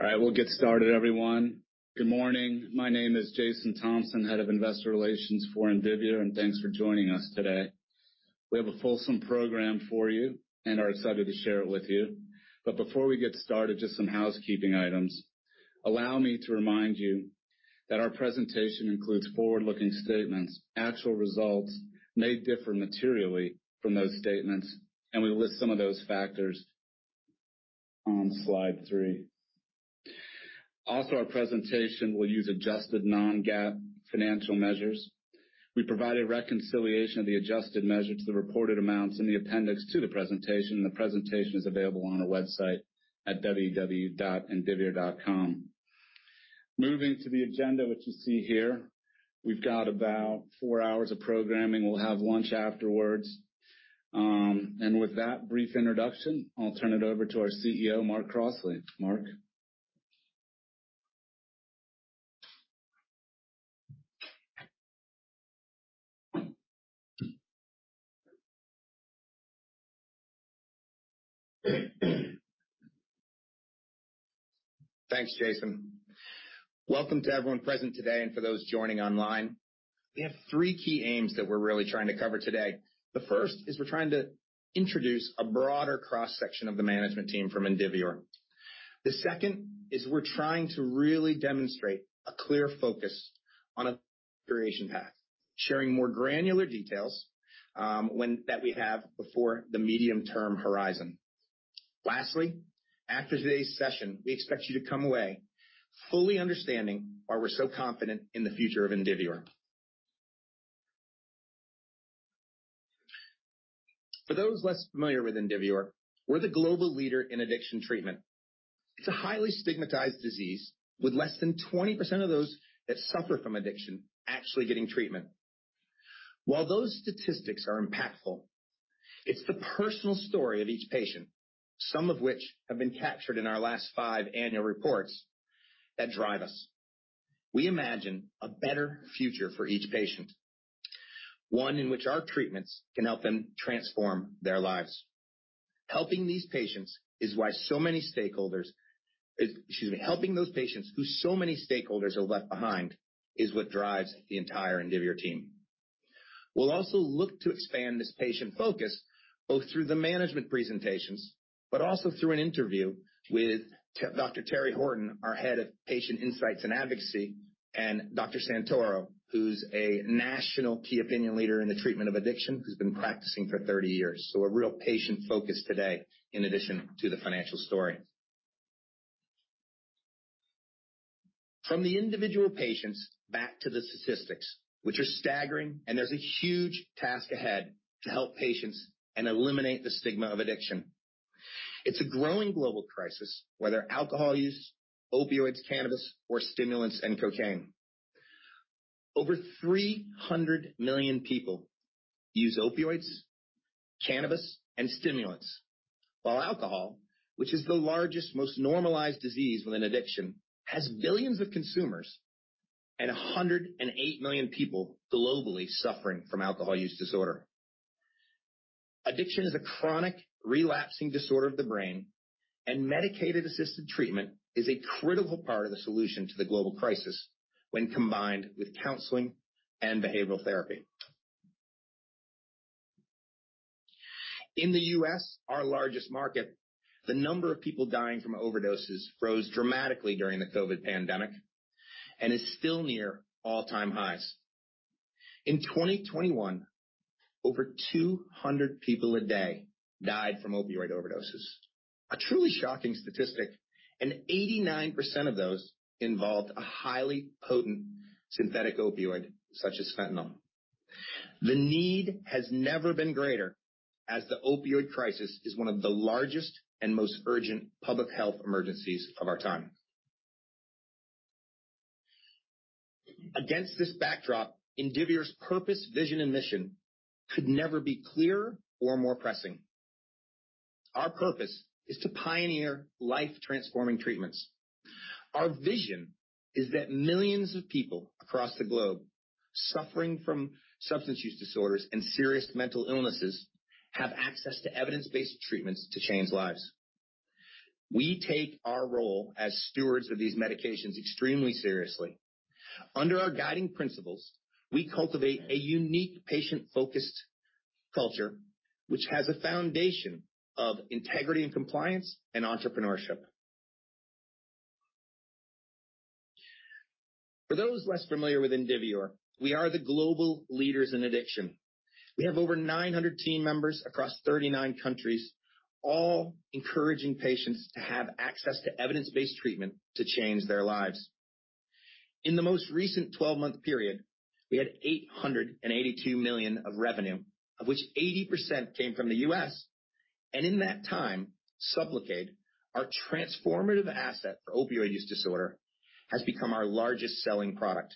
All right, we'll get started everyone. Good morning. My name is Jason Thompson, Head of Investor Relations for Indivior. Thanks for joining us today. We have a fulsome program for you and are excited to share it with you. Before we get started, just some housekeeping items. Allow me to remind you that our presentation includes forward-looking statements. Actual results may differ materially from those statements. We list some of those factors on slide three. Also, our presentation will use adjusted non-GAAP financial measures. We provide a reconciliation of the adjusted measure to the reported amounts in the appendix to the presentation. The presentation is available on our website at www.indivior.com. Moving to the agenda, which you see here, we've got about four hours of programming. We'll have lunch afterwards. With that brief introduction, I'll turn it over to our CEO, Mark Crossley. Mark. Thanks, Jason. Welcome to everyone present today and for those joining online. We have three key aims that we're really trying to cover today. The first is we're trying to introduce a broader cross-section of the management team from Indivior. The second is we're trying to really demonstrate a clear focus on a creation path, sharing more granular details that we have before the medium-term horizon. Lastly, after today's session, we expect you to come away fully understanding why we're so confident in the future of Indivior. For those less familiar with Indivior, we're the global leader in addiction treatment. It's a highly stigmatized disease with less than 20% of those that suffer from addiction actually getting treatment. While those statistics are impactful, it's the personal story of each patient, some of which have been captured in our last five annual reports, that drive us. We imagine a better future for each patient. One in which our treatments can help them transform their lives. Helping these patients is why so many stakeholders. Helping those patients who so many stakeholders have left behind is what drives the entire Indivior team. We'll also look to expand this patient focus both through the management presentations, but also through an interview with Dr. Terry Horton, our Head of Patient Insights and Advocacy, and Dr. Santoro, who's a national key opinion leader in the treatment of addiction, who's been practicing for 30 years. A real patient focus today in addition to the financial story. From the individual patients back to the statistics, which are staggering, and there's a huge task ahead to help patients and eliminate the stigma of addiction. It's a growing global crisis, whether alcohol use, opioids, cannabis, or stimulants and cocaine. Over 300 million people use opioids, cannabis, and stimulants. Alcohol, which is the largest, most normalized disease within addiction, has billions of consumers and 108 million people globally suffering from alcohol use disorder. Addiction is a chronic relapsing disorder of the brain, medication-assisted treatment is a critical part of the solution to the global crisis when combined with counseling and behavioral therapy. In the U.S., our largest market, the number of people dying from overdoses rose dramatically during the COVID pandemic and is still near all-time highs. In 2021, over 200 people a day died from opioid overdoses. A truly shocking statistic, 89% of those involved a highly potent synthetic opioid such as fentanyl. The need has never been greater as the opioid crisis is one of the largest and most urgent public health emergencies of our time. Against this backdrop, Indivior's purpose, vision, and mission could never be clearer or more pressing. Our purpose is to pioneer life-transforming treatments. Our vision is that millions of people across the globe suffering from substance use disorders and serious mental illnesses have access to evidence-based treatments to change lives. We take our role as stewards of these medications extremely seriously. Under our guiding principles, we cultivate a unique patient-focused culture, which has a foundation of integrity and compliance and entrepreneurship. For those less familiar with Indivior, we are the global leaders in addiction. We have over 900 team members across 39 countries, all encouraging patients to have access to evidence-based treatment to change their lives. In the most recent 12-month period, we had $882 million of revenue, of which 80% came from the U.S. In that time, SUBLOCADE, our transformative asset for opioid use disorder, has become our largest selling product.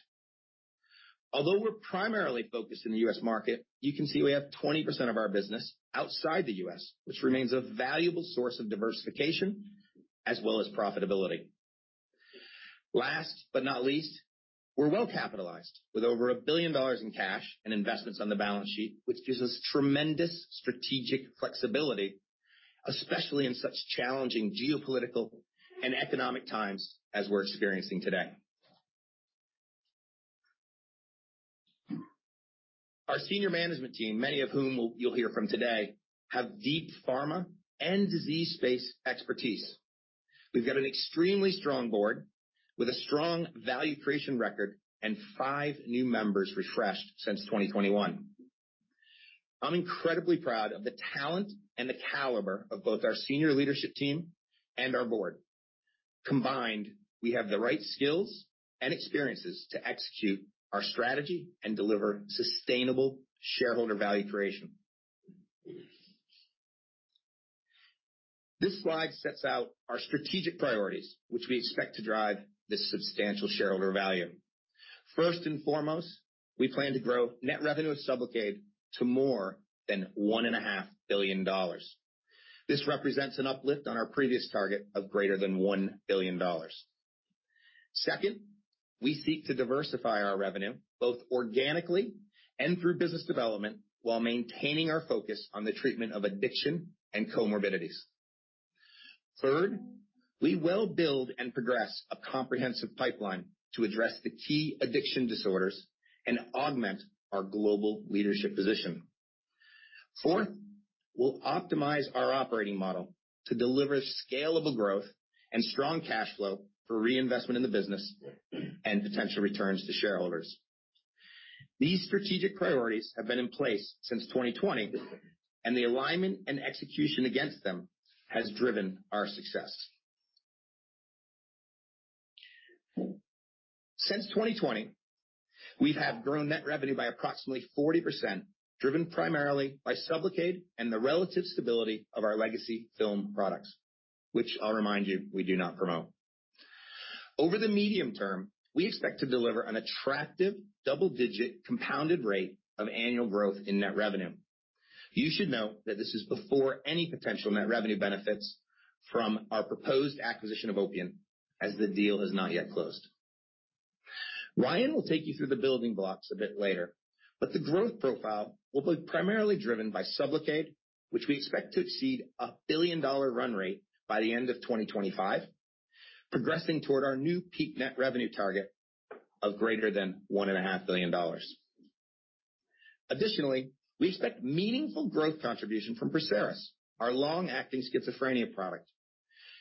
We're primarily focused in the U.S. market, you can see we have 20% of our business outside the U.S., which remains a valuable source of diversification as well as profitability. Last but not least, we're well capitalized with over $1 billion in cash and investments on the balance sheet, which gives us tremendous strategic flexibility, especially in such challenging geopolitical and economic times as we're experiencing today. Our senior management team, many of whom you'll hear from today, have deep pharma and disease space expertise. We've got an extremely strong board with a strong value creation record and five new members refreshed since 2021. I'm incredibly proud of the talent and the caliber of both our senior leadership team and our board. Combined, we have the right skills and experiences to execute our strategy and deliver sustainable shareholder value creation. This slide sets out our strategic priorities, which we expect to drive this substantial shareholder value. First and foremost, we plan to grow net revenue of SUBLOCADE to more than one and a half billion dollars. This represents an uplift on our previous target of greater than $1 billion. We seek to diversify our revenue both organically and through business development while maintaining our focus on the treatment of addiction and comorbidities. We will build and progress a comprehensive pipeline to address the key addiction disorders and augment our global leadership position. We'll optimize our operating model to deliver scalable growth and strong cash flow for reinvestment in the business and potential returns to shareholders. These strategic priorities have been in place since 2020, and the alignment and execution against them has driven our success. Since 2020, we have grown net revenue by approximately 40%, driven primarily by SUBLOCADE and the relative stability of our legacy film products, which I'll remind you, we do not promote. Over the medium term, we expect to deliver an attractive double-digit compounded rate of annual growth in net revenue. You should note that this is before any potential net revenue benefits from our proposed acquisition of Opiant, as the deal has not yet closed. Ryan will take you through the building blocks a bit later, but the growth profile will be primarily driven by SUBLOCADE, which we expect to exceed a billion-dollar run rate by the end of 2025, progressing toward our new peak net revenue target of greater than $1.5 billion. Additionally, we expect meaningful growth contribution from PERSERIS, our long-acting schizophrenia product.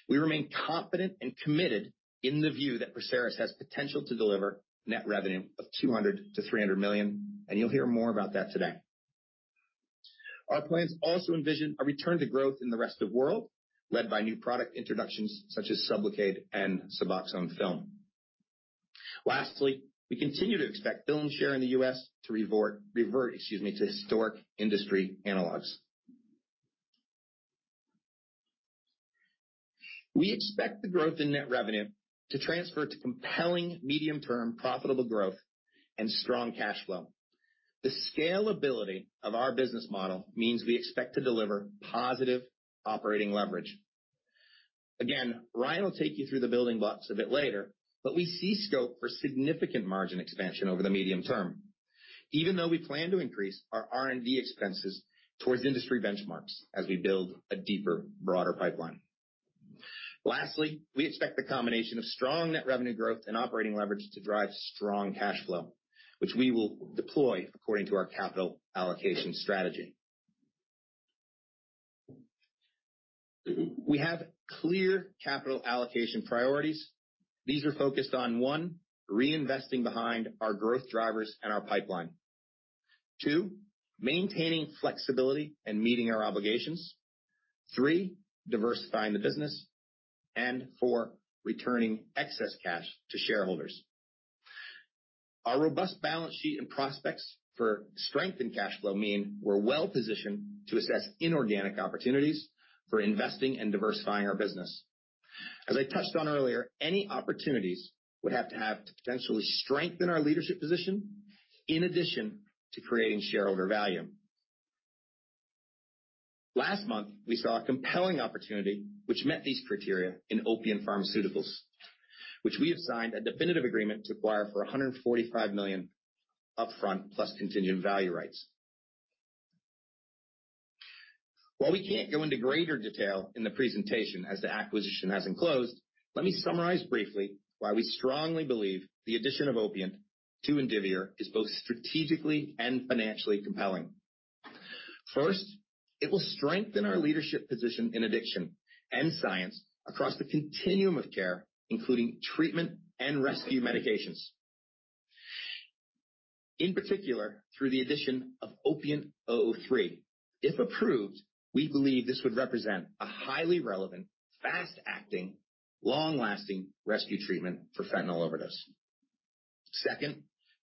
We remain confident and committed in the view that PERSERIS has potential to deliver net revenue of $200 million-$300 million, and you'll hear more about that today. Our plans also envision a return to growth in the rest of world, led by new product introductions such as SUBLOCADE and SUBOXONE film. Lastly, we continue to expect film share in the U.S. to revert, excuse me, to historic industry analogs. We expect the growth in net revenue to transfer to compelling medium-term profitable growth and strong cash flow. The scalability of our business model means we expect to deliver positive operating leverage. Again, Ryan will take you through the building blocks a bit later, but we see scope for significant margin expansion over the medium term, even though we plan to increase our R&D expenses towards industry benchmarks as we build a deeper, broader pipeline. Lastly, we expect the combination of strong net revenue growth and operating leverage to drive strong cash flow, which we will deploy according to our capital allocation strategy. We have clear capital allocation priorities. These are focused on, one, reinvesting behind our growth drivers and our pipeline. Two, maintaining flexibility and meeting our obligations. Three, diversifying the business. Four, returning excess cash to shareholders. Our robust balance sheet and prospects for strength and cash flow mean we're well-positioned to assess inorganic opportunities for investing and diversifying our business. As I touched on earlier, any opportunities would have to potentially strengthen our leadership position in addition to creating shareholder value. Last month, we saw a compelling opportunity which met these criteria in Opiant Pharmaceuticals, which we have signed a definitive agreement to acquire for $145 million upfront plus contingent value rights. While we can't go into greater detail in the presentation as the acquisition hasn't closed, let me summarize briefly why we strongly believe the addition of Opiant to Indivior is both strategically and financially compelling. It will strengthen our leadership position in addiction and science across the continuum of care, including treatment and rescue medications. In particular, through the addition of Opiant OPNT003. If approved, we believe this would represent a highly relevant, fast-acting, long-lasting rescue treatment for fentanyl overdose.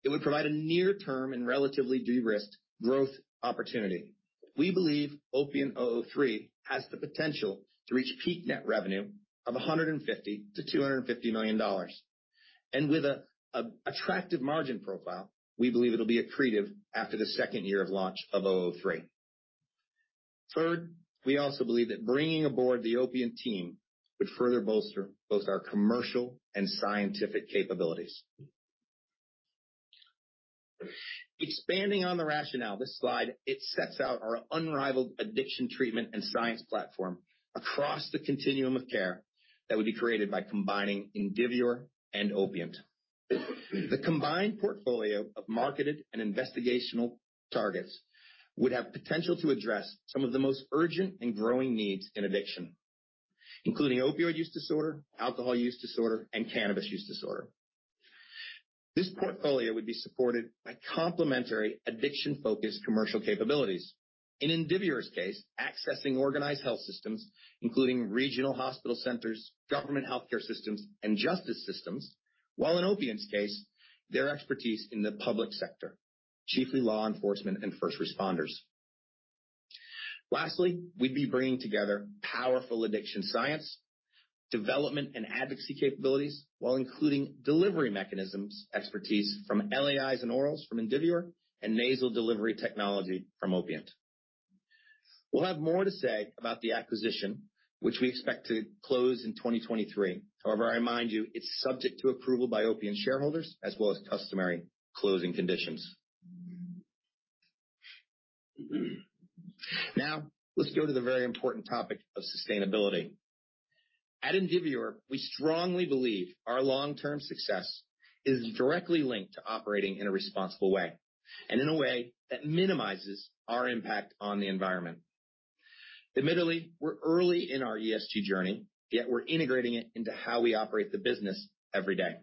It would provide a near-term and relatively de-risked growth opportunity. We believe Opiant OPNT003 has the potential to reach peak net revenue of $150 million-$250 million. With an attractive margin profile, we believe it'll be accretive after the second year of launch of OPNT003. Third, we also believe that bringing aboard the Opiant team would further bolster both our commercial and scientific capabilities. Expanding on the rationale, this slide, it sets out our unrivaled addiction treatment and science platform across the continuum of care that would be created by combining Indivior and Opiant. The combined portfolio of marketed and investigational targets would have potential to address some of the most urgent and growing needs in addiction, including opioid use disorder, alcohol use disorder, and cannabis use disorder. This portfolio would be supported by complementary addiction-focused commercial capabilities. In Indivior's case, accessing organized health systems, including regional hospital centers, government healthcare systems, and justice systems, while in Opiant's case, their expertise in the public sector, chiefly law enforcement and first responders. Lastly, we'd be bringing together powerful addiction science, development and advocacy capabilities, while including delivery mechanisms expertise from LAIs and orals from Indivior and nasal delivery technology from Opiant. We'll have more to say about the acquisition, which we expect to close in 2023. However, I remind you, it's subject to approval by Opiant shareholders as well as customary closing conditions. Now, let's go to the very important topic of sustainability. At Indivior, we strongly believe our long-term success is directly linked to operating in a responsible way and in a way that minimizes our impact on the environment. Admittedly, we're early in our ESG journey, yet we're integrating it into how we operate the business every day.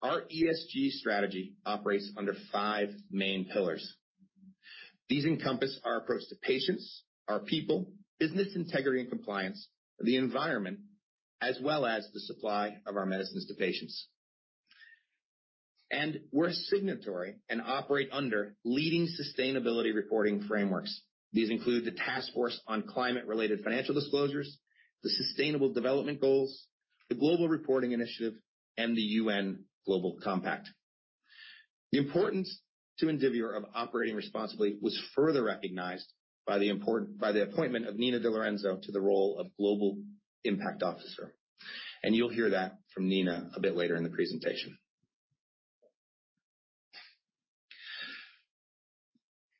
Our ESG strategy operates under five main pillars. These encompass our approach to patients, our people, business integrity and compliance, the environment, as well as the supply of our medicines to patients. We're signatory and operate under leading sustainability reporting frameworks. These include the Task Force on Climate-related Financial Disclosures, the Sustainable Development Goals, the Global Reporting Initiative, and the UN Global Compact. The importance to Indivior of operating responsibly was further recognized by the appointment of Nina DeLorenzo to the role of Global Impact Officer, and you'll hear that from Nina a bit later in the presentation.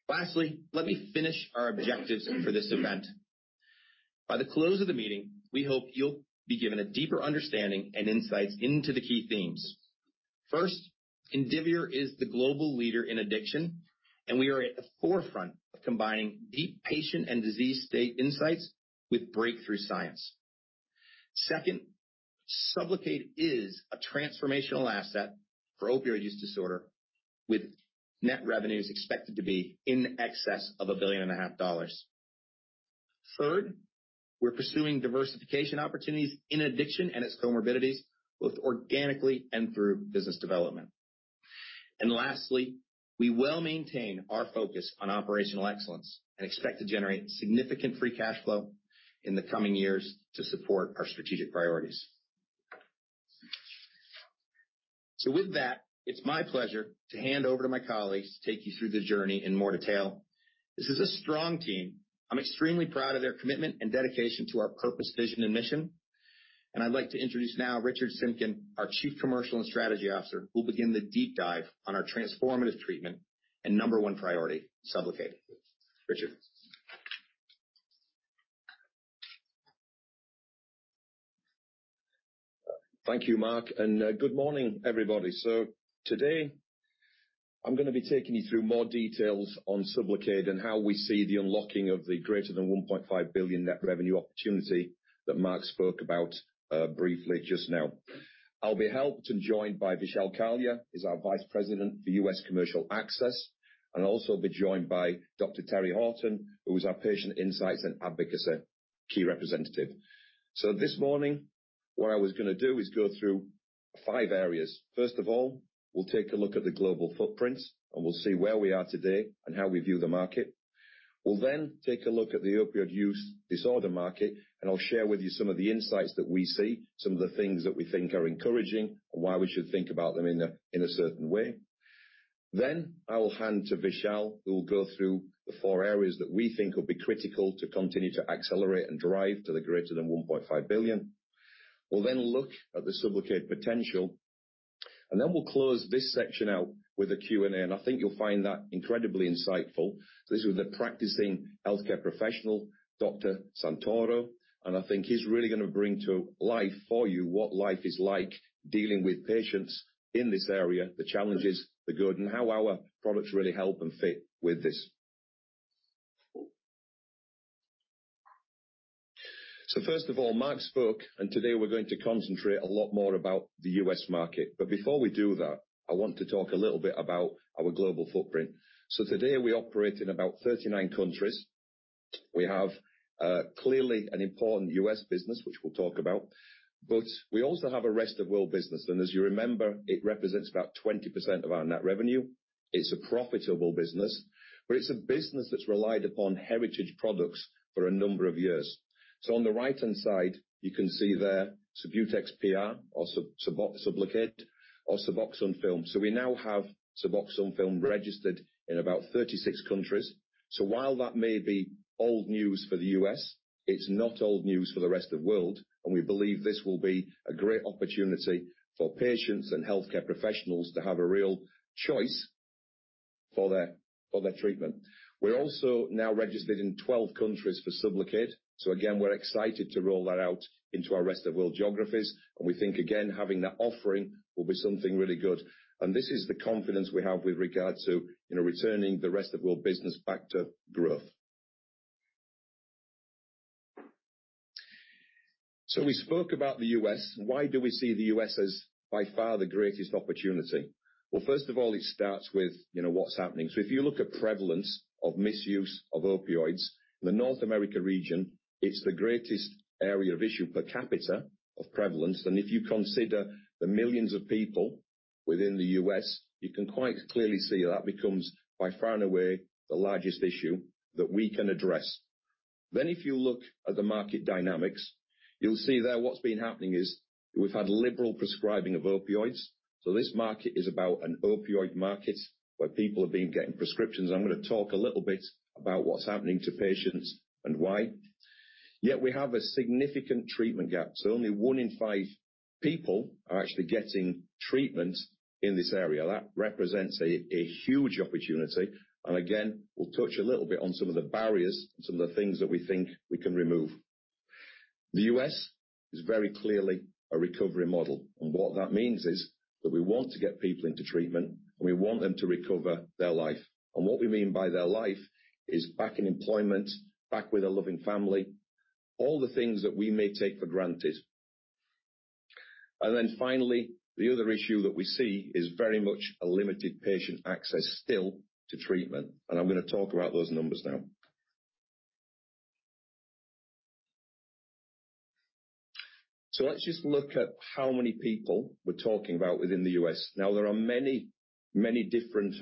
Lastly, let me finish our objectives for this event. By the close of the meeting, we hope you'll be given a deeper understanding and insights into the key themes. Indivior is the global leader in addiction, and we are at the forefront of combining deep patient and disease state insights with breakthrough science. Sublocade is a transformational asset for opioid use disorder, with net revenues expected to be in excess of a billion and a half dollars. We're pursuing diversification opportunities in addiction and its comorbidities, both organically and through business development. Lastly, we will maintain our focus on operational excellence and expect to generate significant free cash flow in the coming years to support our strategic priorities. With that, it's my pleasure to hand over to my colleagues to take you through the journey in more detail. This is a strong team. I'm extremely proud of their commitment and dedication to our purpose, vision, and mission. I'd like to introduce now Richard Simkin, our Chief Commercial and Strategy Officer, who'll begin the deep dive on our transformative treatment and number one priority, SUBLOCADE. Richard. Thank you, Mark, and good morning, everybody. Today I'm gonna be taking you through more details on SUBLOCADE and how we see the unlocking of the greater than $1.5 billion net revenue opportunity that Mark spoke about briefly just now. I'll be helped and joined by Vishal Kalia. He's our Vice President for US Commercial Access, and I'll also be joined by Dr. Terry Horton, who is our Patient Insights and Advocacy key representative. This morning, what I was gonna do is go through five areas. First of all, we'll take a look at the global footprint, and we'll see where we are today and how we view the market. We'll then take a look at the opioid use disorder market. I'll share with you some of the insights that we see, some of the things that we think are encouraging and why we should think about them in a certain way. I will hand to Vishal, who will go through the four areas that we think will be critical to continue to accelerate and drive to the greater than $1.5 billion. We'll then look at the SUBLOCADE potential, we'll close this section out with a Q&A. I think you'll find that incredibly insightful. This is with a practicing healthcare professional, Dr. Santoro. I think he's really gonna bring to life for you what life is like dealing with patients in this area, the challenges, the good, and how our products really help and fit with this. First of all, Mark Crossley spoke, and today we're going to concentrate a lot more about the U.S. market. Before we do that, I want to talk a little bit about our global footprint. Today, we operate in about 39 countries. We have clearly an important U.S. business, which we'll talk about, but we also have a rest-of-world business. As you remember, it represents about 20% of our net revenue. It's a profitable business, but it's a business that's relied upon heritage products for a number of years. On the right-hand side, you can see there SUBUTEX PR or SUBLOCADE or SUBOXONE film. We now have SUBOXONE film registered in about 36 countries. While that may be old news for the U.S., it's not old news for the rest of world, and we believe this will be a great opportunity for patients and healthcare professionals to have a real choice for their treatment. We're also now registered in 12 countries for SUBLOCADE. Again, we're excited to roll that out into our rest of world geographies. We think, again, having that offering will be something really good. This is the confidence we have with regard to, you know, returning the rest of world business back to growth. We spoke about the U.S. Why do we see the U.S. as by far the greatest opportunity? Well, first of all, it starts with, you know, what's happening. If you look at prevalence of misuse of opioids, the North America region, it's the greatest area of issue per capita of prevalence. If you consider the millions of people within the U.S., you can quite clearly see that becomes by far and away the largest issue that we can address. If you look at the market dynamics, you'll see there what's been happening is we've had liberal prescribing of opioids. This market is about an opioid market where people have been getting prescriptions. I'm gonna talk a little bit about what's happening to patients and why. Yet we have a significant treatment gap, so only one in five people are actually getting treatment in this area. That represents a huge opportunity. Again, we'll touch a little bit on some of the barriers, some of the things that we think we can remove. The U.S. is very clearly a recovery model, what that means is that we want to get people into treatment, we want them to recover their life. What we mean by their life is back in employment, back with a loving family, all the things that we may take for granted. Then finally, the other issue that we see is very much a limited patient access still to treatment, and I'm gonna talk about those numbers now. Let's just look at how many people we're talking about within the U.S. Now, there are many, many different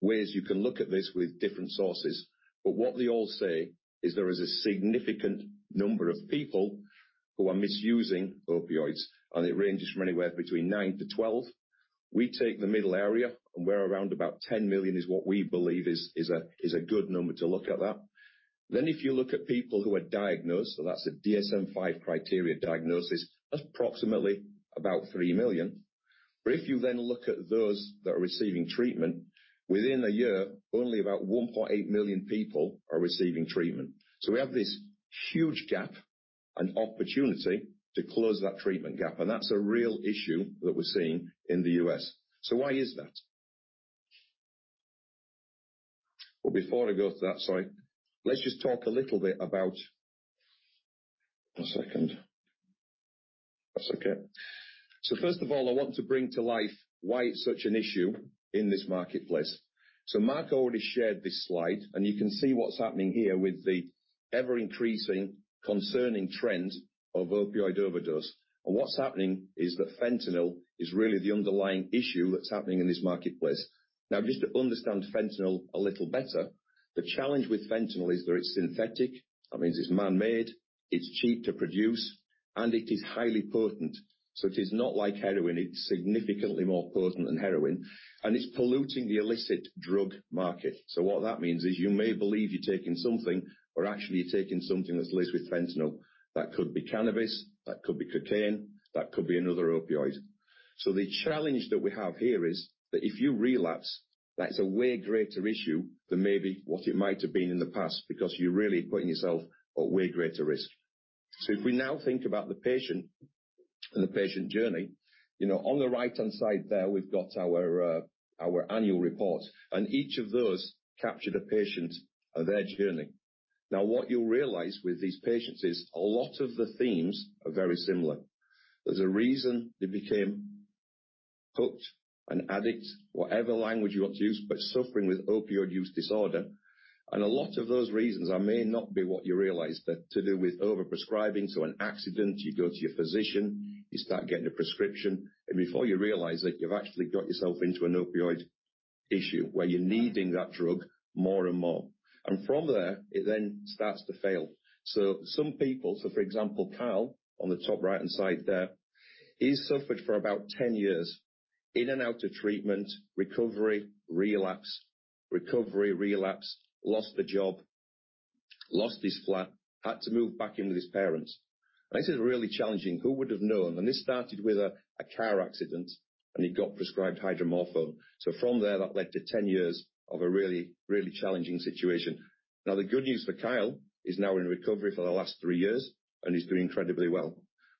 ways you can look at this with different sources. What they all say is there is a significant number of people who are misusing opioids, and it ranges from anywhere between 9-12. We take the middle area, we're around about $10 million is what we believe is a good number to look at that. If you look at people who are diagnosed, so that's a DSM-V criteria diagnosis, that's approximately about $3 million. If you look at those that are receiving treatment, within a year, only about $1.8 million people are receiving treatment. We have this huge gap and opportunity to close that treatment gap, that's a real issue that we're seeing in the U.S. Why is that? Well, before I go to that slide, let's just talk a little bit about. One second. That's okay. First of all, I want to bring to life why it's such an issue in this marketplace. Mark already shared this slide, and you can see what's happening here with the ever-increasing concerning trend of opioid overdose. What's happening is that fentanyl is really the underlying issue that's happening in this marketplace. Now, just to understand fentanyl a little better, the challenge with fentanyl is that it's synthetic. That means it's man-made, it's cheap to produce, and it is highly potent. It is not like heroin. It's significantly more potent than heroin, and it's polluting the illicit drug market. What that means is you may believe you're taking something, but actually you're taking something that's laced with fentanyl. That could be cannabis, that could be cocaine, that could be another opioid. The challenge that we have here is that if you relapse, that is a way greater issue than maybe what it might have been in the past because you're really putting yourself at way greater risk. If we now think about the patient and the patient journey, you know, on the right-hand side there, we've got our annual report, and each of those capture the patient and their journey. What you'll realize with these patients is a lot of the themes are very similar. There's a reason they became hooked, an addict, whatever language you want to use, but suffering with opioid use disorder. A lot of those reasons are, may not be what you realize, they're to do with overprescribing. An accident, you go to your physician, you start getting a prescription, and before you realize it, you've actually got yourself into an opioid issue where you're needing that drug more and more. From there, it then starts to fail. Some people, for example, Kyle, on the top right-hand side there, he's suffered for about 10 years. In and out of treatment, recovery, relapse, recovery, relapse, lost a job, lost his flat, had to move back in with his parents. This is really challenging. Who would have known? This started with a car accident, and he got prescribed hydromorphone. From there, that led to 10 years of a really, really challenging situation. The good news for Kyle, he's now in recovery for the last 3 years, and he's doing incredibly well.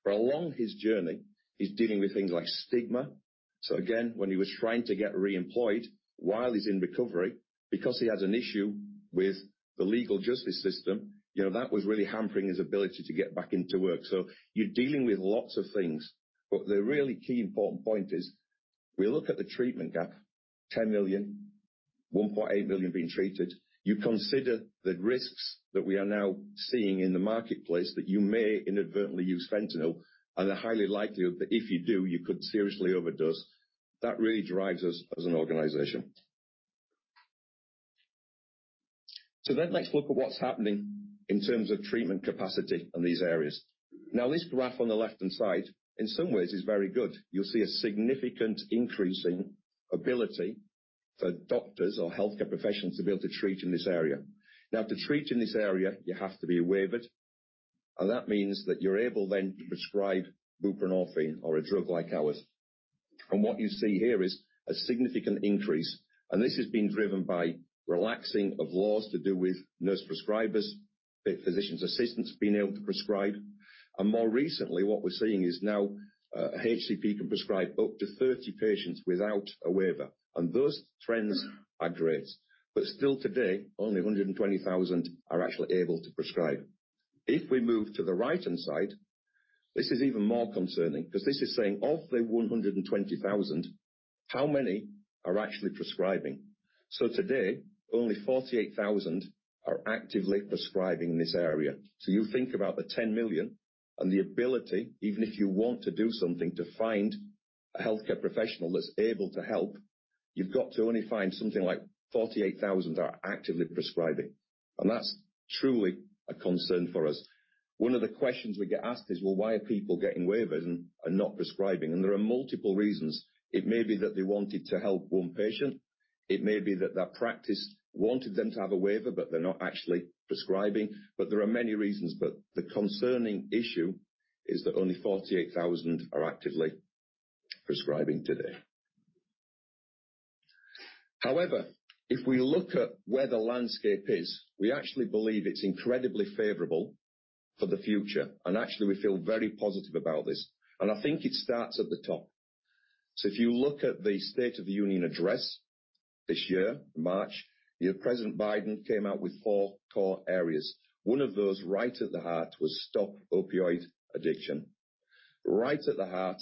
Along his journey, he's dealing with things like stigma. When he was trying to get reemployed while he's in recovery because he has an issue with the legal justice system, you know, that was really hampering his ability to get back into work. You're dealing with lots of things. The really key important point is, we look at the treatment gap, 10 million, 1.8 million being treated. You consider the risks that we are now seeing in the marketplace that you may inadvertently use fentanyl and the highly likelihood that if you do, you could seriously overdose. That really drives us as an organization. Let's look at what's happening in terms of treatment capacity in these areas. Now this graph on the left-hand side, in some ways is very good. You'll see a significant increase in ability for doctors or healthcare professionals to be able to treat in this area. To treat in this area, you have to be waivered, and that means that you're able then to prescribe buprenorphine or a drug like ours. What you see here is a significant increase, and this has been driven by relaxing of laws to do with nurse prescribers, physician's assistants being able to prescribe. More recently, what we're seeing is now, HCP can prescribe up to 30 patients without a waiver. Those trends are great, but still today, only 120,000 are actually able to prescribe. If we move to the right-hand side, this is even more concerning because this is saying of the 120,000, how many are actually prescribing? Today, only 48,000 are actively prescribing in this area. You think about the 10 million and the ability, even if you want to do something to find a healthcare professional that's able to help, you've got to only find something like 48,000 that are actively prescribing. That's truly a concern for us. One of the questions we get asked is, "Well, why are people getting waivers and not prescribing?" There are multiple reasons. It may be that they wanted to help one patient. It may be that their practice wanted them to have a waiver, but they're not actually prescribing. There are many reasons. The concerning issue is that only 48,000 are actively prescribing today. However, if we look at where the landscape is, we actually believe it's incredibly favorable for the future. Actually we feel very positive about this. I think it starts at the top. If you look at the State of the Union Address this year, in March, President Biden came out with four core areas. One of those right at the heart was stop opioid addiction. Right at the heart,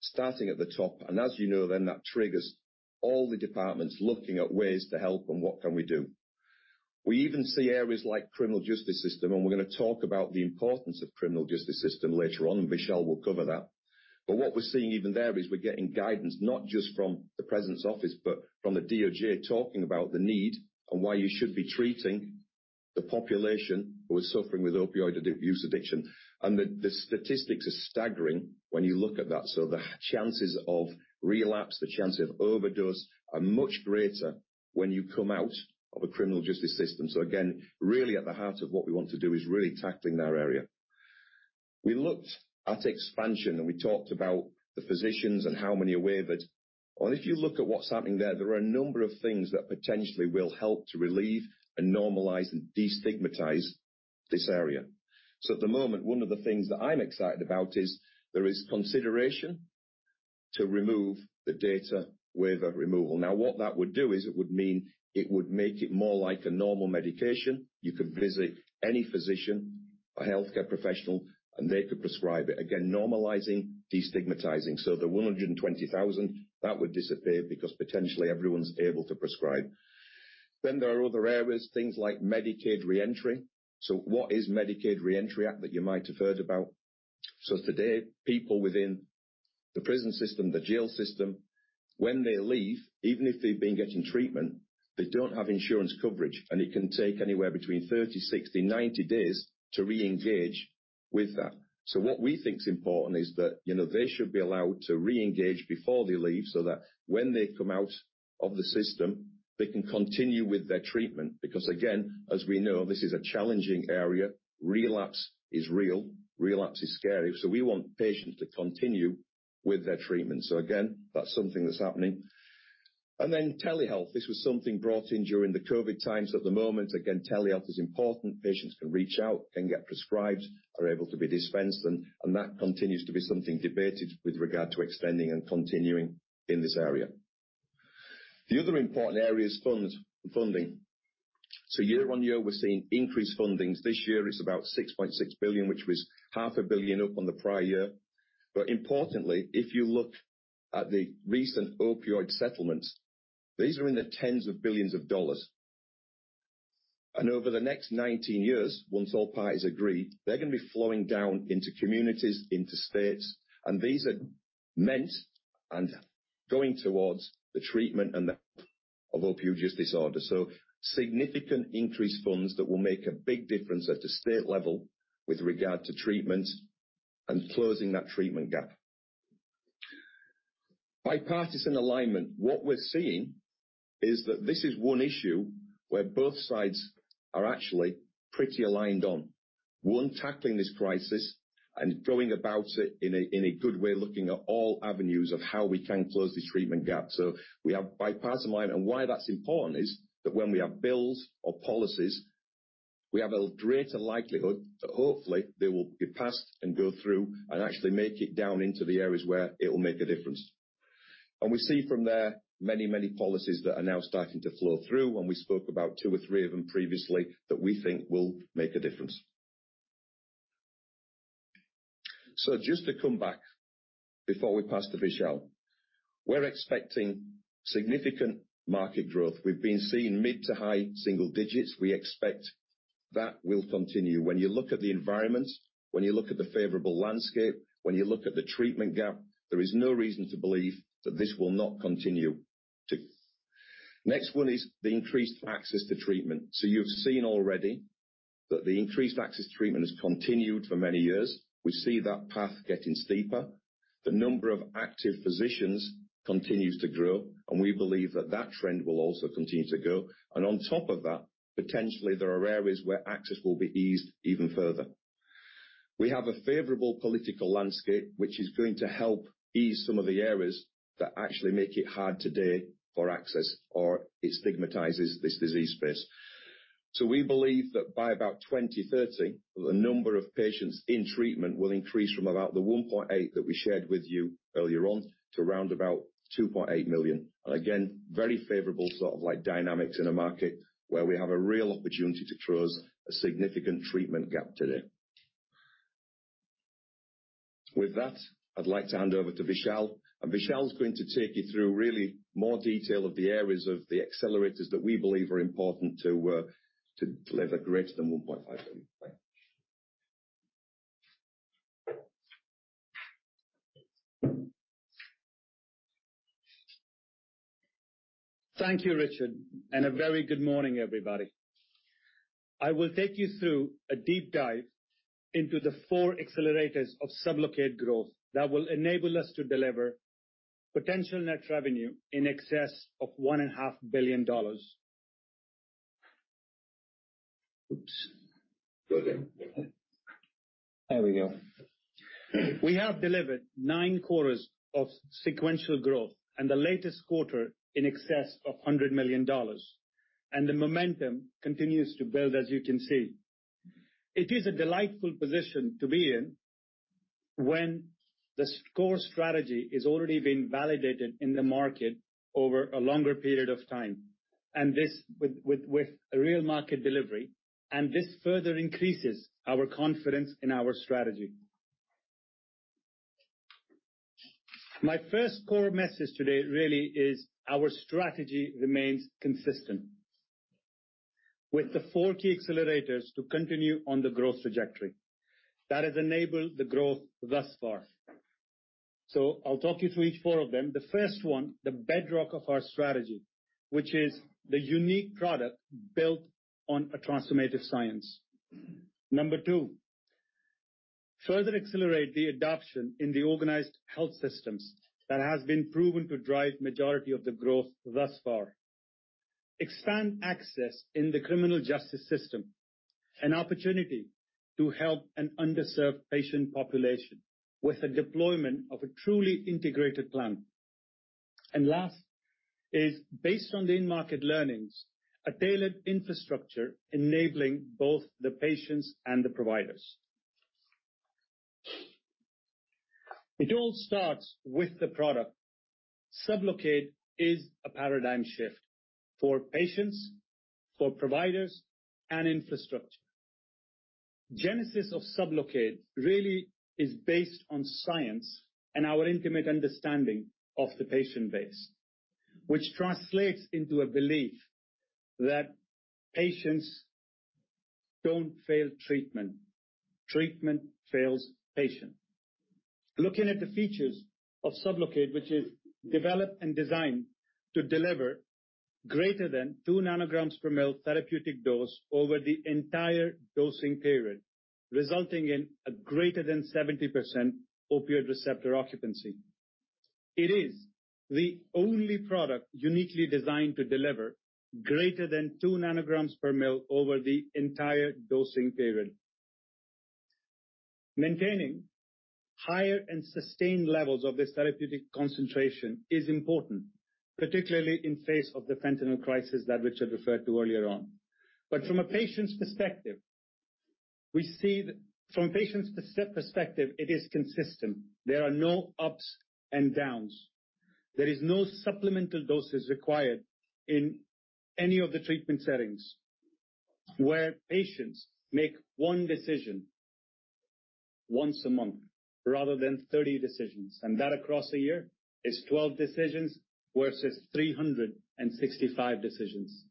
starting at the top, and as you know, then that triggers all the departments looking at ways to help and what can we do. We even see areas like criminal justice system, and we're gonna talk about the importance of criminal justice system later on, and Vishal will cover that. What we're seeing even there is we're getting guidance not just from the president's office, but from the DOJ, talking about the need and why you should be treating the population who are suffering with opioid abuse addiction. The statistics are staggering when you look at that. The chances of relapse, the chance of overdose are much greater when you come out of a criminal justice system. Again, really at the heart of what we want to do is really tackling that area. We looked at expansion, and we talked about the physicians and how many are waivered. If you look at what's happening there are a number of things that potentially will help to relieve and normalize and destigmatize this area. At the moment, one of the things that I'm excited about is there is consideration to remove the DATA-Waiver removal. What that would do is it would mean it would make it more like a normal medication. You could visit any physician or healthcare professional, and they could prescribe it. Again, normalizing, destigmatizing. The 120,000, that would disappear because potentially everyone's able to prescribe. There are other areas, things like Medicaid Reentry. What is Medicaid Reentry Act that you might have heard about? Today, people within the prison system, the jail system, when they leave, even if they've been getting treatment, they don't have insurance coverage, and it can take anywhere between 30, 60, 90 days to reengage with that. What we think is important is that, you know, they should be allowed to reengage before they leave so that when they come out of the system, they can continue with their treatment. Again, as we know, this is a challenging area. Relapse is real. Relapse is scary, so we want patients to continue with their treatment. Again, that's something that's happening. Telehealth. This was something brought in during the COVID times. At the moment, again, telehealth is important. Patients can reach out, can get prescribed, are able to be dispensed, and that continues to be something debated with regard to extending and continuing in this area. The other important area is funding. Year-over-year, we're seeing increased fundings. This year it's about 6.6 billion, which was half a billion up on the prior year. Importantly, if you look at the recent opioid settlements, these are in the tens of billions of dollars. Over the next 19 years, once all parties agree, they're gonna be flowing down into communities, into states, and these are meant and going towards the treatment and the of opioid use disorder. Significant increased funds that will make a big difference at the state level with regard to treatment and closing that treatment gap. Bipartisan alignment. What we're seeing is that this is one issue where both sides are actually pretty aligned on one, tackling this crisis and going about it in a good way, looking at all avenues of how we can close the treatment gap. We have bipartisan alignment, and why that's important is that when we have bills or policies, we have a greater likelihood that hopefully they will be passed and go through and actually make it down into the areas where it will make a difference. We see from there many policies that are now starting to flow through, and we spoke about two or three of them previously that we think will make a difference. Just to come back before we pass to Vishal. We're expecting significant market growth. We've been seeing mid to high single digits. We expect that will continue. When you look at the environment, when you look at the favorable landscape, when you look at the treatment gap, there is no reason to believe that this will not continue. Next one is the increased access to treatment. You've seen already that the increased access to treatment has continued for many years. We see that path getting steeper. The number of active physicians continues to grow, and we believe that that trend will also continue to go. On top of that, potentially there are areas where access will be eased even further. We have a favorable political landscape, which is going to help ease some of the areas that actually make it hard today for access, or it stigmatizes this disease space. We believe that by about 2030, the number of patients in treatment will increase from about the 1.8 that we shared with you earlier on to around about 2.8 million. Again, very favorable sort of like dynamics in a market where we have a real opportunity to close a significant treatment gap today. With that, I'd like to hand over to Vishal. Vishal is going to take you through really more detail of the areas of the accelerators that we believe are important to deliver greater than $1.5 billion. Bye. Thank you, Richard. A very good morning, everybody. I will take you through a deep dive into the four accelerators of SUBLOCADE growth that will enable us to deliver potential net revenue in excess of one and a half billion dollars. Oops. Go again. There we go. We have delivered nine quarters of sequential growth, and the latest quarter in excess of $100 million. The momentum continues to build, as you can see. It is a delightful position to be in when the score strategy is already been validated in the market over a longer period of time. This with a real market delivery, and this further increases our confidence in our strategy. My first core message today really is our strategy remains consistent. The four key accelerators to continue on the growth trajectory. That has enabled the growth thus far. I'll talk you through each four of them. The first one, the bedrock of our strategy, which is the unique product built on a transformative science. Number two, further accelerate the adoption in the organized health systems that has been proven to drive majority of the growth thus far. Expand access in the criminal justice system, an opportunity to help an underserved patient population with a deployment of a truly integrated plan. Last is based on the in-market learnings, a tailored infrastructure enabling both the patients and the providers. It all starts with the product. SUBLOCADE is a paradigm shift for patients, for providers, and infrastructure. Genesis of SUBLOCADE really is based on science and our intimate understanding of the patient base, which translates into a belief that patients don't fail treatment fails patient. Looking at the features of SUBLOCADE, which is developed and designed to deliver greater than 2 nanograms per ml therapeutic dose over the entire dosing period, resulting in a greater than 70% opioid receptor occupancy. It is the only product uniquely designed to deliver greater than two nanograms per ml over the entire dosing period. Maintaining higher and sustained levels of this therapeutic concentration is important, particularly in face of the fentanyl crisis that Richard referred to earlier on. From a patient's perspective, it is consistent. There are no ups and downs. There is no supplemental doses required in any of the treatment settings. Where patients make one decision once a month rather than 30 decisions, and that across a year is 12 decisions versus 365 decisions.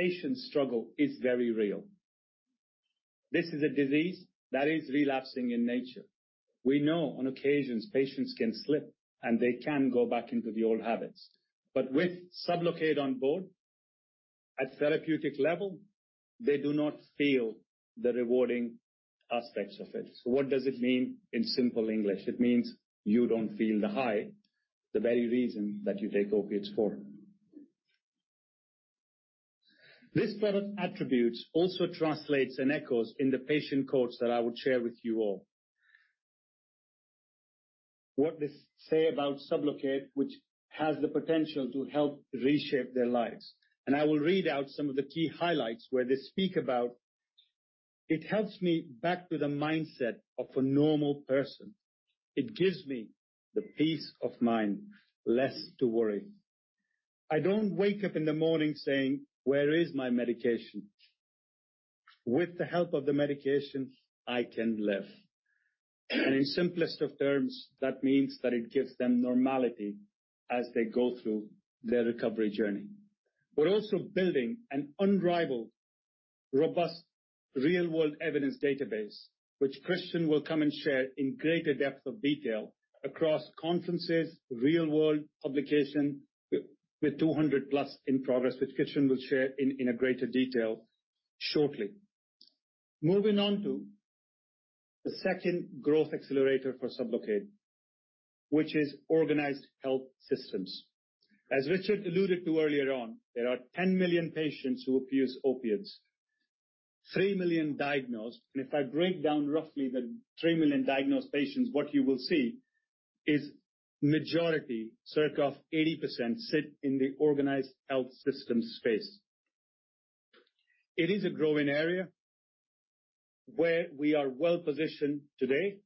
We know patients struggle is very real. This is a disease that is relapsing in nature. We know on occasions patients can slip, and they can go back into the old habits. With Sublocade on board, at therapeutic level, they do not feel the rewarding aspects of it. What does it mean in simple English? It means you don't feel the high, the very reason that you take opiates for. This product attribute also translates and echoes in the patient quotes that I will share with you all. What they say about SUBLOCADE, which has the potential to help reshape their lives. I will read out some of the key highlights where they speak about, "It helps me back to the mindset of a normal person. It gives me the peace of mind, less to worry. I don't wake up in the morning saying, 'Where is my medication?' With the help of the medication, I can live." In simplest of terms, that means that it gives them normality as they go through their recovery journey. We're also building a robust real-world evidence database, which Christian will come and share in greater depth of detail across conferences, real-world publication with 200 plus in progress, which Christian will share in a greater detail shortly. Moving on to the second growth accelerator for SUBLOCADE, which is organized health systems. As Richard alluded to earlier on, there are 10 million patients who abuse opioids. 3 million diagnosed. If I break down roughly the 3 million diagnosed patients, what you will see is majority, circa of 80%, sit in the organized health system space. It is a growing area where we are well-positioned today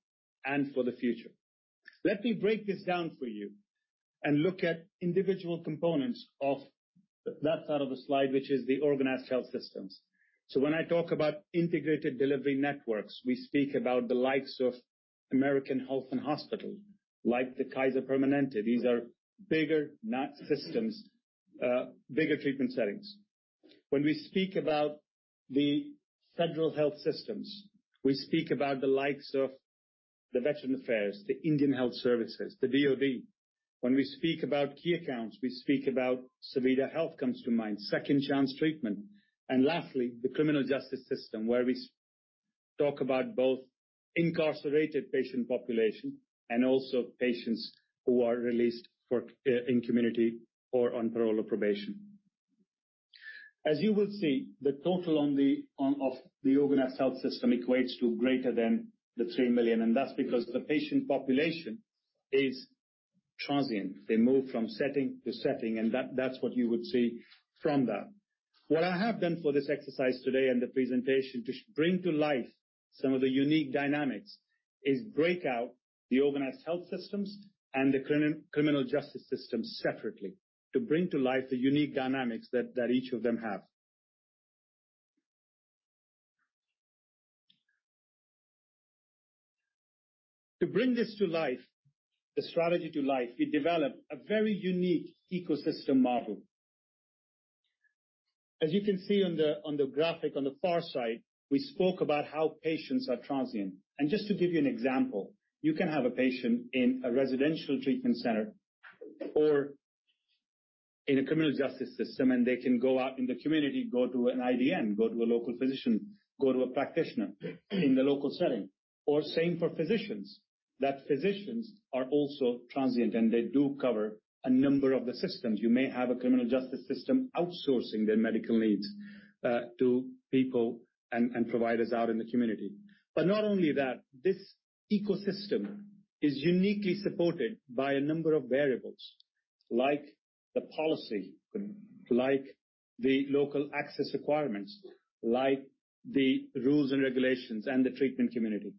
and for the future. Let me break this down for you and look at individual components of that side of the slide, which is the organized health systems. When I talk about integrated delivery networks, we speak about the likes of American Health and Hospital, like the Kaiser Permanente. These are bigger systems, bigger treatment settings. When we speak about the federal health systems, we speak about the likes of the Veterans Affairs, the Indian Health Service, the DoD. When we speak about key accounts, we speak about Savitr Health comes to mind, Second Chance Treatment. Lastly, the criminal justice system, where we talk about both incarcerated patient population and also patients who are released for, in community or on parole or probation. As you will see, the total on of the organized health system equates to greater than 3 million, and that's because the patient population is transient. They move from setting to setting, and that's what you would see from that. What I have done for this exercise today and the presentation to bring to life some of the unique dynamics is break out the organized health systems and the criminal justice system separately to bring to life the unique dynamics that each of them have. To bring this to life, the strategy to life, we developed a very unique ecosystem model. As you can see on the graphic on the far side, we spoke about how patients are transient. Just to give you an example, you can have a patient in a residential treatment center or in a criminal justice system, and they can go out in the community, go to an IDN, go to a local physician, go to a practitioner in the local setting. Same for physicians, that physicians are also transient, and they do cover a number of the systems. You may have a criminal justice system outsourcing their medical needs to people and providers out in the community. Not only that, this ecosystem is uniquely supported by a number of variables like the policy, like the local access requirements, like the rules and regulations and the treatment community,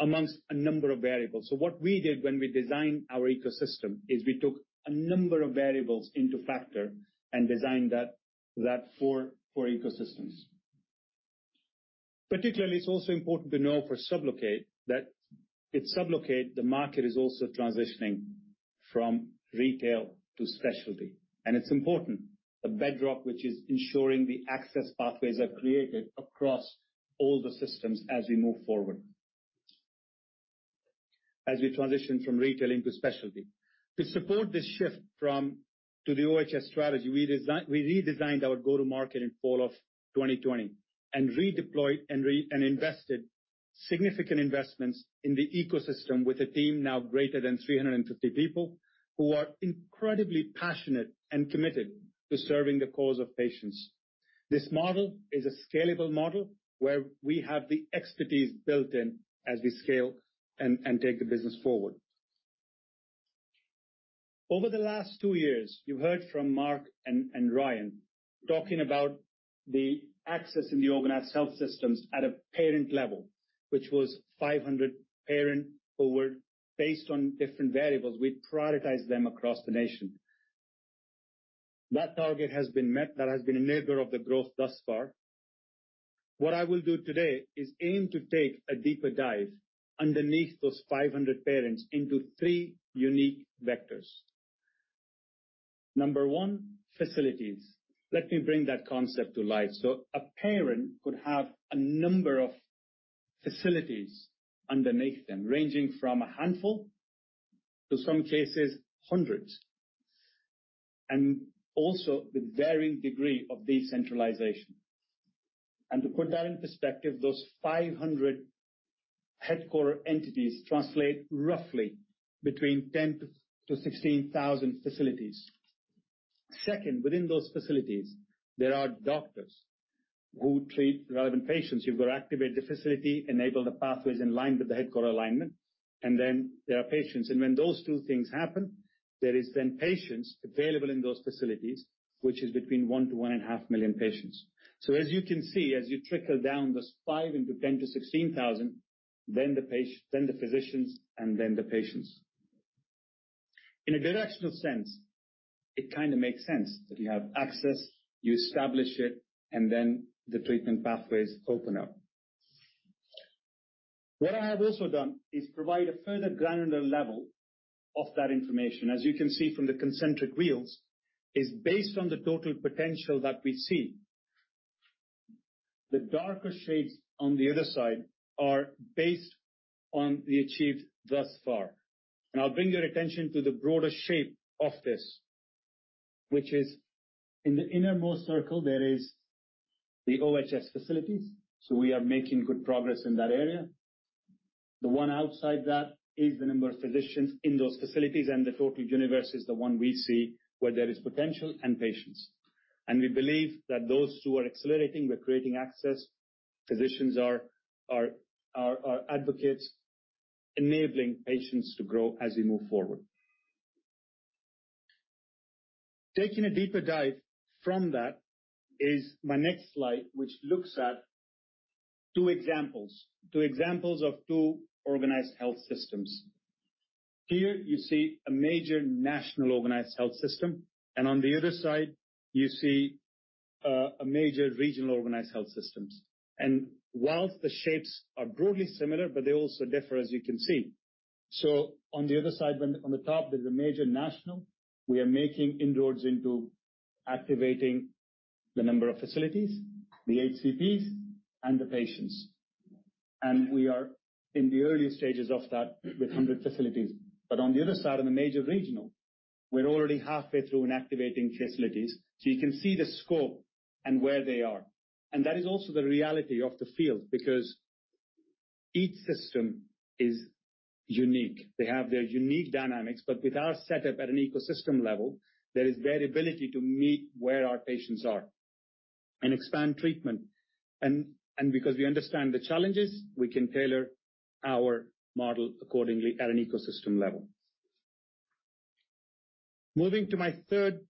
amongst a number of variables. What we did when we designed our ecosystem is we took a number of variables into factor and designed that for ecosystems. Particularly, it's also important to know for SUBLOCADE that with SUBLOCADE, the market is also transitioning from retail to specialty. It's important, the bedrock which is ensuring the access pathways are created across all the systems as we move forward. As we transition from retailing to specialty. To support this shift from to the OHS strategy, we redesigned our go-to-market in fall of 2020 and redeployed and invested significant investments in the ecosystem with a team now greater than 350 people who are incredibly passionate and committed to serving the cause of patients. This model is a scalable model where we have the expertise built in as we scale and take the business forward. Over the last two years, you've heard from Mark and Ryan talking about the access in the organized health systems at a parent level, which was 500 parent who were based on different variables. We prioritize them across the nation. That target has been met. That has been enabler of the growth thus far. What I will do today is aim to take a deeper dive underneath those 500 parents into three unique vectors. Number one, facilities. Let me bring that concept to life. A parent could have a number of facilities underneath them, ranging from a handful to some cases hundreds, and also with varying degree of decentralization. To put that in perspective, those 500 headquarter entities translate roughly between 10 to 16,000 facilities. Second, within those facilities, there are doctors who treat relevant patients. You've got to activate the facility, enable the pathways in line with the headquarter alignment, and then there are patients. When those two things happen, there is then patients available in those facilities, which is between 1 million- 1.5 million patients. As you can see, as you trickle down those five into 10- 16,000, then the physicians and then the patients. In a directional sense, it kind of makes sense that you have access, you establish it, and then the treatment pathways open up. What I have also done is provide a further granular level of that information. As you can see from the concentric wheels, is based on the total potential that we see. The darker shades on the other side are based on the achieved thus far. I'll bring your attention to the broader shape of this, which is in the innermost circle, there is the OHS facilities. We are making good progress in that area. The one outside that is the number of physicians in those facilities, and the total universe is the one we see where there is potential and patients. We believe that those two are accelerating. We're creating access. Physicians are advocates enabling patients to grow as we move forward. Taking a deeper dive from that is my next slide, which looks at two examples. two examples of two organized health systems. Here you see a major national organized health system, and on the other side you see a major regional organized health systems. Whilst the shapes are broadly similar, but they also differ as you can see. On the other side, on the top, there's a major national. We are making inroads into activating the number of facilities, the HCPs and the patients. We are in the early stages of that with 100 facilities. On the other side, in the major regional, we're already halfway through in activating facilities. You can see the scope and where they are. That is also the reality of the field because each system is unique. They have their unique dynamics, but with our setup at an ecosystem level, there is variability to meet where our patients are and expand treatment. Because we understand the challenges, we can tailor our model accordingly at an ecosystem level. Moving to my third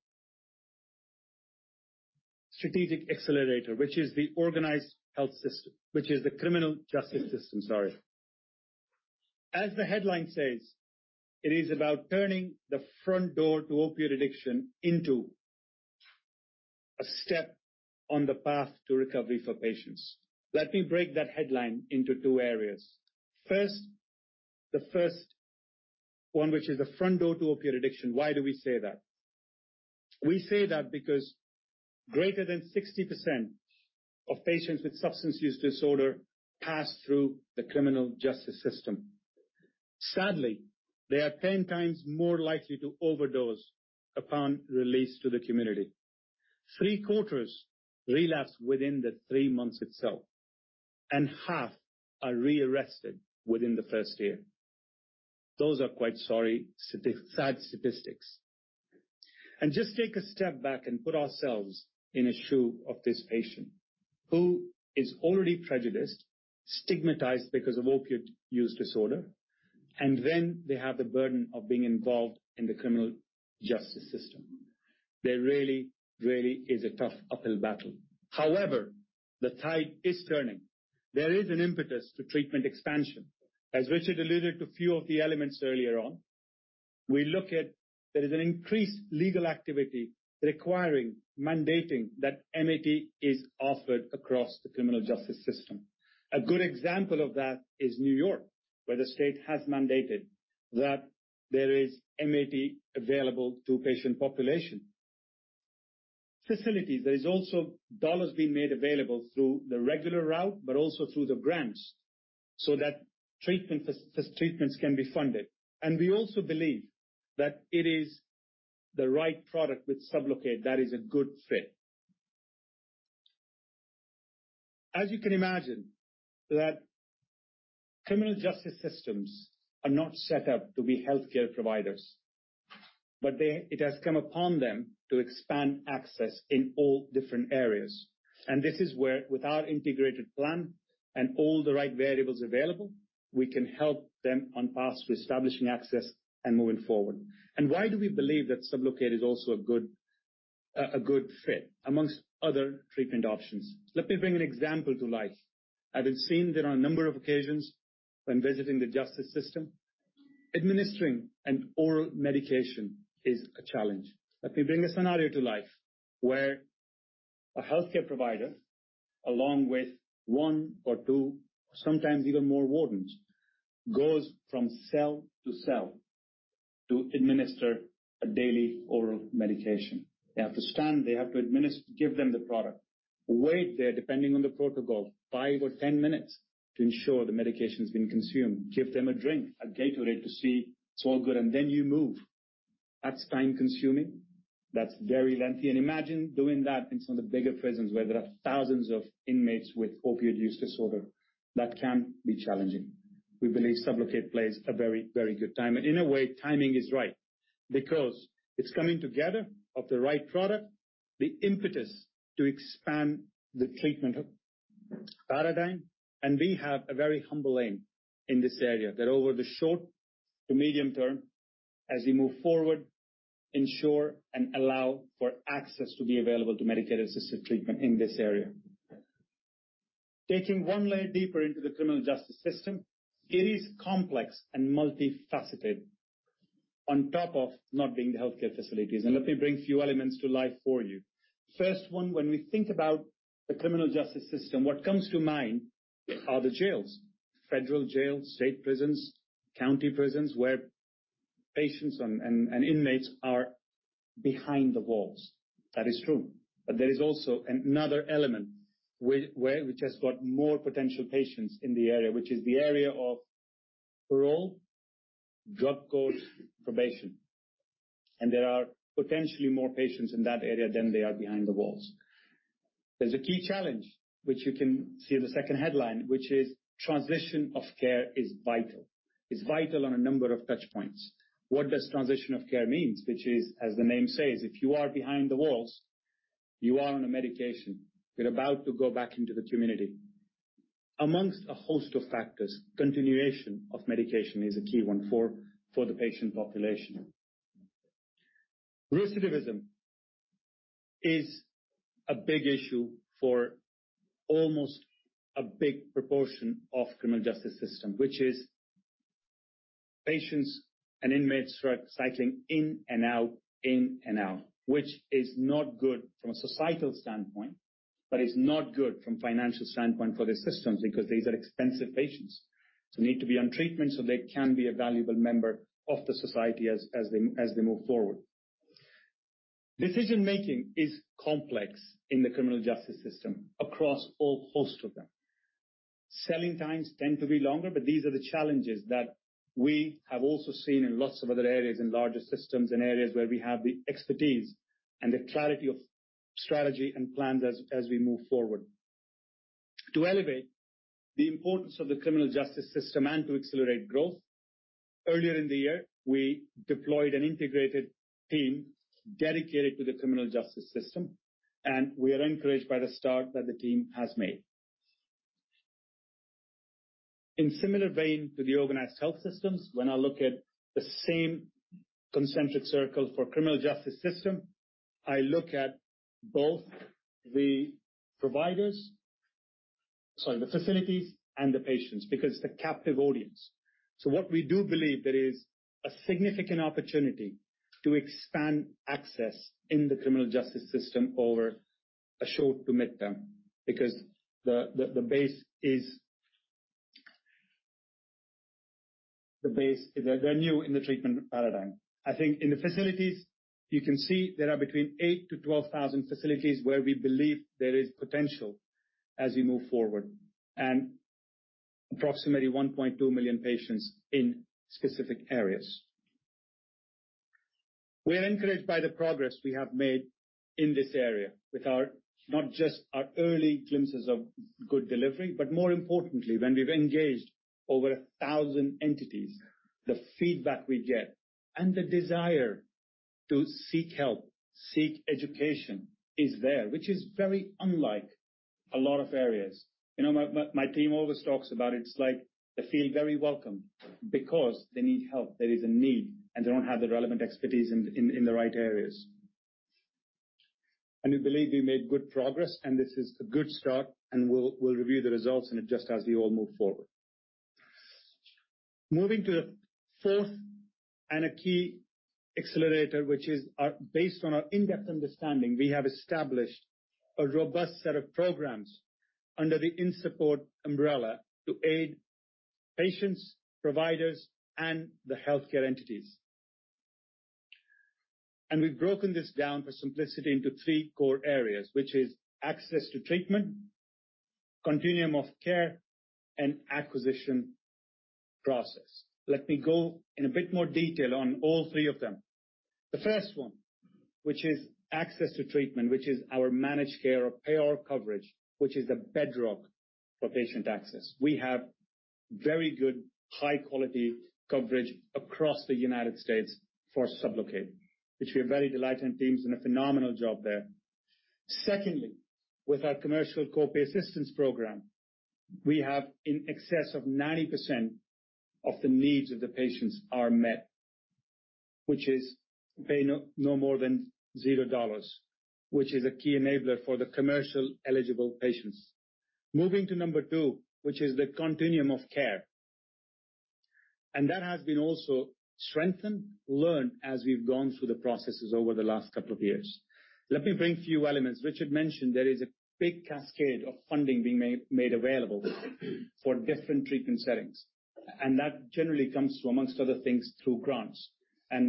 strategic accelerator, which is the criminal justice system, sorry. As the headline says, it is about turning the front door to opioid addiction into a step on the path to recovery for patients. Let me break that headline into two areas. First, the first one, which is the front door to opioid addiction. Why do we say that? We say that because greater than 60% of patients with substance use disorder pass through the criminal justice system. Sadly, they are 10x more likely to overdose upon release to the community. Three-quarters relapse within the three months itself, and half are re-arrested within the first year. Those are quite sad statistics. Just take a step back and put ourselves in a shoe of this patient who is already prejudiced, stigmatized because of opiate use disorder, and then they have the burden of being involved in the criminal justice system. There really is a tough uphill battle. However, the tide is turning. There is an impetus to treatment expansion. As Richard alluded to few of the elements earlier on, we look at there is an increased legal activity requiring mandating that MAT is offered across the criminal justice system. A good example of that is New York, where the state has mandated that there is MAT available to patient population. Facilities. There is also $ being made available through the regular route but also through the grants, so that treatment treatments can be funded. We also believe that it is the right product with SUBLOCADE that is a good fit. As you can imagine, that criminal justice systems are not set up to be healthcare providers, but it has come upon them to expand access in all different areas. This is where with our integrated plan and all the right variables available, we can help them on paths with establishing access and moving forward. Why do we believe that SUBLOCADE is also a good fit amongst other treatment options? Let me bring an example to life. I have seen there on a number of occasions when visiting the justice system, administering an oral medication is a challenge. Let me bring a scenario to life where a healthcare provider, along with one or two, sometimes even more wardens, goes from cell to cell to administer a daily oral medication. They have to stand. They have to give them the product, wait there, depending on the protocol, 5minutes or 10 minutes to ensure the medication's been consumed, give them a drink, a Gatorade to see it's all good, and then you move. That's time-consuming. That's very lengthy. Imagine doing that in some of the bigger prisons where there are thousands of inmates with opioid use disorder. That can be challenging. We believe SUBLOCADE plays a very, very good time. In a way, timing is right because it's coming together of the right product, the impetus to expand the treatment paradigm, and we have a very humble aim in this area, that over the short to medium term, as we move forward, ensure and allow for access to be available to medication-assisted treatment in this area. Taking one layer deeper into the criminal justice system, it is complex and multifaceted. On top of not being the healthcare facilities. Let me bring a few elements to life for you. First one, when we think about the criminal justice system, what comes to mind are the jails. Federal jails, state prisons, county prisons where patients and inmates are behind the walls. That is true. There is also another element which has got more potential patients in the area, which is the area of parole, drug court, probation. There are potentially more patients in that area than there are behind the walls. There's a key challenge, which you can see in the second headline, which is transition of care is vital. It's vital on a number of touch points. What does transition of care means? Which is, as the name says, if you are behind the walls, you are on a medication, you're about to go back into the community. Amongst a host of factors, continuation of medication is a key one for the patient population. Recidivism is a big issue for almost a big proportion of criminal justice system, which is patients and inmates who are cycling in and out, in and out, which is not good from a societal standpoint, but it's not good from financial standpoint for the systems because these are expensive patients who need to be on treatment so they can be a valuable member of the society as they move forward. Decision-making is complex in the criminal justice system across all host of them. These are the challenges that we have also seen in lots of other areas, in larger systems and areas where we have the expertise and the clarity of strategy and plans as we move forward. To elevate the importance of the criminal justice system and to accelerate growth, earlier in the year, we deployed an integrated team dedicated to the criminal justice system, we are encouraged by the start that the team has made. In similar vein to the organized health systems, when I look at the same concentric circle for criminal justice system, I look at both the facilities and the patients because it's a captive audience. What we do believe there is a significant opportunity to expand access in the criminal justice system over a short to midterm because the base, they're new in the treatment paradigm. I think in the facilities, you can see there are between 8 fercilities-12,000 facilities where we believe there is potential as we move forward, and approximately 1.2 million patients in specific areas. We are encouraged by the progress we have made in this area with our not just our early glimpses of good delivery, but more importantly, when we've engaged over 1,000 entities. The feedback we get and the desire to seek help, seek education is there, which is very unlike a lot of areas. You know, my team always talks about it. It's like they feel very welcome because they need help. There is a need, and they don't have the relevant expertise in, in the right areas. We believe we made good progress, and this is a good start, and we'll review the results in it just as we all move forward. Moving to the fourth and a key accelerator, which is Based on our in-depth understanding, we have established a robust set of programs under the INSUPPORT umbrella to aid patients, providers, and the healthcare entities. We've broken this down for simplicity into three core areas, which is access to treatment, continuum of care, and acquisition process. Let me go in a bit more detail on all three of them. The first one, which is access to treatment, which is our managed care or payer coverage, which is the bedrock for patient access. We have very good high-quality coverage across the United States for SUBLOCADE, which we are very delighted, and team's done a phenomenal job there. Secondly, with our commercial copay assistance program, we have in excess of 90% of the needs of the patients are met, which is paying no more than GBP 0, which is a key enabler for the commercial-eligible patients. Moving to number two, which is the continuum of care. That has been also strengthened, learned as we've gone through the processes over the last couple of years. Let me bring a few elements. Richard mentioned there is a big cascade of funding being made available for different treatment settings, and that generally comes through, amongst other things, through grants.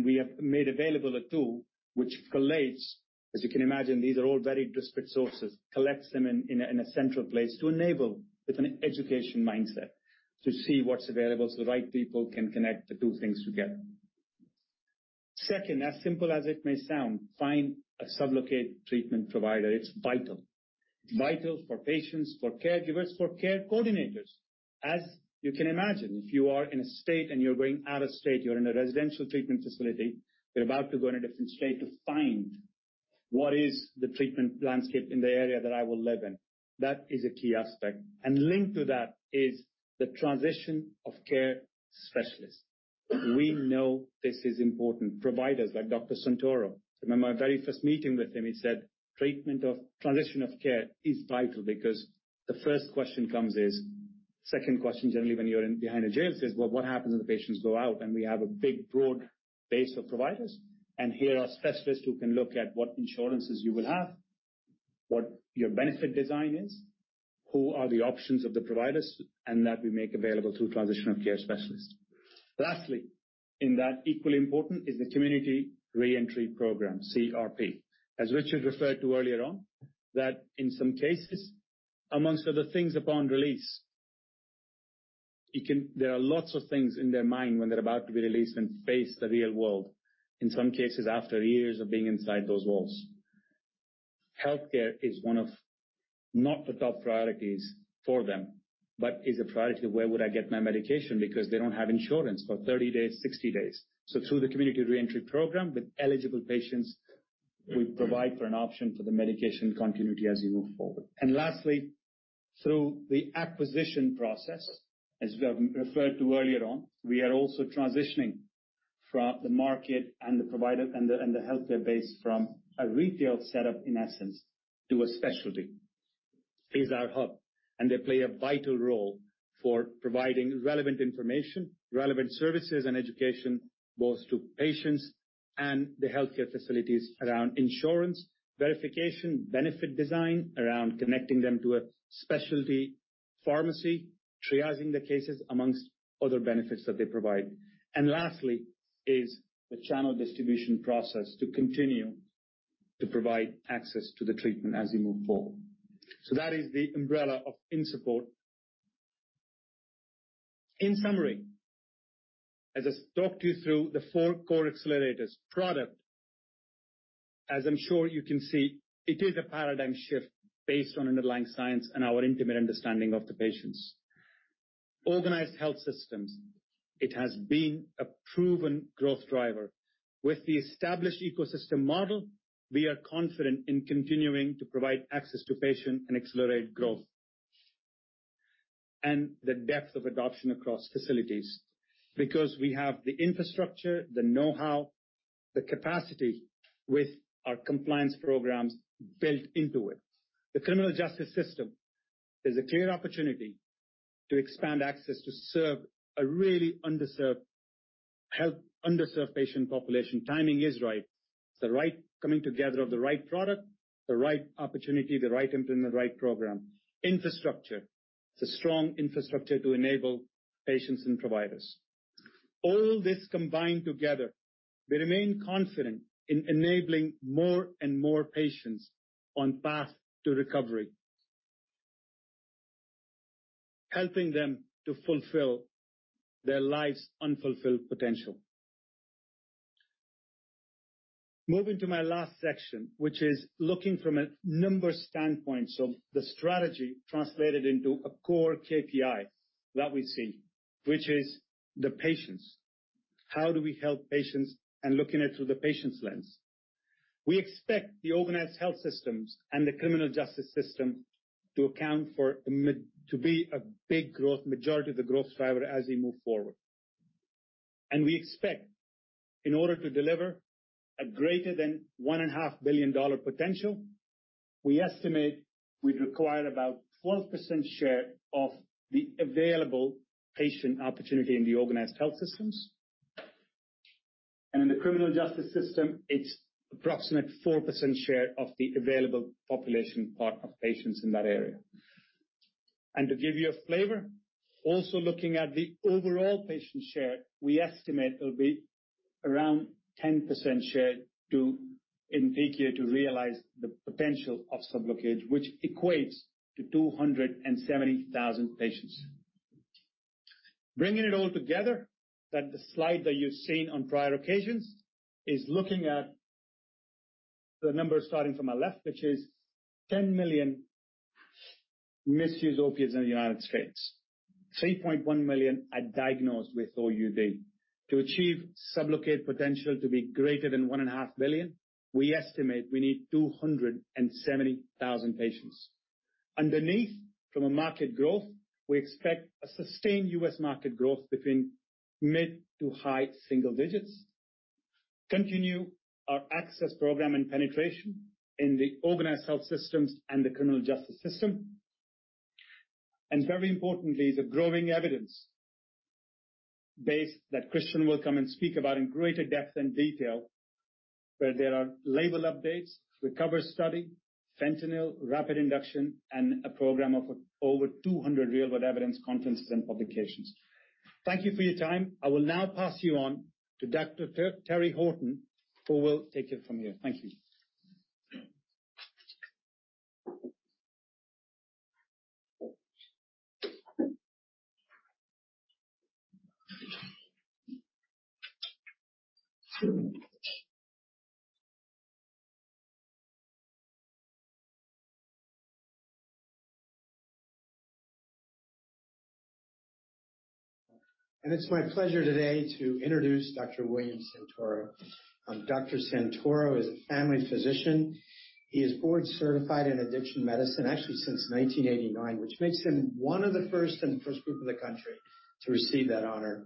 We have made available a tool which collates, as you can imagine, these are all very disparate sources, collects them in a central place to enable with an education mindset to see what's available so the right people can connect the 2 things together. Second, as simple as it may sound, find a SUBLOCADE treatment provider. It's vital. Vital for patients, for caregivers, for care coordinators. As you can imagine, if you are in a state and you're going out of state, you're in a residential treatment facility, you're about to go in a different state to find what is the treatment landscape in the area that I will live in. That is a key aspect. Linked to that is the transition of care specialists. We know this is important. Providers like Dr. Santoro. I remember my very first meeting with him, he said, "Treatment of transition of care is vital because the first question comes isSecond question generally when you're in behind the jail is what happens when the patients go out, and we have a big broad base of providers. Here are specialists who can look at what insurances you will have, what your benefit design is, who are the options of the providers, and that we make available through transitional care specialists. Lastly, in that equally important is the Community Reentry Program, CRP. As Richard referred to earlier on, that in some cases, amongst other things upon release. There are lots of things in their mind when they're about to be released and face the real world, in some cases after years of being inside those walls. Healthcare is one of not the top priorities for them, but is a priority of where would I get my medication because they don't have insurance for 30 days, 60 days. Through the Community Reentry Program, with eligible patients, we provide for an option for the medication continuity as you move forward. Lastly, through the acquisition process, as we have referred to earlier on, we are also transitioning from the market and the provider and the healthcare base from a retail setup, in essence, to a specialty. These are hub, and they play a vital role for providing relevant information, relevant services and education, both to patients and the healthcare facilities around insurance, verification, benefit design, around connecting them to a specialty pharmacy, triaging the cases amongst other benefits that they provide. Lastly is the channel distribution process to continue to provide access to the treatment as we move forward. That is the umbrella of INSUPPORT. In summary, as I talked you through the four core accelerators product, as I'm sure you can see, it is a paradigm shift based on underlying science and our intimate understanding of the patients. Organized health systems. It has been a proven growth driver. With the established ecosystem model, we are confident in continuing to provide access to patient and accelerate growth and the depth of adoption across facilities because we have the infrastructure, the know-how, the capacity with our compliance programs built into it. The criminal justice system is a clear opportunity to expand access to serve a really underserved patient population. Timing is right. The right coming together of the right product, the right opportunity, the right implement, the right program. Infrastructure. It's a strong infrastructure to enable patients and providers. All this combined together, we remain confident in enabling more and more patients on path to recovery, helping them to fulfill their life's unfulfilled potential. Moving to my last section, which is looking from a numbers standpoint. The strategy translated into a core KPI that we see, which is the patients. How do we help patients looking it through the patient's lens. We expect the organized health systems and the criminal justice system to account for a big growth, majority of the growth driver as we move forward. We expect in order to deliver a greater than $1.5 billion potential, we estimate we'd require about 12% share of the available patient opportunity in the organized health systems. In the criminal justice system, it's approximate 4% share of the available population part of patients in that area. To give you a flavor, also looking at the overall patient share, we estimate it'll be around 10% share in the year to realize the potential of SUBLOCADE, which equates to 270,000 patients. Bringing it all together, that the slide that you've seen on prior occasions is looking at the numbers starting from my left, which is 10 million misuse opiates in the United States. 3.1 million are diagnosed with OUD. To achieve SUBLOCADE potential to be greater than $1.5 billion, we estimate we need 270,000 patients. Underneath, from a market growth, we expect a sustained U.S. market growth between mid to high single digits, continue our access program and penetration in the organized health systems and the criminal justice system. Very importantly, the growing evidence base that Christian will come and speak about in greater depth and detail, where there are label updates, RECOVER study, fentanyl rapid induction, and a program of over 200 real world evidence conferences and publications. Thank you for your time. I will now pass you on to Dr. Terry Horton, who will take it from here. Thank you. It's my pleasure today to introduce Dr. William Santoro. Dr. Santoro is a family physician. He is board certified in addiction medicine actually since 1989, which makes him one of the first in the first group in the country to receive that honor.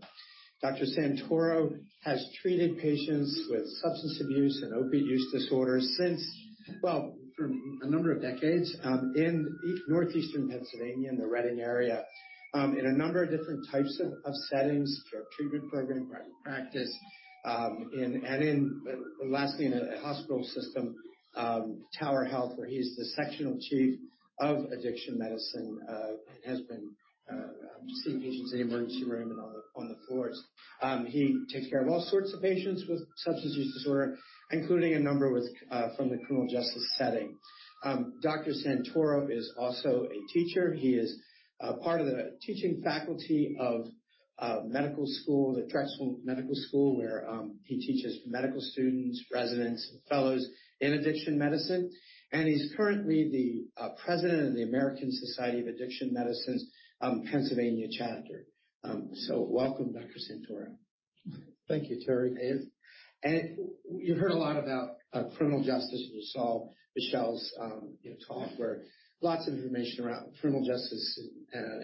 Dr. Santoro has treated patients with substance abuse and opioid use disorder since... well, for a number of decades, in east northeastern Pennsylvania, in the Reading area, in a number of different types of settings, your treatment program, private practice, in and in, lastly in a hospital system, Tower Health, where he's the sectional chief of addiction medicine, and has been seeing patients in the emergency room and on the floors. He takes care of all sorts of patients with substance use disorder, including a number from the criminal justice setting. Dr. Santoro is also a teacher. He is part of the teaching faculty of medical school, the Drexel University College of Medicine, where he teaches medical students, residents, and fellows in addiction medicine. He's currently the president of the American Society of Addiction Medicine's Pennsylvania chapter. So welcome, Dr. Santoro. Thank you, Terry. You heard a lot about criminal justice. You saw Michelle's, you know, talk where lots of information around criminal justice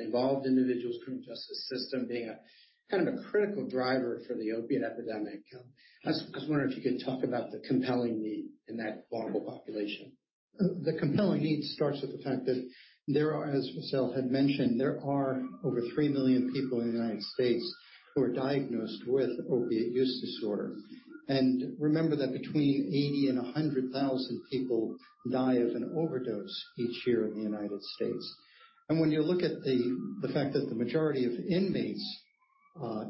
involved individuals, criminal justice system being a kind of a critical driver for the opioid epidemic. I was wondering if you could talk about the compelling need in that vulnerable population. The compelling need starts with the fact that there are, as Michelle had mentioned, there are over 3 million people in the United States who are diagnosed with opioid use disorder. Remember that between 80 and 100,000 people die of an overdose each year in the United States. When you look at the fact that the majority of inmates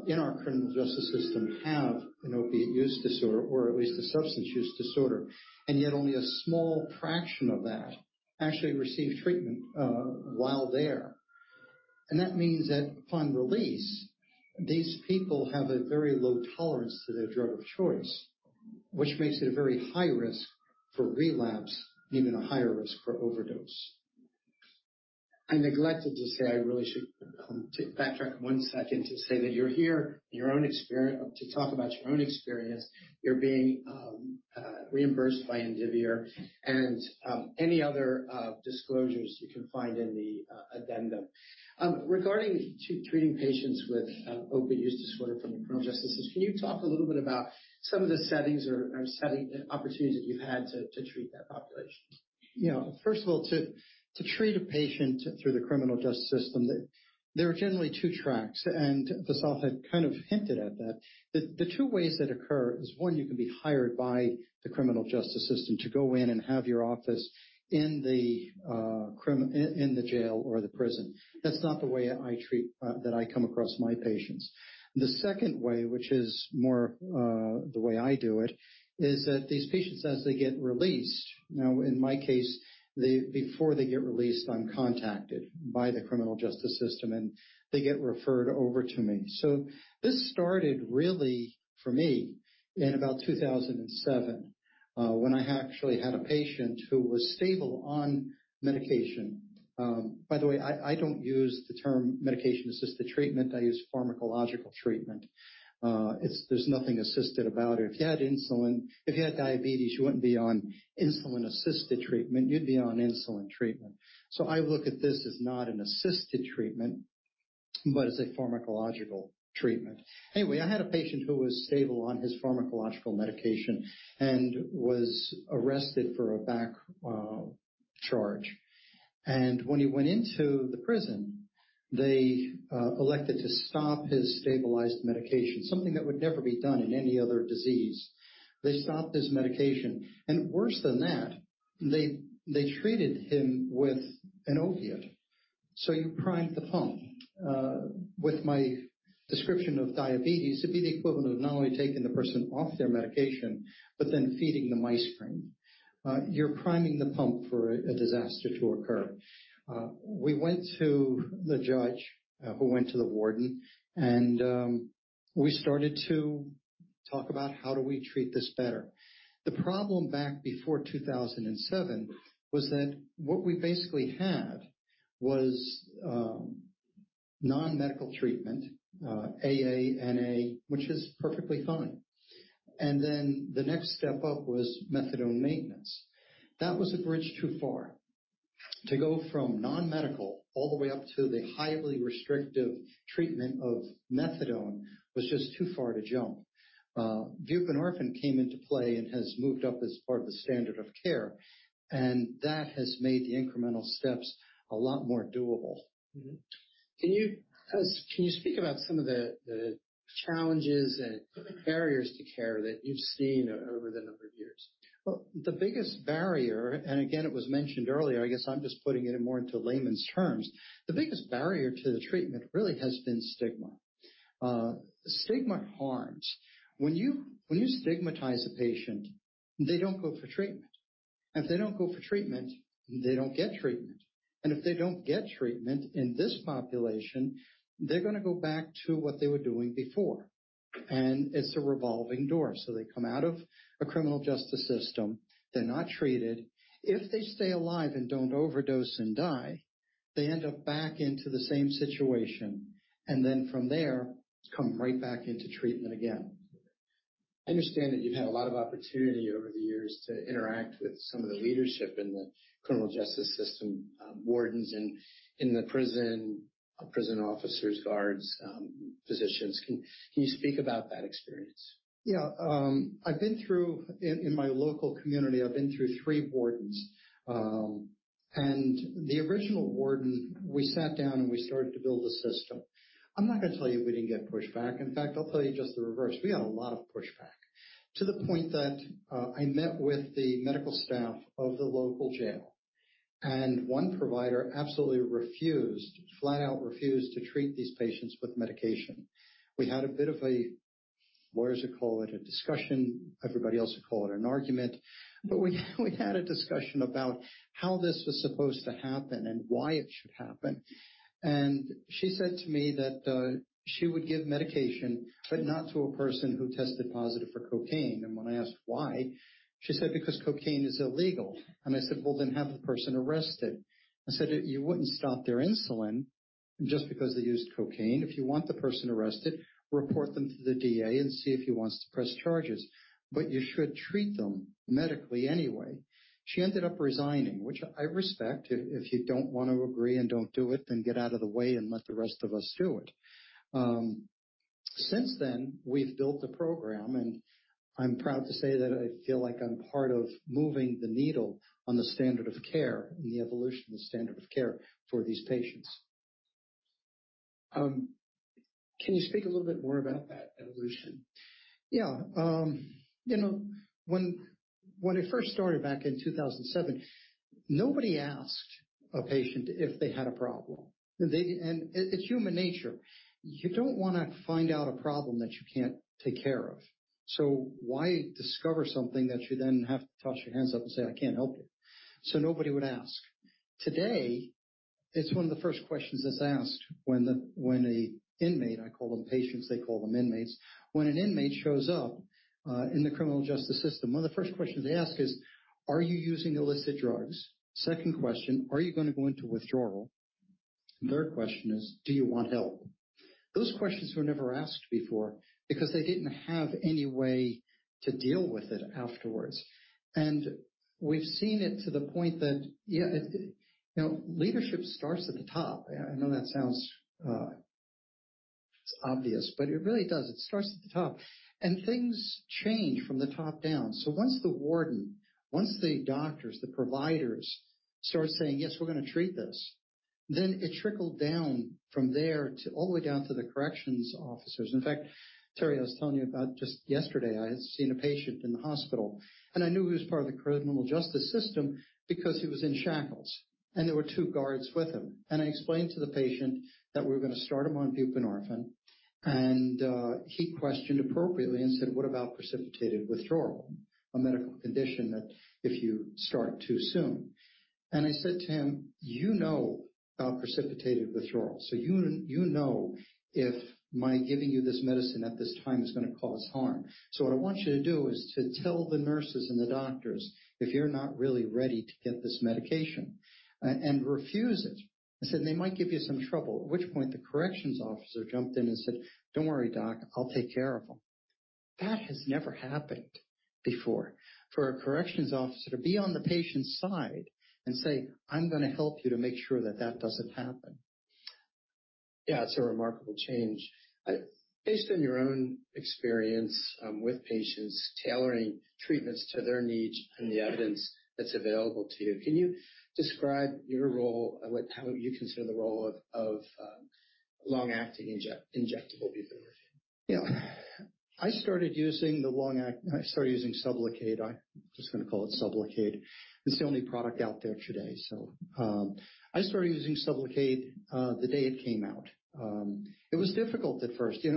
in our criminal justice system have an opioid use disorder or at least a substance use disorder, and yet only a small fraction of that actually receive treatment while there. That means that upon release, these people have a very low tolerance to their drug of choice, which makes it a very high risk for relapse and even a higher risk for overdose. I neglected to say I really should, to backtrack one second to say that you're here your own experience. You're being reimbursed by Indivior and any other disclosures you can find in the addendum. Regarding to treating patients with opiate use disorder from the criminal justice system, can you talk a little bit about some of the settings or setting opportunities that you've had to treat that population? First of all, to treat a patient through the criminal justice system, there are generally two tracks, and Vishal had kind of hinted at that. The two ways that occur is one, you can be hired by the criminal justice system to go in and have your office in the jail or the prison. That's not the way I treat that I come across my patients. The second way, which is more the way I do it, is that these patients, as they get released, now in my case, before they get released, I'm contacted by the criminal justice system, and they get referred over to me. This started really for me in about 2007, when I actually had a patient who was stable on medication. By the way, I don't use the term medication-assisted treatment. I use pharmacological treatment. There's nothing assisted about it. If you had diabetes, you wouldn't be on insulin-assisted treatment. You'd be on insulin treatment. I look at this as not an assisted treatment, but as a pharmacological treatment. Anyway, I had a patient who was stable on his pharmacological medication and was arrested for a back charge. When he went into the prison, they elected to stop his stabilized medication, something that would never be done in any other disease. They stopped his medication. Worse than that, they treated him with an opiate. You primed the pump. With my description of diabetes, it'd be the equivalent of not only taking the person off their medication but then feeding them ice cream. You're priming the pump for a disaster to occur. We went to the judge, who went to the warden, we started to talk about how do we treat this better. The problem back before 2007 was that what we basically had was non-medical treatment, AA, NA, which is perfectly fine. The next step up was methadone maintenance. That was a bridge too far. To go from non-medical all the way up to the highly restrictive treatment of methadone was just too far to jump. Buprenorphine came into play and has moved up as part of the standard of care, that has made the incremental steps a lot more doable. Mm-hmm. Can you speak about some of the challenges and barriers to care that you've seen over the number of years? Well, the biggest barrier, again, it was mentioned earlier, I guess I'm just putting it more into layman's terms. The biggest barrier to the treatment really has been stigma. Stigma harms. When you stigmatize a patient, they don't go for treatment. If they don't go for treatment, they don't get treatment. If they don't get treatment in this population, they're gonna go back to what they were doing before. It's a revolving door. They come out of a criminal justice system, they're not treated. If they stay alive and don't overdose and die, they end up back into the same situation, then from there, come right back into treatment again. I understand that you've had a lot of opportunity over the years to interact with some of the leadership in the criminal justice system, wardens in the prison officers, guards, physicians. Can you speak about that experience? Yeah. In my local community, I've been through three wardens. The original warden, we sat down, and we started to build a system. I'm not gonna tell you we didn't get pushback. In fact, I'll tell you just the reverse. We got a lot of pushback. To the point that I met with the medical staff of the local jail, one provider absolutely refused, flat out refused to treat these patients with medication. We had a bit of lawyers would call it a discussion, everybody else would call it an argument. We had a discussion about how this was supposed to happen and why it should happen. She said to me that she would give medication, but not to a person who tested positive for cocaine. When I asked why, she said, "Because cocaine is illegal." I said, "Well, then have the person arrested." I said, "You wouldn't stop their insulin just because they used cocaine. If you want the person arrested, report them to the D.A. and see if he wants to press charges. You should treat them medically anyway." She ended up resigning, which I respect. If you don't wanna agree and don't do it, then get out of the way and let the rest of us do it. Since then, we've built the program, and I'm proud to say that I feel like I'm part of moving the needle on the standard of care and the evolution of the standard of care for these patients. Can you speak a little bit more about that evolution? You know, when I first started back in 2007, nobody asked a patient if they had a problem. It's human nature. You don't wanna find out a problem that you can't take care of. Why discover something that you then have to toss your hands up and say, "I can't help you." Nobody would ask. Today, it's one of the first questions that's asked when an inmate, I call them patients, they call them inmates. When an inmate shows up in the criminal justice system, one of the first questions they ask is, "Are you using illicit drugs?" Second question: "Are you gonna go into withdrawal?" Third question is: "Do you want help?" Those questions were never asked before because they didn't have any way to deal with it afterwards. We've seen it to the point that, you know, leadership starts at the top. I know that sounds obvious, but it really does. It starts at the top. Things change from the top down. Once the warden, once the doctors, the providers start saying, "Yes, we're gonna treat this," then it trickled down from there to all the way down to the corrections officers. In fact, Terry, I was telling you about just yesterday, I had seen a patient in the hospital, and I knew he was part of the criminal justice system because he was in shackles, and there were two guards with him. I explained to the patient that we were gonna start him on buprenorphine, and he questioned appropriately and said, "What about precipitated withdrawal?" A medical condition that if you start too soon. I said to him, "You know about precipitated withdrawal. You know if my giving you this medicine at this time is gonna cause harm. What I want you to do is to tell the nurses and the doctors if you're not really ready to get this medication and refuse it." I said, "They might give you some trouble." At which point, the corrections officer jumped in and said, "Don't worry, Doc, I'll take care of him." That has never happened before for a corrections officer to be on the patient's side and say, "I'm gonna help you to make sure that that doesn't happen. It's a remarkable change. Based on your own experience, with patients tailoring treatments to their needs and the evidence that's available to you, can you describe your role, like, how you consider the role of long-acting injectable buprenorphine? Yeah. I started using Sublocade. I'm just gonna call it SUBLOCADE. It's the only product out there today. I started using SUBLOCADE the day it came out. It was difficult at first. You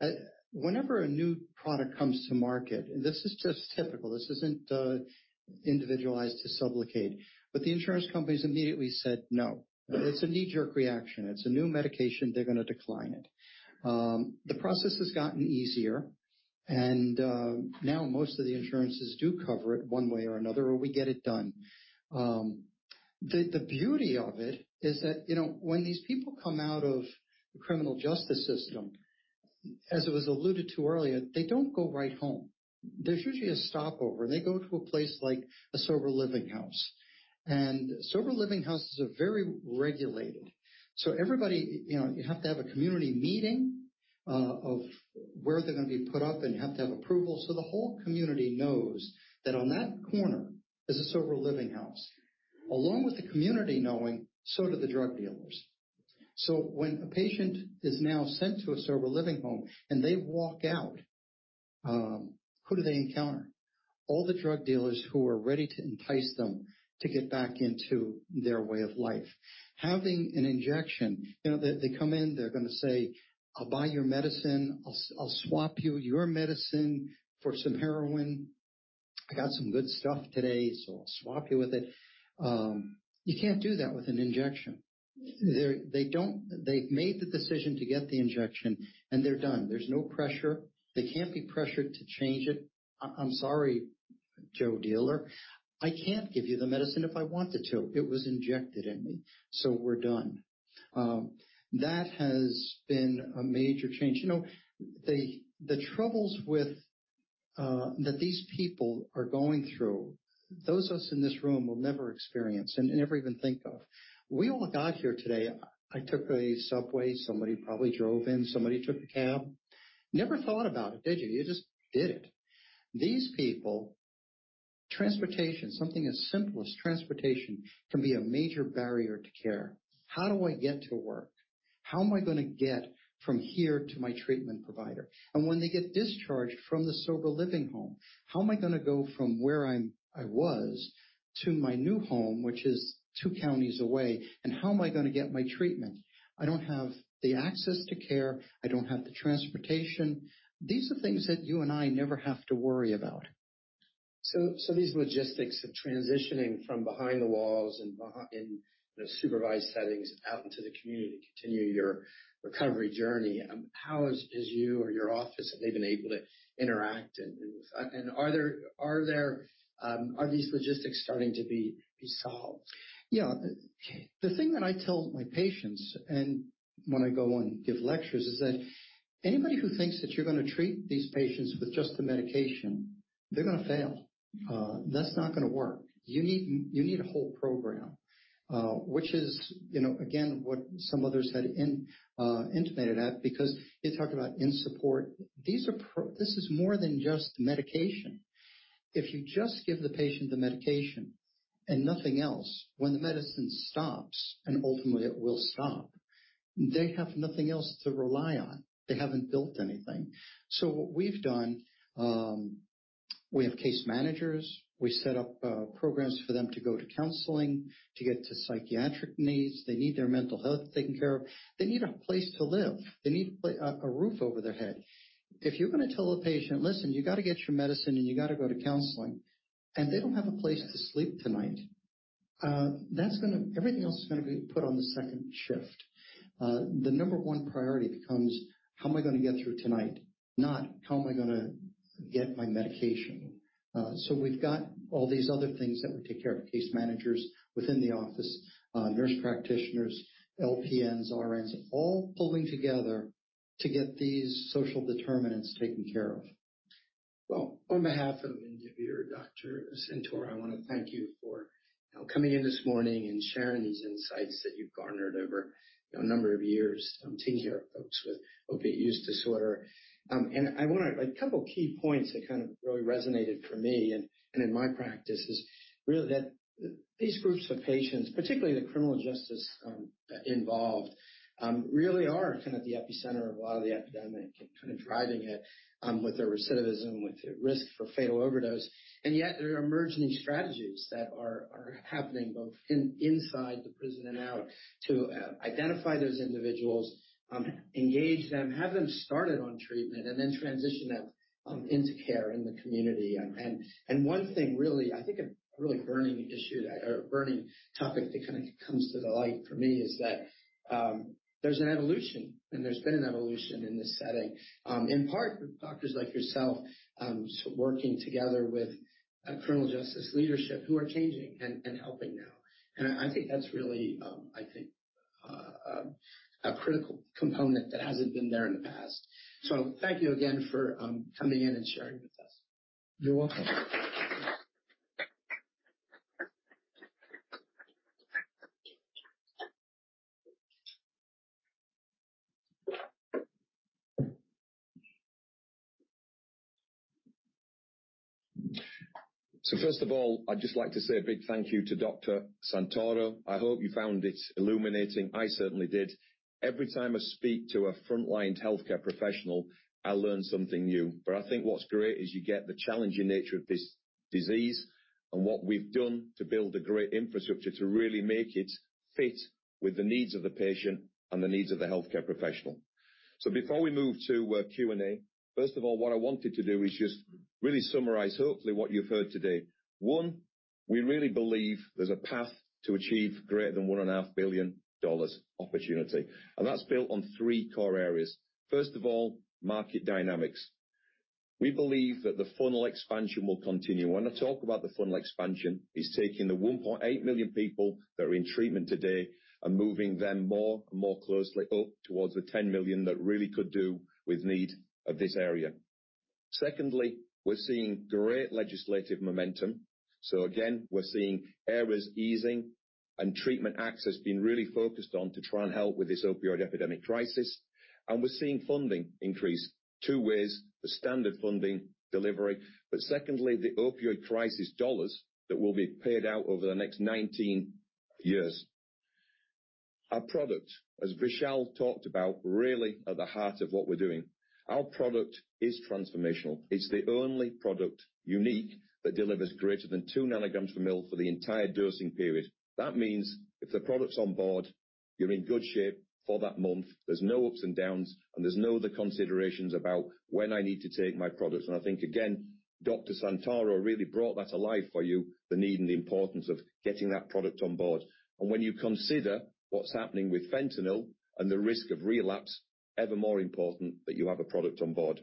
know, whenever a new product comes to market, this is just typical, this isn't individualized to SUBLOCADE. The insurance companies immediately said, no. It's a knee-jerk reaction. It's a new medication, they're gonna decline it. The process has gotten easier and now most of the insurances do cover it one way or another, or we get it done. The beauty of it is that, you know, when these people come out of the criminal justice system, as it was alluded to earlier, they don't go right home. There's usually a stopover, they go to a place like a sober living house. Sober living houses are very regulated. Everybody, you know, you have to have a community meeting of where they're gonna be put up, and you have to have approval. The whole community knows that on that corner is a sober living house. Along with the community knowing, so do the drug dealers. When a patient is now sent to a sober living home and they walk out, who do they encounter? All the drug dealers who are ready to entice them to get back into their way of life. Having an injection, you know, they come in, they're gonna say, "I'll buy your medicine. I'll swap you your medicine for some heroin." I got some good stuff today, so I'll swap you with it. You can't do that with an injection. They've made the decision to get the injection, and they're done. There's no pressure. They can't be pressured to change it. I'm sorry, Joe dealer, I can't give you the medicine if I wanted to. It was injected in me, so we're done. That has been a major change. You know, the troubles with that these people are going through, those us in this room will never experience and never even think of. We all got here today. I took a subway, somebody probably drove in, somebody took a cab. Never thought about it, did you? You just did it. These people, transportation, something as simple as transportation can be a major barrier to care. How do I get to work? How am I gonna get from here to my treatment provider? When they get discharged from the sober living home, how am I gonna go from where I was to my new home, which is two counties away, and how am I gonna get my treatment? I don't have the access to care. I don't have the transportation. These are things that you and I never have to worry about. These logistics of transitioning from behind the walls in supervised settings out into the community to continue your recovery journey. How is you or your office have they been able to interact? Are there are these logistics starting to be solved? The thing that I tell my patients and when I go and give lectures is that anybody who thinks that you're gonna treat these patients with just the medication, they're gonna fail. That's not gonna work. You need a whole program, which is, you know, again, what some others had intimated at because they talk about INSUPPORT. This is more than just medication. If you just give the patient the medication and nothing else, when the medicine stops, and ultimately it will stop, they have nothing else to rely on. They haven't built anything. What we've done, we have case managers. We set up programs for them to go to counseling, to get to psychiatric needs. They need their mental health taken care of. They need a place to live. They need a roof over their head. If you're gonna tell a patient, "Listen, you got to get your medicine and you got to go to counseling," and they don't have a place to sleep tonight, that's gonna everything else is gonna be put on the second shift. The number one priority becomes, "How am I gonna get through tonight?" Not, "How am I gonna get my medication?" We've got all these other things that we take care of. Case managers within the office, nurse practitioners, LPNs, RNs, all pulling together to get these social determinants taken care of. On behalf of Indivior, Dr. Santoro, I want to thank you for coming in this morning and sharing these insights that you've garnered over a number of years taking care of folks with opioid use disorder. A couple key points that kind of really resonated for me and in my practice is really that these groups of patients, particularly the criminal justice involved, really are kind of the epicenter of a lot of the epidemic and kind of driving it with their recidivism, with their risk for fatal overdose. Yet there are emerging strategies that are happening both inside the prison and out to identify those individuals, engage them, have them started on treatment, and then transition them into care in the community. One thing really, I think a really burning issue that or burning topic that kind of comes to the light for me is that, there's an evolution, and there's been an evolution in this setting, in part with doctors like yourself, working together with criminal justice leadership who are changing and helping now. I think that's really, I think, a critical component that hasn't been there in the past. Thank you again for coming in and sharing with us. You're welcome. First of all, I'd just like to say a big thank you to Dr. Santoro. I hope you found it illuminating. I certainly did. Every time I speak to a frontline healthcare professional, I learn something new. I think what's great is you get the challenging nature of this disease and what we've done to build a great infrastructure to really make it fit with the needs of the patient and the needs of the healthcare professional. Before we move to Q&A, first of all, what I wanted to do is just really summarize, hopefully, what you've heard today. One, we really believe there's a path to achieve greater than one-and-a-half billion dollars opportunity. That's built on three core areas. First of all, market dynamics. We believe that the funnel expansion will continue. I talk about the funnel expansion, it's taking the 1.8 million people that are in treatment today and moving them more and more closely up towards the 10 million that really could do with need of this area. We're seeing great legislative momentum. Again, we're seeing errors easing and treatment access being really focused on to try and help with this opioid epidemic crisis. We're seeing funding increase two ways, the standard funding delivery. Secondly, the opioid crisis dollars that will be paid out over the next 19 years. Our product, as Vishal talked about, really at the heart of what we're doing. Our product is transformational. It's the only product unique that delivers greater than 2 nanograms per ml for the entire dosing period. That means if the product's on board, you're in good shape for that month. There's no ups and downs, and there's no other considerations about when I need to take my product. I think again, Dr. Santoro really brought that to life for you, the need and the importance of getting that product on board. When you consider what's happening with fentanyl and the risk of relapse, ever more important that you have a product on board.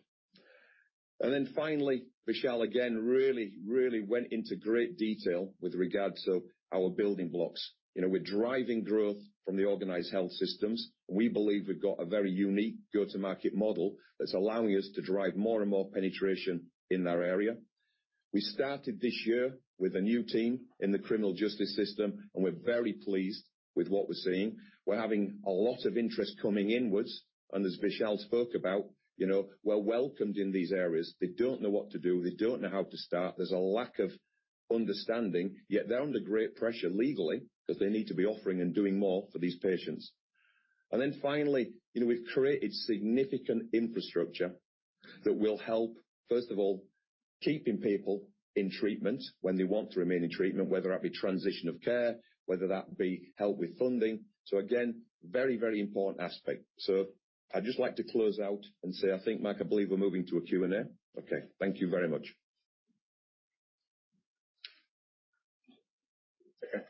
Finally, Vishal again, really went into great detail with regards to our building blocks. You know, we're driving growth from the organized health systems. We believe we've got a very unique go-to-market model that's allowing us to drive more and more penetration in that area. We started this year with a new team in the criminal justice system, and we're very pleased with what we're seeing. We're having a lot of interest coming inwards. As Vishal spoke about, you know, we're welcomed in these areas. They don't know what to do. They don't know how to start. There's a lack of understanding. Yet they're under great pressure legally, 'cause they need to be offering and doing more for these patients. Finally, you know, we've created significant infrastructure that will help, first of all, keeping people in treatment when they want to remain in treatment, whether that be transition of care, whether that be help with funding. Again, very, very important aspect. I'd just like to close out and say, I think, Matt, I believe we're moving to a Q&A. Okay. Thank you very much. Okay.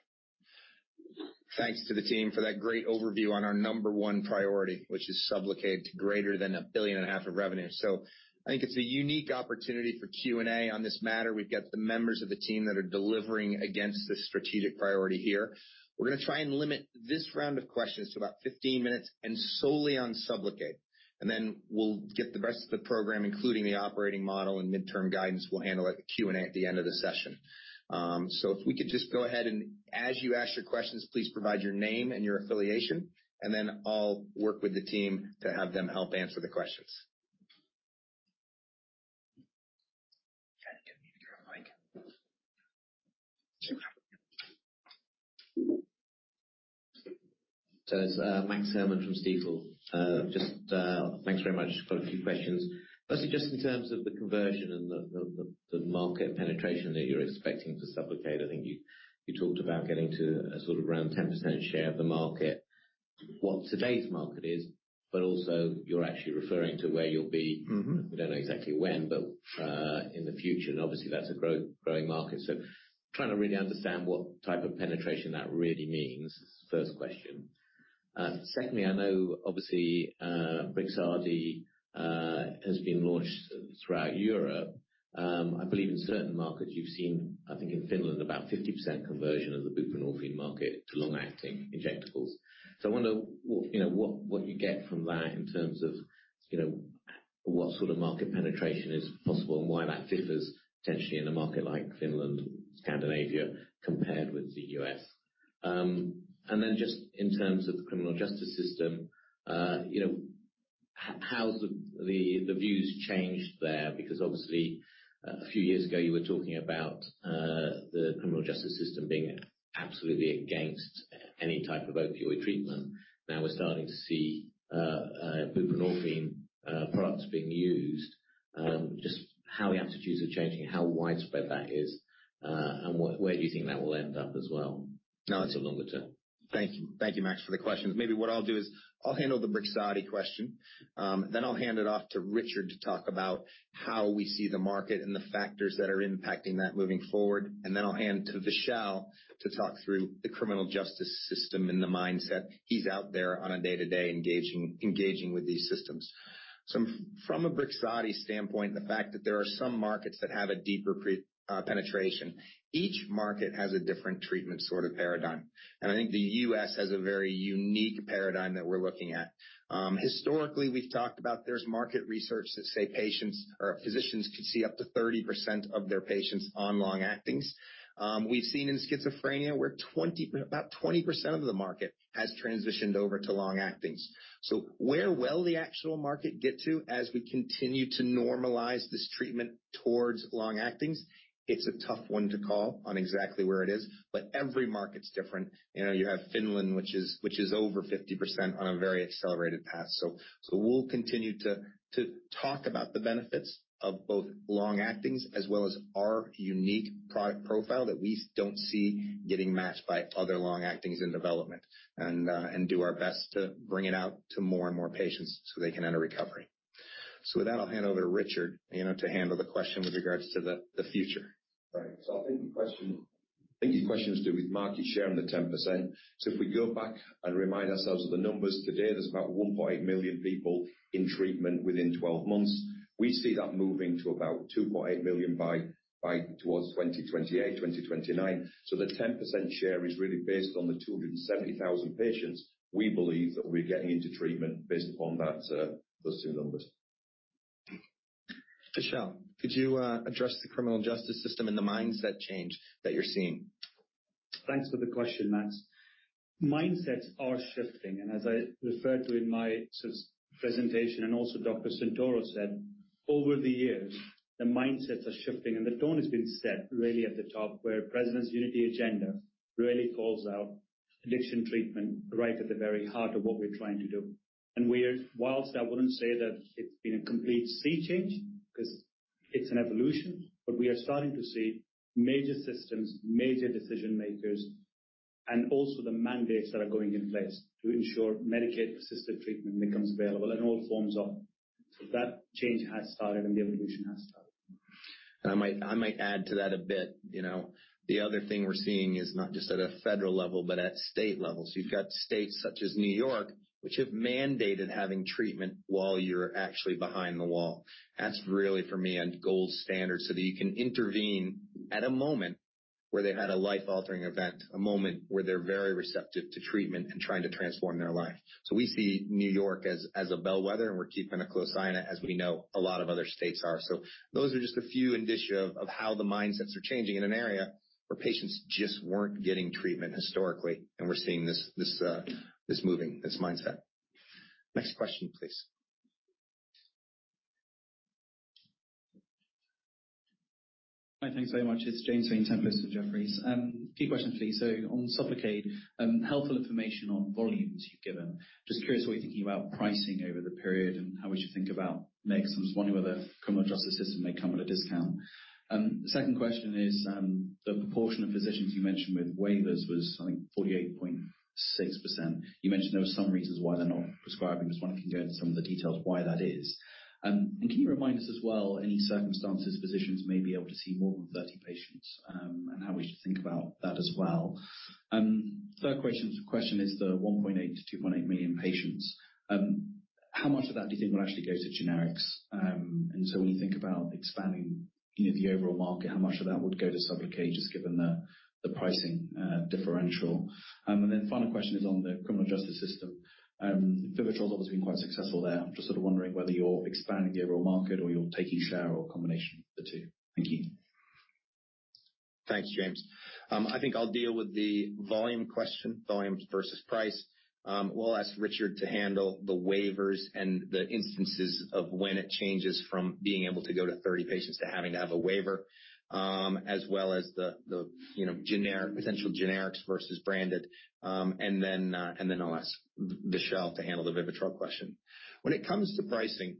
Thanks to the team for that great overview on our number 1 priority, which is SUBLOCADE to greater than a billion and a half of revenue. I think it's a unique opportunity for Q&A on this matter. We've got the members of the team that are delivering against this strategic priority here. We're gonna try and limit this round of questions to about 15 minutes and solely on SUBLOCADE. We'll get the rest of the program, including the operating model and midterm guidance, we'll handle at the Q&A at the end of the session. If we could just go ahead, and as you ask your questions, please provide your name and your affiliation, and then I'll work with the team to have them help answer the questions. Can you give me your mic? It's Max Herrmann from Stifel. Just thanks very much. Got a few questions. Firstly, just in terms of the conversion and the market penetration that you're expecting for SUBLOCADE, I think you talked about getting to a sort of around 10% share of the market, what today's market is, but also you're actually referring to where you'll be. Mm-hmm. We don't know exactly when, but in the future, and obviously that's a growing market. Trying to really understand what type of penetration that really means, first question. Secondly, I know obviously BRIXADI has been launched throughout Europe. I believe in certain markets you've seen, I think, in Finland, about 50% conversion of the buprenorphine market to long-acting injectables. I wonder what, you know, what you get from that in terms of, you know, what sort of market penetration is possible and why that differs potentially in a market like Finland, Scandinavia, compared with the U.S. Just in terms of the criminal justice system, you know, how have the views changed there? Obviously, a few years ago, you were talking about the criminal justice system being absolutely against any type of opioid treatment. We're starting to see buprenorphine products being used. Just how the attitudes are changing, how widespread that is, and where do you think that will end up as well? Now- Kinda longer term. Thank you. Thank you, Max, for the questions. Maybe what I'll do is I'll handle the BRIXADI question. then I'll hand it off to Richard to talk about how we see the market and the factors that are impacting that moving forward. I'll hand to Vishal to talk through the criminal justice system and the mindset. He's out there on a day-to-day engaging with these systems. From a BRIXADI standpoint, the fact that there are some markets that have a deeper penetration, each market has a different treatment sort of paradigm. I think the U.S. has a very unique paradigm that we're looking at. historically, we've talked about there's market research that say patients or physicians could see up to 30% of their patients on long-actings. We've seen in schizophrenia, where about 20% of the market has transitioned over to long-actings. Where will the actual market get to as we continue to normalize this treatment towards long-actings? It's a tough one to call on exactly where it is, but every market's different. You know, you have Finland, which is over 50% on a very accelerated path. We'll continue to talk about the benefits of both long-actings as well as our unique product profile that we don't see getting matched by other long-actings in development, and do our best to bring it out to more and more patients, so they can enter recovery. With that, I'll hand over to Richard, you know, to handle the question with regards to the future. I think your question is to do with market share and the 10%. If we go back and remind ourselves of the numbers today, there's about 1.8 million people in treatment within 12 months. We see that moving to about 2.8 million by towards 2028, 2029. The 10% share is really based on the 270,000 patients we believe that we're getting into treatment based upon that, those two numbers. Vishal, could you address the criminal justice system and the mindset change that you're seeing? Thanks for the question, Max. Mindsets are shifting, as I referred to in my presentation, and also Dr. Santoro said, over the years, the mindsets are shifting. The tone has been set really at the top, where President's Unity Agenda really calls out addiction treatment right at the very heart of what we're trying to do. Whilst I wouldn't say that it's been a complete sea change. It's an evolution. We are starting to see major systems, major decision-makers, and also the mandates that are going in place to ensure Medicaid-assisted treatment becomes available in all forms of. That change has started and the evolution has started. I might, I might add to that a bit. You know, the other thing we're seeing is not just at a federal level, but at state levels. You've got states such as New York, which have mandated having treatment while you're actually behind the wall. That's really, for me, a gold standard, so that you can intervene at a moment where they've had a life-altering event, a moment where they're very receptive to treatment and trying to transform their life. We see New York as a bellwether, and we're keeping a close eye on it as we know a lot of other states are. Those are just a few indicia of how the mindsets are changing in an area where patients just weren't getting treatment historically. We're seeing this moving, this mindset. Next question, please. Hi. Thanks very much. It's James Vane-Tempest, Jefferies. A few questions for you. On SUBLOCADE, helpful information on volumes you've given. Just curious what you're thinking about pricing over the period and how would you think about makes. I'm just wondering whether criminal justice system may come at a discount. The second question is, the proportion of physicians you mentioned with waivers was, I think, 48.6%. You mentioned there were some reasons why they're not prescribing. Just wondering if you can go into some of the details why that is. Can you remind us as well any circumstances physicians may be able to see more than 30 patients, and how we should think about that as well? Third question is the 1.8 million-2.8 million patients. How much of that do you think will actually go to generics? When you think about expanding, you know, the overall market, how much of that would go to SUBLOCADE just given the pricing differential? Final question is on the criminal justice system. VIVITROL's obviously been quite successful there. I'm just sort of wondering whether you're expanding the overall market or you're taking share or a combination of the two. Thank you. Thanks, Jamie Swain. I think I'll deal with the volume question, volumes versus price. We'll ask Richard Simkin to handle the waivers and the instances of when it changes from being able to go to 30 patients to having to have a waiver, as well as the, you know, essential generics versus branded. And then I'll ask Vishal Kalia to handle the VIVITROL question. When it comes to pricing,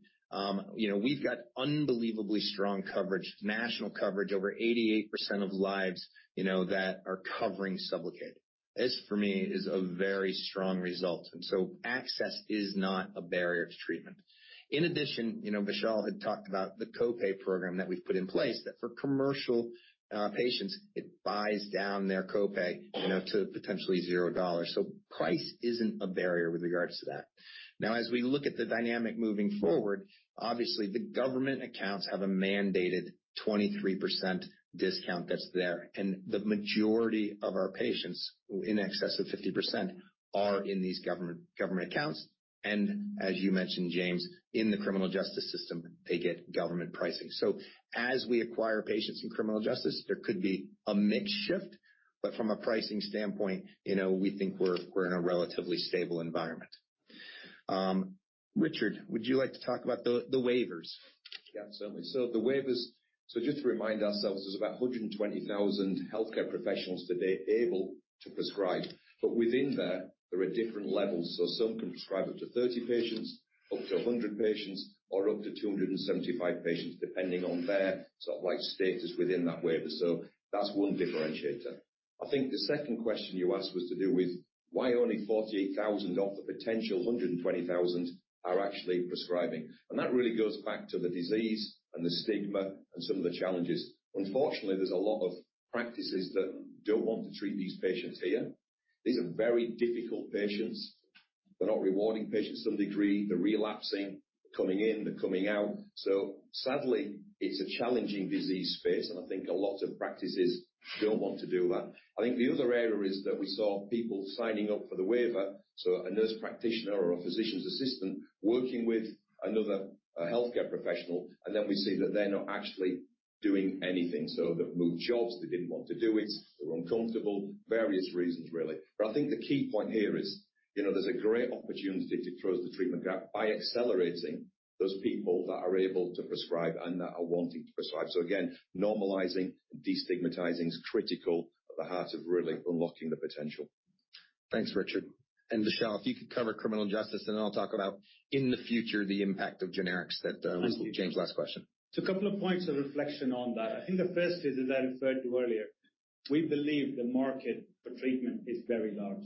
you know, we've got unbelievably strong coverage, national coverage, over 88% of lives, you know, that are covering SUBLOCADE. This, for me, is a very strong result, and so access is not a barrier to treatment. In addition, you know, Vishal Kalia had talked about the co-pay program that we've put in place, that for commercial patients, it buys down their co-pay, you know, to potentially $0. So price isn't a barrier with regards to that. Now, as we look at the dynamic moving forward, obviously the government accounts have a mandated 23% discount that's there. And the majority of our patients, in excess of 50%, are in these government accounts. And as you mentioned, Jamie, in the criminal justice system, they get government pricing. So as we acquire patients in criminal justice, there could be a mix shift, but from a pricing standpoint, you know, we think we're in a relatively stable environment. Richard, would you like to talk about the waivers? Yeah, certainly. The waivers. Just to remind ourselves, there's about 120,000 healthcare professionals today able to prescribe, but within there are different levels. Some can prescribe up to 30 patients, up to 100 patients, or up to 275 patients, depending on their sort of like status within that waiver. That's one differentiator. I think the second question you asked was to do with why only 48,000 of the potential 120,000 are actually prescribing. That really goes back to the disease and the stigma and some of the challenges. Unfortunately, there's a lot of practices that don't want to treat these patients here. These are very difficult patients. They're not rewarding patients to some degree. They're relapsing. They're coming in. They're coming out. Sadly, it's a challenging disease space, and I think a lot of practices don't want to do that. I think the other area is that we saw people signing up for the waiver, so a nurse practitioner or a physician's assistant working with another healthcare professional, and then we see that they're not actually doing anything. They've moved jobs. They didn't want to do it. They were uncomfortable. Various reasons, really. I think the key point here is, you know, there's a great opportunity to close the treatment gap by accelerating those people that are able to prescribe and that are wanting to prescribe. Again, normalizing and destigmatizing is critical at the heart of really unlocking the potential. Thanks, Richard. Vishal, if you could cover criminal justice, I'll talk about in the future the impact of generics that. Thank you. was Jamie's last question. A couple of points of reflection on that. I think the first is, as I referred to earlier, we believe the market for treatment is very large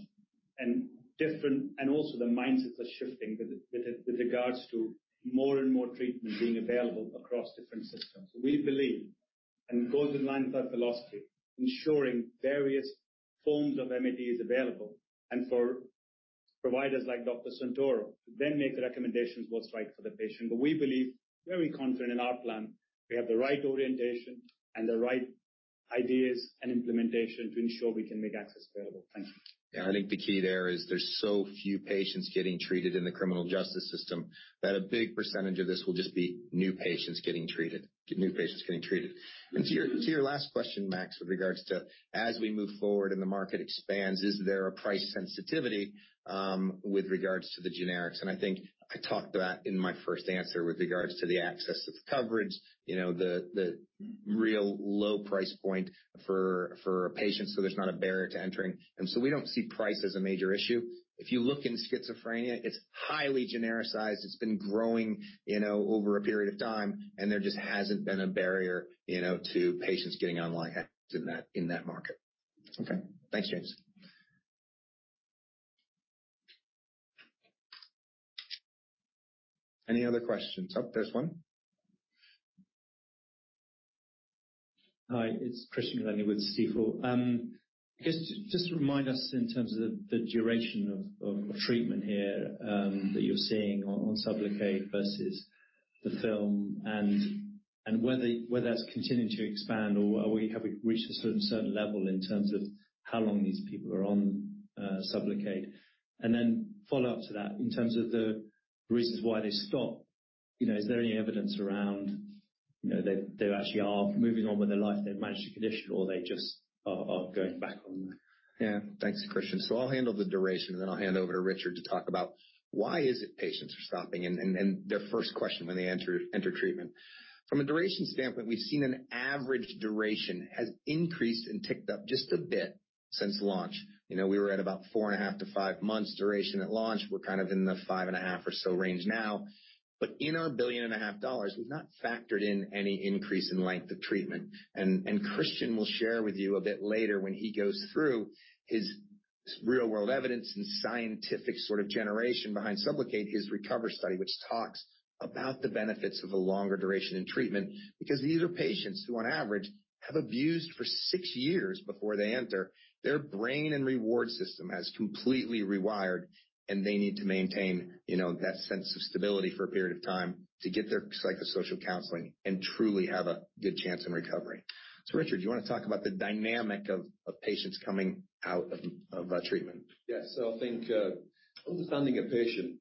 and different, and also the mindsets are shifting with regards to more and more treatment being available across different systems. We believe, and it goes in line with our philosophy, ensuring various forms of MAT is available, and for providers like Dr. Santoro to then make the recommendations what's right for the patient. We believe very confident in our plan. We have the right orientation and the right ideas and implementation to ensure we can make access available. Thank you. Yeah. I think the key there is there's so few patients getting treated in the criminal justice system that a big percentage of this will just be new patients getting treated. To your last question, Max, with regards to as we move forward and the market expands, is there a price sensitivity with regards to the generics? I think I talked to that in my first answer with regards to the access of coverage. You know, the real low price point for patients, so there's not a barrier to entering. We don't see price as a major issue. If you look in schizophrenia, it's highly genericized. It's been growing, you know, over a period of time, and there just hasn't been a barrier, you know, to patients getting online in that market. Okay. Thanks, James. Any other questions? Oh, there's one. Hi, it's Christian Glennie with Stifel. I guess, just remind us in terms of the duration of treatment here, that you're seeing on Sublocade versus the film and whether that's continuing to expand or have we reached a certain level in terms of how long these people are on Sublocade. Follow-up to that, in terms of the reasons why they stop, you know, is there any evidence around, you know, they actually are moving on with their life, they've managed the condition or they just are going back on? Thanks, Christian. I'll handle the duration, and then I'll hand over to Richard to talk about why is it patients are stopping and their first question when they enter treatment. From a duration standpoint, we've seen an average duration has increased and ticked up just a bit since launch. You know, we were at about four and a half to five months duration at launch. We're kind of in the five and a half or so range now. In our billion and a half dollars, we've not factored in any increase in length of treatment. Christian will share with you a bit later when he goes through his real-world evidence and scientific sort of generation behind SUBLOCADE, his RECOVER study, which talks about the benefits of a longer duration in treatment. These are patients who on average, have abused for six years before they enter. Their brain and reward system has completely rewired, and they need to maintain, you know, that sense of stability for a period of time to get their psychosocial counseling and truly have a good chance in recovery. Richard, you wanna talk about the dynamic of patients coming out of that treatment? Yes. I think understanding a patient,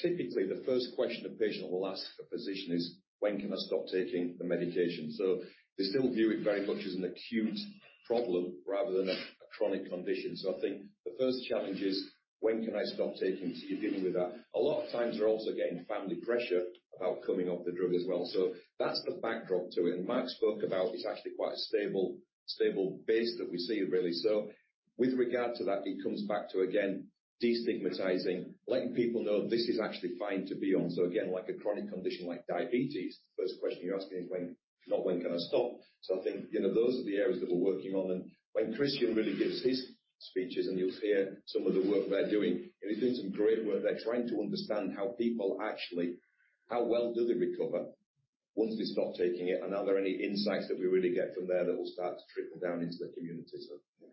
typically the first question a patient will ask a physician is, "When can I stop taking the medication?" They still view it very much as an acute problem rather than a chronic condition. I think the first challenge is when can I stop taking, so you're dealing with that. A lot of times, they're also getting family pressure about coming off the drug as well. That's the backdrop to it. Mark spoke about it's actually quite a stable base that we see really. With regard to that, it comes back to again, destigmatizing, letting people know this is actually fine to be on. Again, like a chronic condition like diabetes, the first question you're asking is when not when can I stop. I think, you know, those are the areas that we're working on. When Christian really gives his speeches and you'll hear some of the work they're doing. He's doing some great work. They're trying to understand how well do they recover once they stop taking it, and are there any insights that we really get from there that will start to trickle down into the community. Yeah.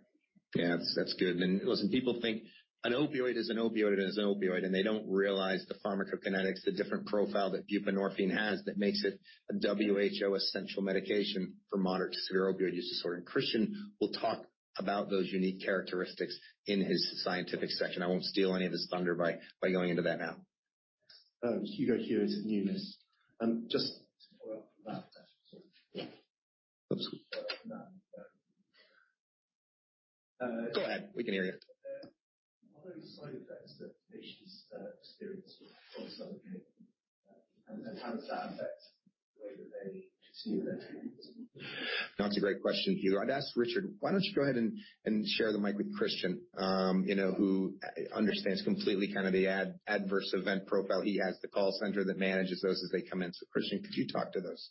Yeah. That's good. Listen, people think an opioid is an opioid is an opioid, and they don't realize the pharmacokinetics, the different profile that buprenorphine has that makes it a WHO essential medication for moderate to severe opioid use disorder. Christian will talk about those unique characteristics in his scientific section. I won't steal any of his thunder by going into that now. Harry Hares at Numis. Just to follow up on that. Sorry. Go ahead. We can hear you. What are the side effects that patients experience from SUBLOCADE? How does that affect the way that they continue their treatment? That's a great question, Harry Hares. I'd ask Richard. Why don't you go ahead and share the mic with Christian, you know, who understands completely kind of the adverse event profile. He has the call center that manages those as they come in. Christian, could you talk to those?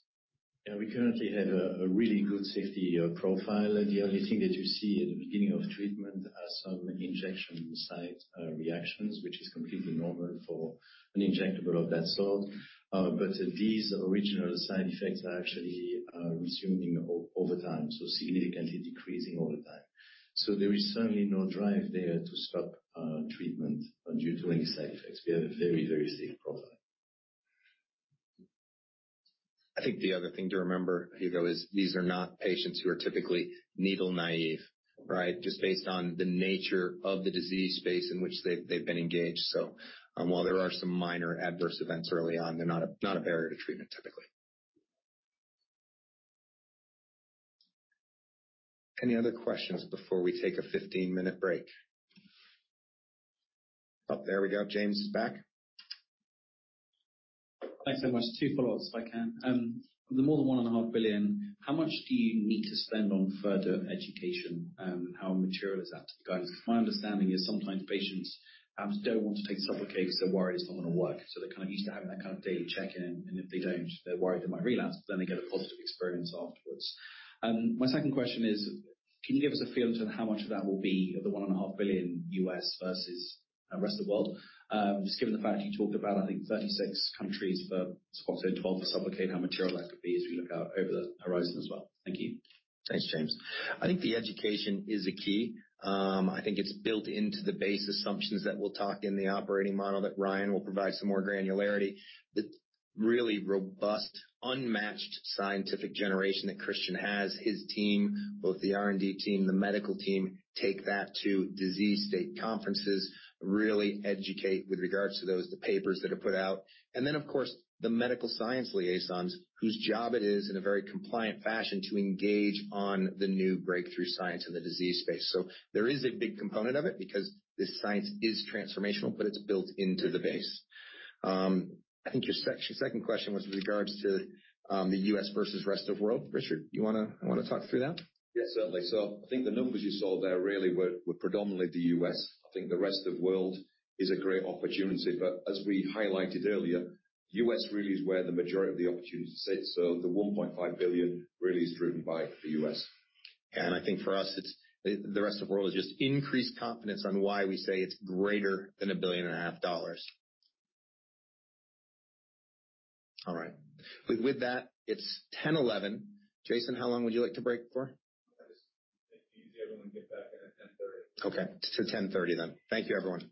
Yeah. We currently have a really good safety profile. The only thing that you see at the beginning of treatment are some injection site reactions, which is completely normal for an injectable of that sort. These original side effects are actually resuming over time, significantly decreasing over time. There is certainly no drive there to stop treatment due to any side effects. We have a very, very safe profile. I think the other thing to remember, Harry, is these are not patients who are typically needle naive, right? Just based on the nature of the disease space in which they've been engaged. While there are some minor adverse events early on, they're not a barrier to treatment, typically. Any other questions before we take a 15-minute break? Oh, there we go. Jamie is back. Thanks so much. Two follow-ups, if I can. The more than 1.5 billion, how much do you need to spend on further education, how material is that to you guys? My understanding is sometimes patients perhaps don't want to take SUBLOCADE because they're worried it's not gonna work. They're kind of used to having that kind of daily check-in, and if they don't, they're worried they might relapse, then they get a positive experience afterwards. My second question is, can you give us a feel into how much of that will be of the $1.5 billion versus rest of the world? Just given the fact that you talked about, I think 36 countries for SUBOXONE in 12 for SUBLOCADE, how material that could be as we look out over the horizon as well. Thank you. Thanks, Jamie Swain. I think the education is a key. I think it's built into the base assumptions that we'll talk in the operating model that Ryan Preblick will provide some more granularity. The really robust, unmatched scientific generation that Christian Heidbreder has, his team, both the R&D team, the medical team, take that to disease state conferences, really educate with regards to those, the papers that are put out. Of course, the medical science liaisons whose job it is in a very compliant fashion to engage on the new breakthrough science in the disease space. There is a big component of it because this science is transformational, but it's built into the base. I think your second question was with regards to the U.S. versus rest of world. Richard Simkin, you wanna talk through that? Yes, certainly. I think the numbers you saw there really were predominantly the U.S. I think the rest of world is a great opportunity, but as we highlighted earlier, U.S. really is where the majority of the opportunity sits. The $1.5 billion really is driven by the U.S. I think for us, it's the rest of world is just increased confidence on why we say it's greater than a billion and a half dollars. All right. With that, it's 10:11 A.M. Jason, how long would you like to break for? I just think easy everyone get back in at 10:30. Okay. To 10:30 A.M. then. Thank you, everyone.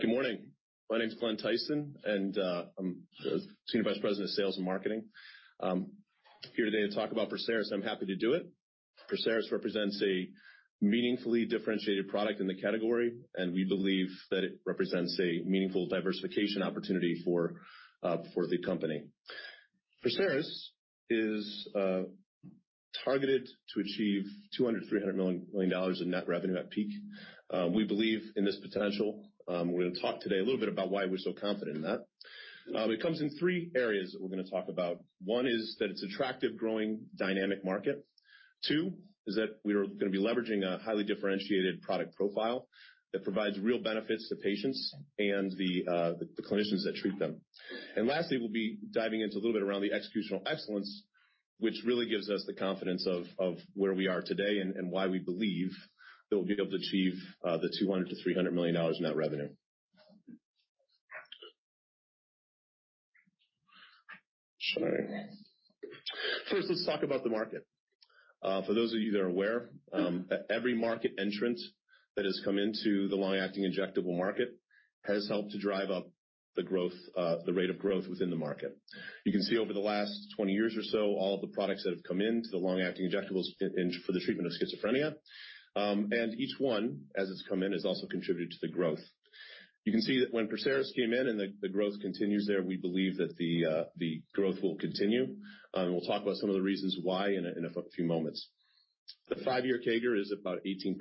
Good morning. My name is Glen Tyson, I'm the Senior Vice President of Sales and Marketing. I'm here today to talk about PERSERIS, I'm happy to do it. PERSERIS represents a meaningfully differentiated product in the category, we believe that it represents a meaningful diversification opportunity for the company. PERSERIS is targeted to achieve $200 million-$300 million of net revenue at peak. We believe in this potential. We're gonna talk today a little bit about why we're so confident in that. It comes in three areas that we're gonna talk about. One is that it's attractive, growing, dynamic market. Two is that we are gonna be leveraging a highly differentiated product profile that provides real benefits to patients and the clinicians that treat them. Lastly, we'll be diving into a little bit around the executional excellence, which really gives us the confidence of where we are today and why we believe that we'll be able to achieve the $200 million-$300 million net revenue. Sorry. First, let's talk about the market. For those of you that are aware, every market entrant that has come into the long-acting injectable market has helped to drive up the growth, the rate of growth within the market. You can see over the last 20 years or so, all of the products that have come into the long-acting injectables for the treatment of schizophrenia. Each one, as it's come in, has also contributed to the growth. You can see that when PERSERIS came in and the growth continues there, we believe that the growth will continue, and we'll talk about some of the reasons why in a few moments. The five-year CAGR is about 18%.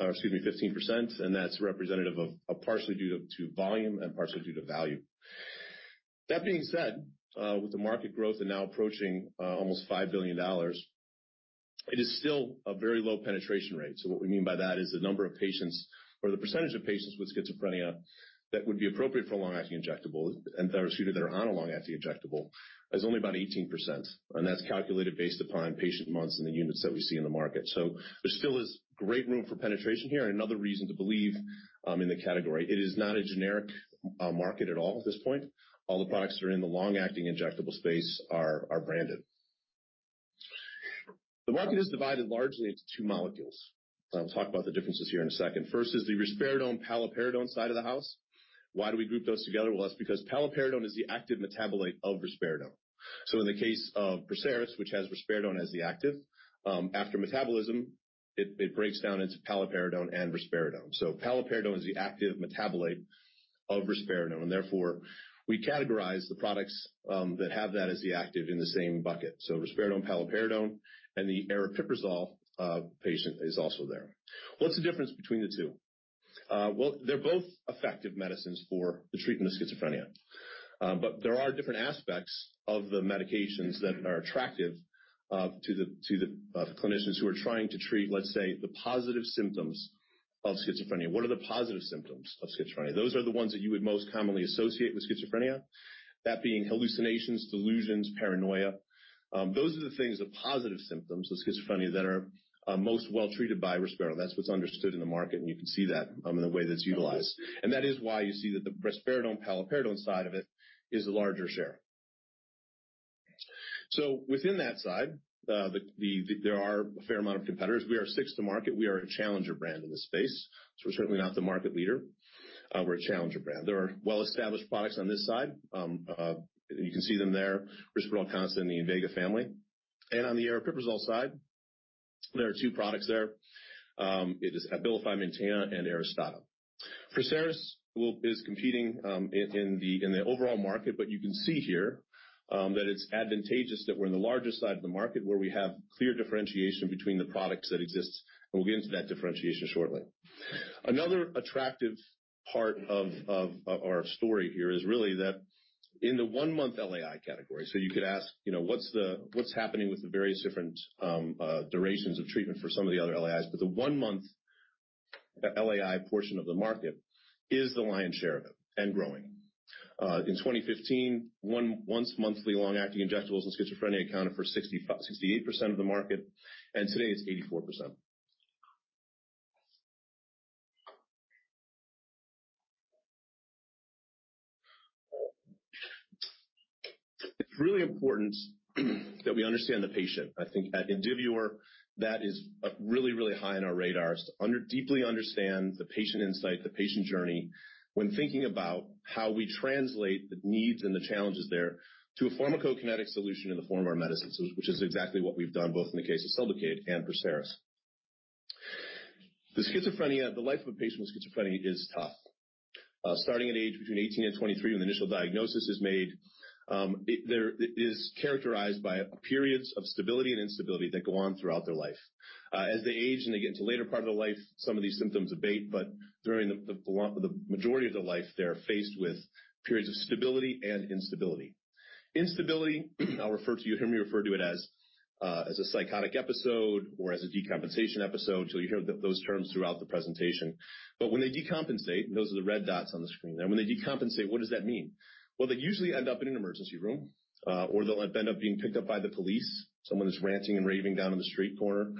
Excuse me, 15%, and that's representative of partially due to volume and partially due to value. That being said, with the market growth and now approaching almost $5 billion, it is still a very low penetration rate. What we mean by that is the number of patients or the percentage of patients with schizophrenia that would be appropriate for a long-acting injectable and therefore suited that are on a long-acting injectable is only about 18%, and that's calculated based upon patient months in the units that we see in the market. There still is great room for penetration here and another reason to believe in the category. It is not a generic market at all at this point. All the products that are in the long-acting injectable space are branded. The market is divided largely into two molecules. I'll talk about the differences here in a second. First is the risperidone paliperidone side of the house. Why do we group those together? Well, that's because paliperidone is the active metabolite of risperidone. In the case of PERSERIS, which has risperidone as the active, after metabolism, it breaks down into paliperidone and risperidone. Paliperidone is the active metabolite of risperidone, and therefore we categorize the products that have that as the active in the same bucket. Risperidone, paliperidone, and the aripiprazole patient is also there. What's the difference between the two? Well, they're both effective medicines for the treatment of schizophrenia. There are different aspects of the medications that are attractive to the clinicians who are trying to treat, let's say, the positive symptoms of schizophrenia. What are the positive symptoms of schizophrenia? Those are the ones that you would most commonly associate with schizophrenia. That being hallucinations, delusions, paranoia. Those are the things, the positive symptoms of schizophrenia that are most well treated by risperidone. That's what's understood in the market, and you can see that in the way that it's utilized. That is why you see that the risperidone, paliperidone side of it is a larger share. Within that side, there are a fair amount of competitors. We are sixth to market. We are a challenger brand in this space, we're certainly not the market leader. We're a challenger brand. There are well-established products on this side. You can see them there, RISPERDAL CONSTA in the Invega family. On the aripiprazole side, there are two products there. It is ABILIFY MAINTENA and Aristada. PERSERIS is competing in the overall market, you can see here that it's advantageous that we're in the largest side of the market where we have clear differentiation between the products that exist, we'll get into that differentiation shortly. Another attractive part of our story here is really that in the one-month LAI category. You could ask, you know, what's happening with the various different durations of treatment for some of the other LAIs? The LAI portion of the market is the lion's share of it and growing. In 2015, once monthly long-acting injectables in schizophrenia accounted for 68% of the market, and today it's 84%. It's really important that we understand the patient. I think at Indivior that is really high on our radar is to deeply understand the patient insight, the patient journey when thinking about how we translate the needs and the challenges there to a pharmacokinetic solution in the form of our medicines. Which is exactly what we've done both in the case of SUBLOCADE and PERSERIS. The life of a patient with schizophrenia is tough. Starting at age between 18 and 23, when the initial diagnosis is made, it is characterized by periods of stability and instability that go on throughout their life. As they age and they get into later part of their life, some of these symptoms abate. During the majority of their life, they are faced with periods of stability and instability. Instability, you hear me refer to it as a psychotic episode or as a decompensation episode, so you'll hear those terms throughout the presentation. When they decompensate, and those are the red dots on the screen there. When they decompensate, what does that mean? Well, they usually end up in an emergency room, or they'll end up being picked up by the police. Someone who's ranting and raving down on the street corner,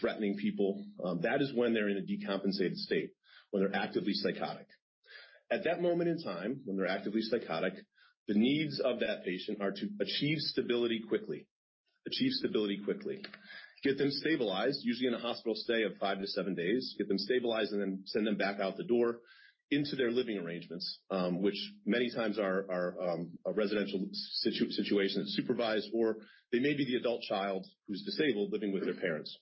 threatening people. That is when they're in a decompensated state, when they're actively psychotic. At that moment in time, when they're actively psychotic, the needs of that patient are to achieve stability quickly. Achieve stability quickly. Get them stabilized, usually in a hospital stay of 5 days to 7 days. Get them stabilized and then send them back out the door into their living arrangements, which many times are a residential situation that's supervised, or they may be the adult child who's disabled living with their parents.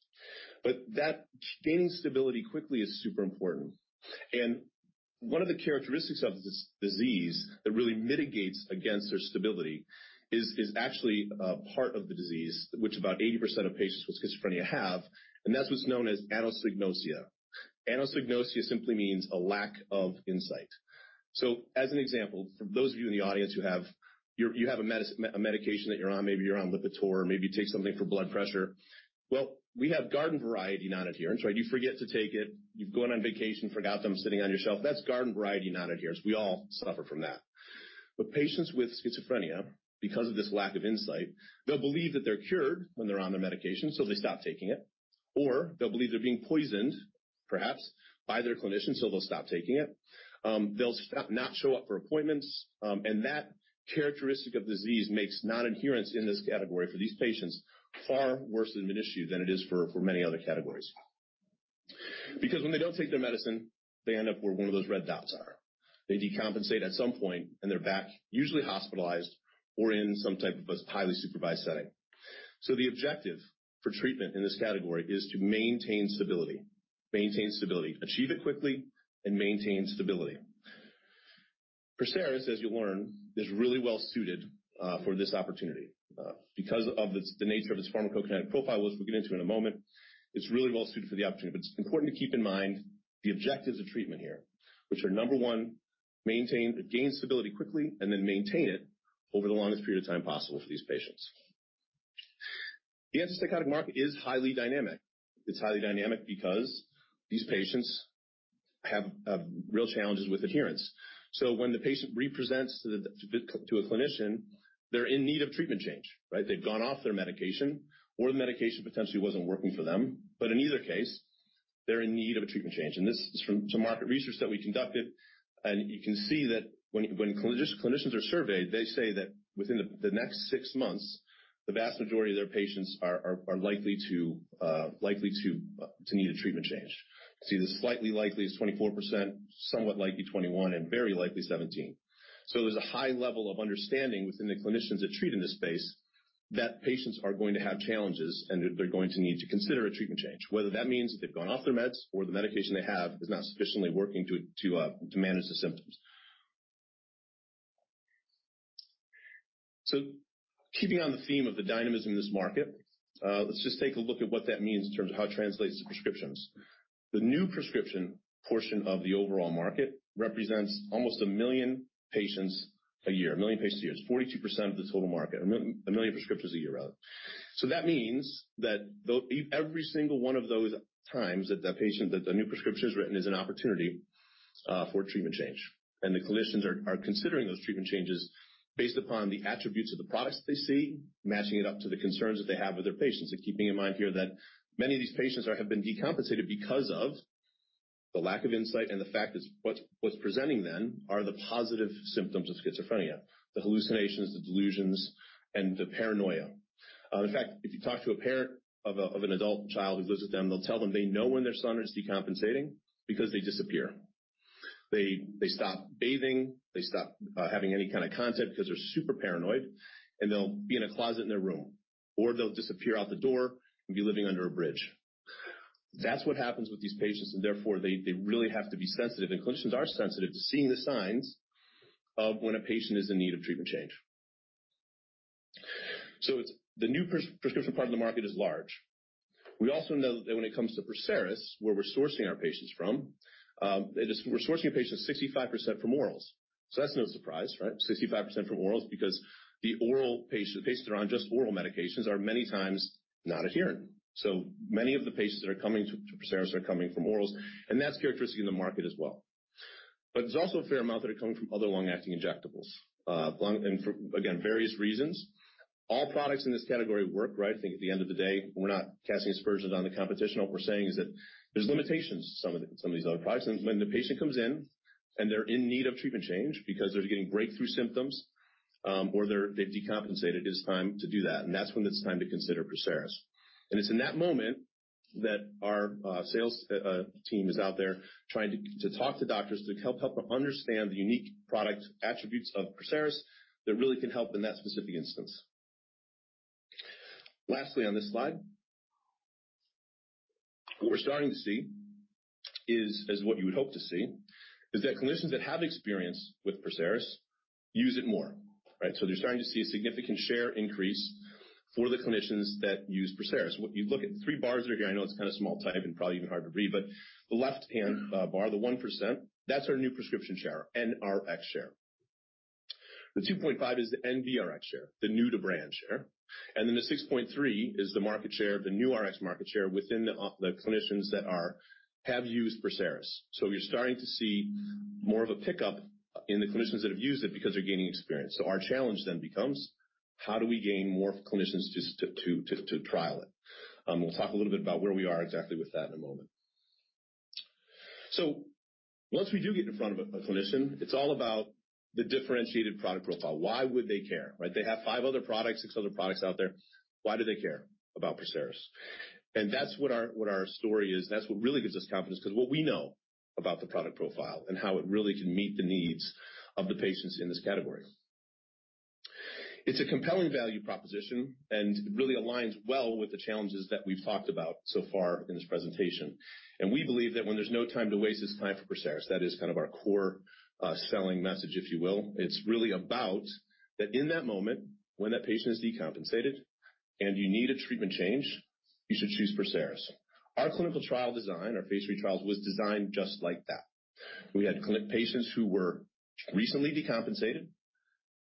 That gaining stability quickly is super important. One of the characteristics of this disease that really mitigates against their stability is actually a part of the disease which about 80% of patients with schizophrenia have, and that's what's known as anosognosia. Anosognosia simply means a lack of insight. As an example, for those of you in the audience who have... You have a medication that you're on, maybe you're on Lipitor, maybe you take something for blood pressure. We have garden variety non-adherence, right? You forget to take it. You've gone on vacation, forgot them sitting on your shelf. That's garden variety non-adherence. We all suffer from that. Patients with schizophrenia, because of this lack of insight, they'll believe that they're cured when they're on their medication, so they stop taking it. They'll believe they're being poisoned, perhaps by their clinician, so they'll stop taking it. They'll not show up for appointments. That characteristic of disease makes non-adherence in this category for these patients far worse of an issue than it is for many other categories. When they don't take their medicine, they end up where one of those red dots are. They decompensate at some point they're back, usually hospitalized or in some type of a highly supervised setting. The objective for treatment in this category is to maintain stability. Achieve it quickly, maintain stability. PERSERIS, as you'll learn, is really well suited for this opportunity because of the nature of its pharmacokinetic profile, which we'll get into in a moment. It's really well suited for the opportunity. It's important to keep in mind the objectives of treatment here, which are, number one, gain stability quickly and then maintain it over the longest period of time possible for these patients. The antipsychotic market is highly dynamic. It's highly dynamic because these patients have real challenges with adherence. When the patient re-presents to a clinician, they're in need of treatment change, right? They've gone off their medication or the medication potentially wasn't working for them. In either case, they're in need of a treatment change. This is from some market research that we conducted. You can see that when clinicians are surveyed, they say that within the next six months, the vast majority of their patients are likely to need a treatment change. The slightly likely is 24%, somewhat likely 21, and very likely 17. There's a high level of understanding within the clinicians that treat in this space that patients are going to have challenges and they're going to need to consider a treatment change, whether that means they've gone off their meds or the medication they have is not sufficiently working to manage the symptoms. Keeping on the theme of the dynamism in this market, let's just take a look at what that means in terms of how it translates to prescriptions. The new prescription portion of the overall market represents almost 1 million patients a year. 1 million patients a year. It's 42% of the total market. 1 million prescriptions a year, rather. That means that every single one of those times that that patient, that a new prescription is written is an opportunity for a treatment change. The clinicians are considering those treatment changes based upon the attributes of the products that they see, matching it up to the concerns that they have with their patients and keeping in mind here that many of these patients have been decompensated because of the lack of insight and the fact is what's presenting then are the positive symptoms of schizophrenia, the hallucinations, the delusions, and the paranoia. In fact, if you talk to a parent of an adult child who lives with them, they'll tell them they know when their son is decompensating because they disappear. They stop bathing, they stop having any kind of contact because they're super paranoid, and they'll be in a closet in their room or they'll disappear out the door and be living under a bridge. That's what happens with these patients. Therefore, they really have to be sensitive. Clinicians are sensitive to seeing the signs of when a patient is in need of treatment change. The new prescription part of the market is large. We also know that when it comes to PERSERIS, where we're sourcing our patients from, and just we're sourcing patients 65% from orals. That's no surprise, right? 65% from orals because the oral patients that are on just oral medications are many times not adherent. Many of the patients that are coming to PERSERIS are coming from orals, and that's characteristic in the market as well. There's also a fair amount that are coming from other long-acting injectables. And for, again, various reasons. All products in this category work, right? I think at the end of the day, we're not casting aspersions on the competition. What we're saying is that there's limitations to some of these other products. When the patient comes in and they're in need of treatment change because they're getting breakthrough symptoms, or they've decompensated, it is time to do that. That's when it's time to consider PERSERIS. It's in that moment that our sales team is out there trying to talk to doctors to help them understand the unique product attributes of PERSERIS that really can help in that specific instance. Lastly, on this slide, what we're starting to see is what you would hope to see, is that clinicians that have experience with PERSERIS use it more, right? They're starting to see a significant share increase for the clinicians that use PERSERIS. What you look at the 3 bars over here, I know it's kind of small type and probably even hard to read, but the left-hand bar, the 1%, that's our new prescription share, NRX share. The 2.5% is the NBRx share, the new to brand share. The 6.3% is the market share, the new RX market share within the clinicians that have used PERSERIS. You're starting to see more of a pickup in the clinicians that have used it because they're gaining experience. Our challenge then becomes, how do we gain more clinicians to trial it? We'll talk a little bit about where we are exactly with that in a moment. Once we do get in front of a clinician, it's all about the differentiated product profile. Why would they care, right? They have five other products, six other products out there. Why do they care about Prosaris? That's what our story is, and that's what really gives us confidence 'cause what we know about the product profile and how it really can meet the needs of the patients in this category. It's a compelling value proposition, and it really aligns well with the challenges that we've talked about so far in this presentation. We believe that when there's no time to waste, it's time for Prosaris. That is kind of our core selling message, if you will. It's really about that in that moment when that patient is decompensated and you need a treatment change, you should choose Prosaris. Our clinical trial design, our phase three trials, was designed just like that. We had clinic patients who were recently decompensated,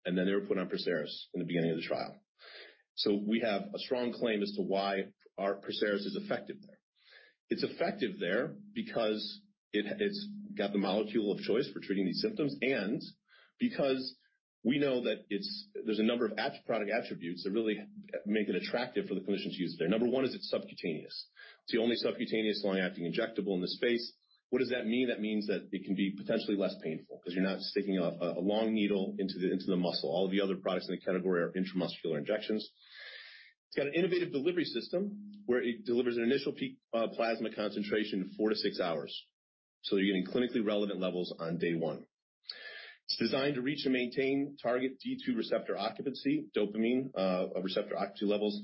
and then they were put on PERSERIS in the beginning of the trial. We have a strong claim as to why our PERSERIS is effective there. It's effective there because it's got the molecule of choice for treating these symptoms and because we know that there's a number of product attributes that really make it attractive for the clinicians to use there. Number one is it's subcutaneous. It's the only subcutaneous long-acting injectable in this space. What does that mean? That means that it can be potentially less painful 'cause you're not sticking a long needle into the muscle. All of the other products in the category are intramuscular injections. It's got an innovative delivery system where it delivers an initial peak plasma concentration in 4hours - 6 hours. You're getting clinically relevant levels on day one. It's designed to reach and maintain target D2 receptor occupancy, dopamine receptor occupancy levels,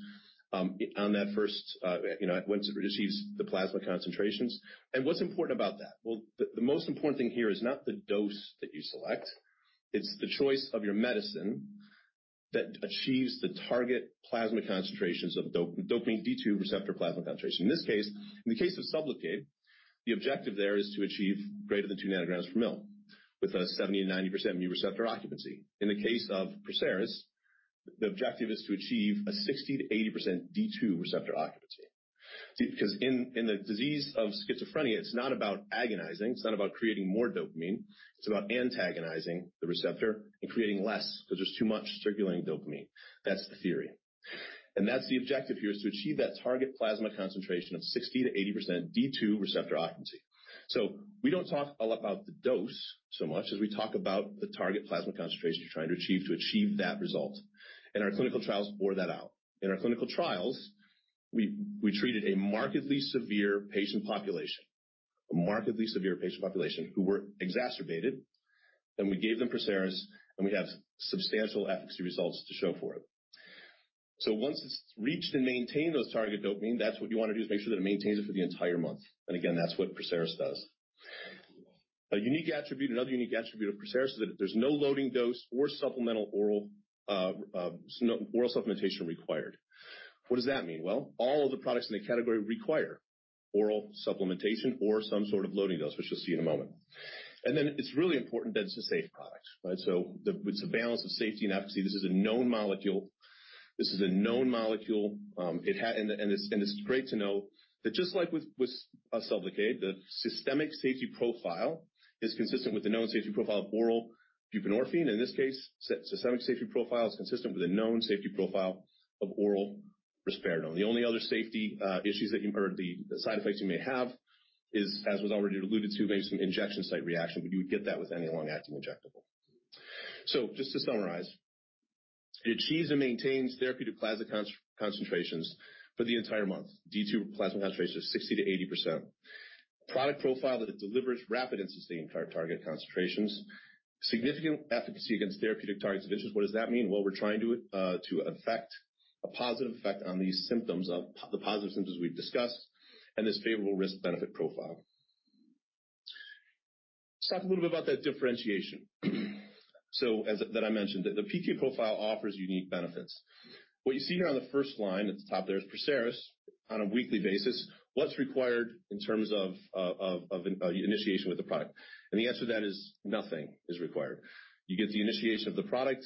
you know, once it achieves the plasma concentrations. What's important about that? Well, the most important thing here is not the dose that you select. It's the choice of your medicine that achieves the target plasma concentrations of dopamine D2 receptor plasma concentration. In this case, in the case of SUBLOCADE, the objective there is to achieve greater than 2 nanograms per mil with a 70%-90% mu-opioid receptor occupancy. In the case of PERSERIS, the objective is to achieve a 60%-80% D2 receptor occupancy. See, because in the disease of schizophrenia, it's not about agonizing, it's not about creating more dopamine, it's about antagonizing the receptor and creating less 'cause there's too much circulating dopamine. That's the theory. That's the objective here, is to achieve that target plasma concentration of 60%-80% D2 receptor occupancy. We don't talk a lot about the dose so much as we talk about the target plasma concentration you're trying to achieve to achieve that result. Our clinical trials bore that out. In our clinical trials, we treated a markedly severe patient population who were exacerbated, then we gave them PERSERIS, and we have substantial efficacy results to show for it. Once it's reached and maintained those target dopamine, that's what you wanna do, is make sure that it maintains it for the entire month. Again, that's what PERSERIS does. A unique attribute of PERSERIS is that there's no loading dose or supplemental oral, no oral supplementation required. What does that mean? All of the products in the category require oral supplementation or some sort of loading dose, which you'll see in a moment. Then it's really important that it's a safe product, right? With the balance of safety and efficacy, this is a known molecule. This is a known molecule. It and this is great to know that just like with SUBLOCADE, the systemic safety profile is consistent with the known safety profile of oral buprenorphine. In this case, systemic safety profile is consistent with the known safety profile of oral risperidone. The only other safety issues that you or the side effects you may have is, as was already alluded to, maybe some injection site reaction, but you would get that with any long-acting injectable. Just to summarize. It achieves and maintains therapeutic plasma concentrations for the entire month. D-two plasma concentration of 60%-80%. Product profile that it delivers rapid and sustained target concentrations. Significant efficacy against therapeutic targets of interest. What does that mean? Well, we're trying to affect a positive effect on these symptoms of the positive symptoms we've discussed and this favorable risk-benefit profile. Let's talk a little bit about that differentiation. As I mentioned. The PK profile offers unique benefits. What you see here on the first line at the top there is PERSERIS on a weekly basis, what's required in terms of initiation with the product. The answer to that is nothing is required. You get the initiation of the product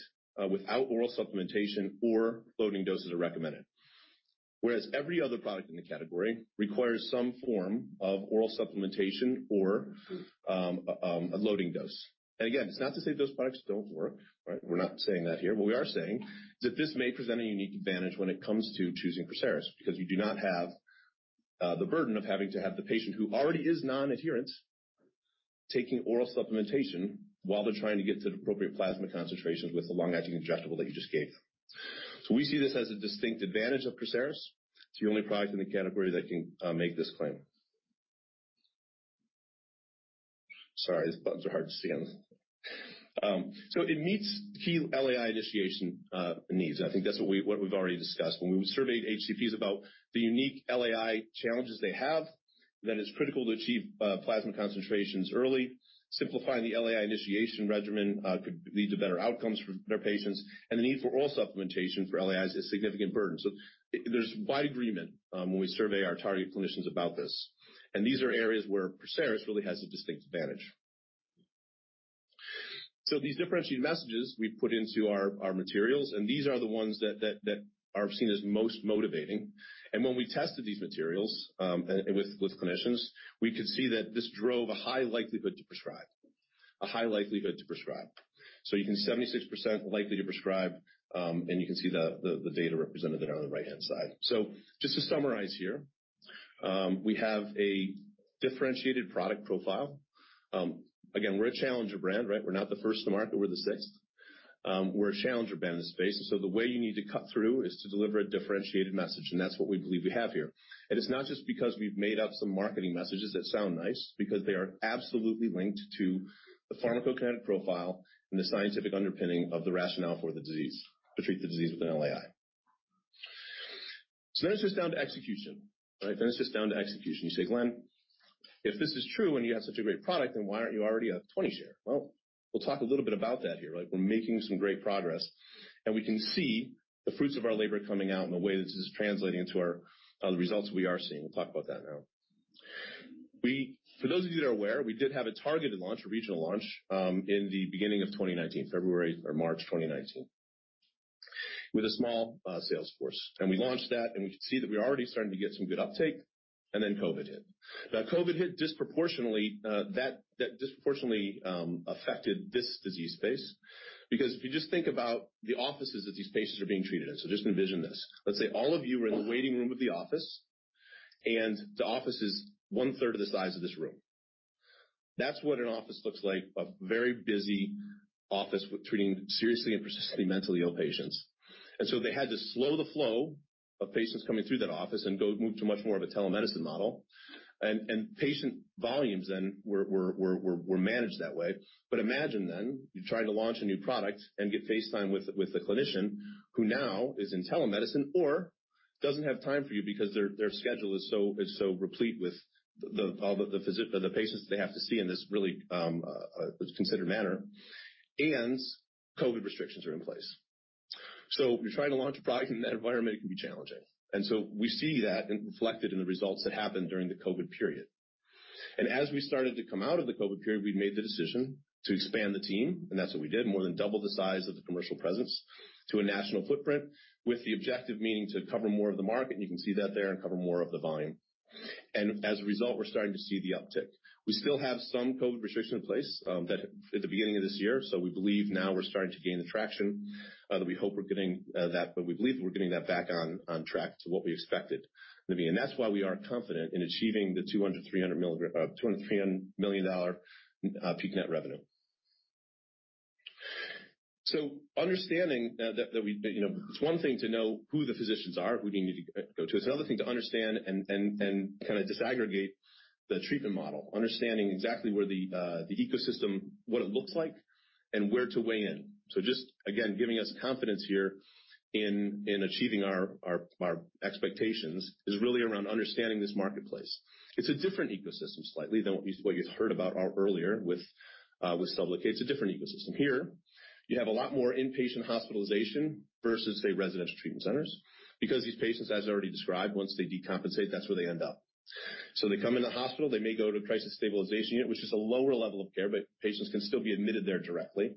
without oral supplementation or loading doses are recommended. Whereas every other product in the category requires some form of oral supplementation or a loading dose. Again, it's not to say those products don't work, right? We're not saying that here. We are saying that this may present a unique advantage when it comes to choosing PERSERIS, because you do not have the burden of having to have the patient who already is non-adherent taking oral supplementation while they're trying to get to the appropriate plasma concentrations with the long-acting injectable that you just gave. We see this as a distinct advantage of Proseras. It's the only product in the category that can make this claim. Sorry, these buttons are hard to see on this. It meets key LAI initiation needs. I think that's what we've already discussed. When we surveyed HCPs about the unique LAI challenges they have, that it's critical to achieve plasma concentrations early. Simplifying the LAI initiation regimen could lead to better outcomes for their patients. The need for oral supplementation for LAIs is a significant burden. There's wide agreement when we survey our target clinicians about this. These are areas where Proseras really has a distinct advantage. These differentiated messages we've put into our materials, and these are the ones that are seen as most motivating. When we tested these materials, with clinicians, we could see that this drove a high likelihood to prescribe. A high likelihood to prescribe. You can 76% likely to prescribe, and you can see the data represented there on the right-hand side. Just to summarize here, we have a differentiated product profile. Again, we're a challenger brand, right? We're not the first to market, we're the 6th. We're a challenger brand in this space, the way you need to cut through is to deliver a differentiated message, and that's what we believe we have here. It's not just because we've made up some marketing messages that sound nice because they are absolutely linked to the pharmacokinetic profile and the scientific underpinning of the rationale for the disease. To treat the disease with an LAI. It's just down to execution, right? It's just down to execution. You say, "Glen, if this is true and you have such a great product, then why aren't you already at 20 share?" We'll talk a little bit about that here, right? We're making some great progress, and we can see the fruits of our labor coming out in the way that this is translating into our, the results we are seeing. We'll talk about that now. For those of you that are aware, we did have a targeted launch, a regional launch, in the beginning of 2019. February or March 2019, with a small sales force. We launched that, and we could see that we were already starting to get some good uptake, and then COVID hit. COVID hit disproportionately, that disproportionately affected this disease space. If you just think about the offices that these patients are being treated in. Just envision this. Let's say all of you are in the waiting room of the office, and the office is 1/3 of the size of this room. That's what an office looks like, a very busy office with treating seriously and persistently mentally ill patients. They had to slow the flow of patients coming through that office and move to much more of a telemedicine model. Patient volumes then were managed that way. Imagine then you're trying to launch a new product and get face time with the clinician who now is in telemedicine or doesn't have time for you because their schedule is so replete with all the patients they have to see in this really considered manner, and COVID restrictions are in place. You're trying to launch a product in that environment, it can be challenging. We see that reflected in the results that happened during the COVID period. As we started to come out of the COVID period, we made the decision to expand the team, and that's what we did. More than double the size of the commercial presence to a national footprint with the objective meaning to cover more of the market. You can see that there, and cover more of the volume. As a result, we're starting to see the uptick. We still have some COVID restrictions in place that at the beginning of this year. We believe now we're starting to gain the traction that we hope we're getting, but we believe we're getting that back on track to what we expected it to be. That's why we are confident in achieving the $200 million-$300 million peak net revenue. Understanding that we, you know, it's one thing to know who the physicians are, who we need to go to. It's another thing to understand and kinda disaggregate the treatment model. Understanding exactly where the ecosystem, what it looks like, and where to weigh in. Just, again, giving us confidence here in achieving our expectations is really around understanding this marketplace. It's a different ecosystem slightly than what you heard about earlier with SUBLOCADE. It's a different ecosystem. Here, you have a lot more inpatient hospitalization versus, say, residential treatment centers because these patients, as already described, once they decompensate, that's where they end up. They come in the hospital, they may go to a crisis stabilization unit, which is a lower level of care, but patients can still be admitted there directly.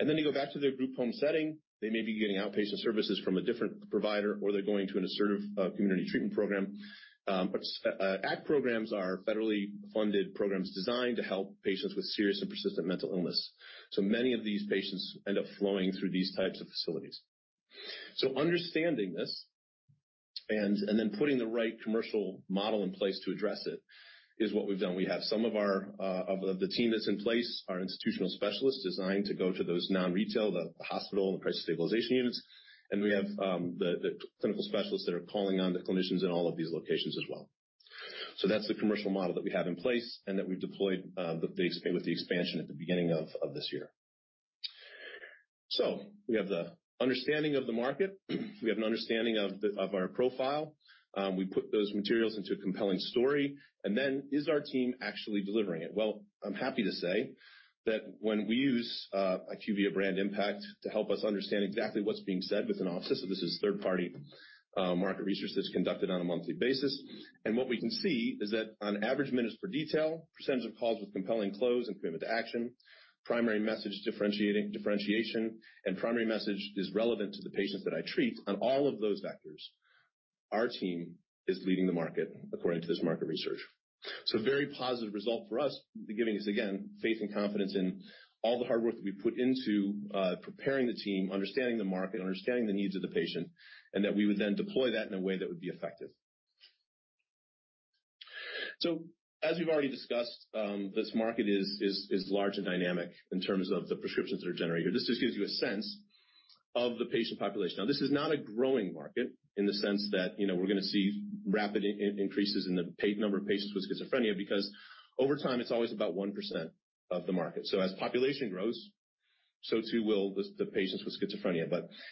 They go back to their group home setting. They may be getting outpatient services from a different provider, or they're going to an assertive community treatment program. ACT programs are federally funded programs designed to help patients with serious and persistent mental illness. Many of these patients end up flowing through these types of facilities. Understanding this and then putting the right commercial model in place to address it is what we've done. We have some of our of the team that's in place are institutional specialists designed to go to those non-retail, the hospital and crisis stabilization units. We have the clinical specialists that are calling on the clinicians in all of these locations as well. That's the commercial model that we have in place and that we've deployed with the expansion at the beginning of this year. We have the understanding of the market. We have an understanding of our profile. We put those materials into a compelling story. Is our team actually delivering it? Well, I'm happy to say that when we use IQVIA BrandImpact to help us understand exactly what's being said within offices. This is third-party market research that's conducted on a monthly basis. What we can see is that on average minutes per detail, percentage of calls with compelling close and commitment to action, primary message differentiation, and primary message is relevant to the patients that I treat on all of those vectors. Our team is leading the market according to this market research. Very positive result for us, giving us, again, faith and confidence in all the hard work that we put into preparing the team, understanding the market, understanding the needs of the patient, and that we would then deploy that in a way that would be effective. As we've already discussed, this market is large and dynamic in terms of the prescriptions that are generated. This just gives you a sense of the patient population. Now, this is not a growing market in the sense that, you know, we're gonna see rapid increases in the number of patients with schizophrenia, because over time it's always about 1% of the market. As population grows, so too will the patients with schizophrenia.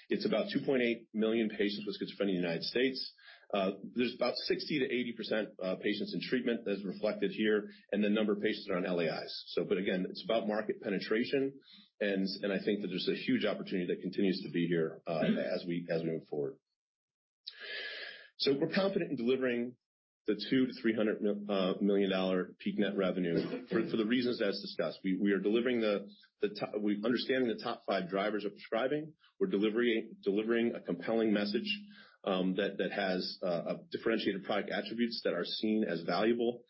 It's about 2.8 million patients with schizophrenia in the United States. There's about 60%-80% patients in treatment as reflected here and the number of patients that are on LAIs. But again, it's about market penetration, and I think that there's a huge opportunity that continues to be here as we move forward. We're confident in delivering the $200 million-$300 million peak net revenue for the reasons as discussed. We're understanding the top five drivers of prescribing. We're delivering a compelling message that has differentiated product attributes that are seen as valuable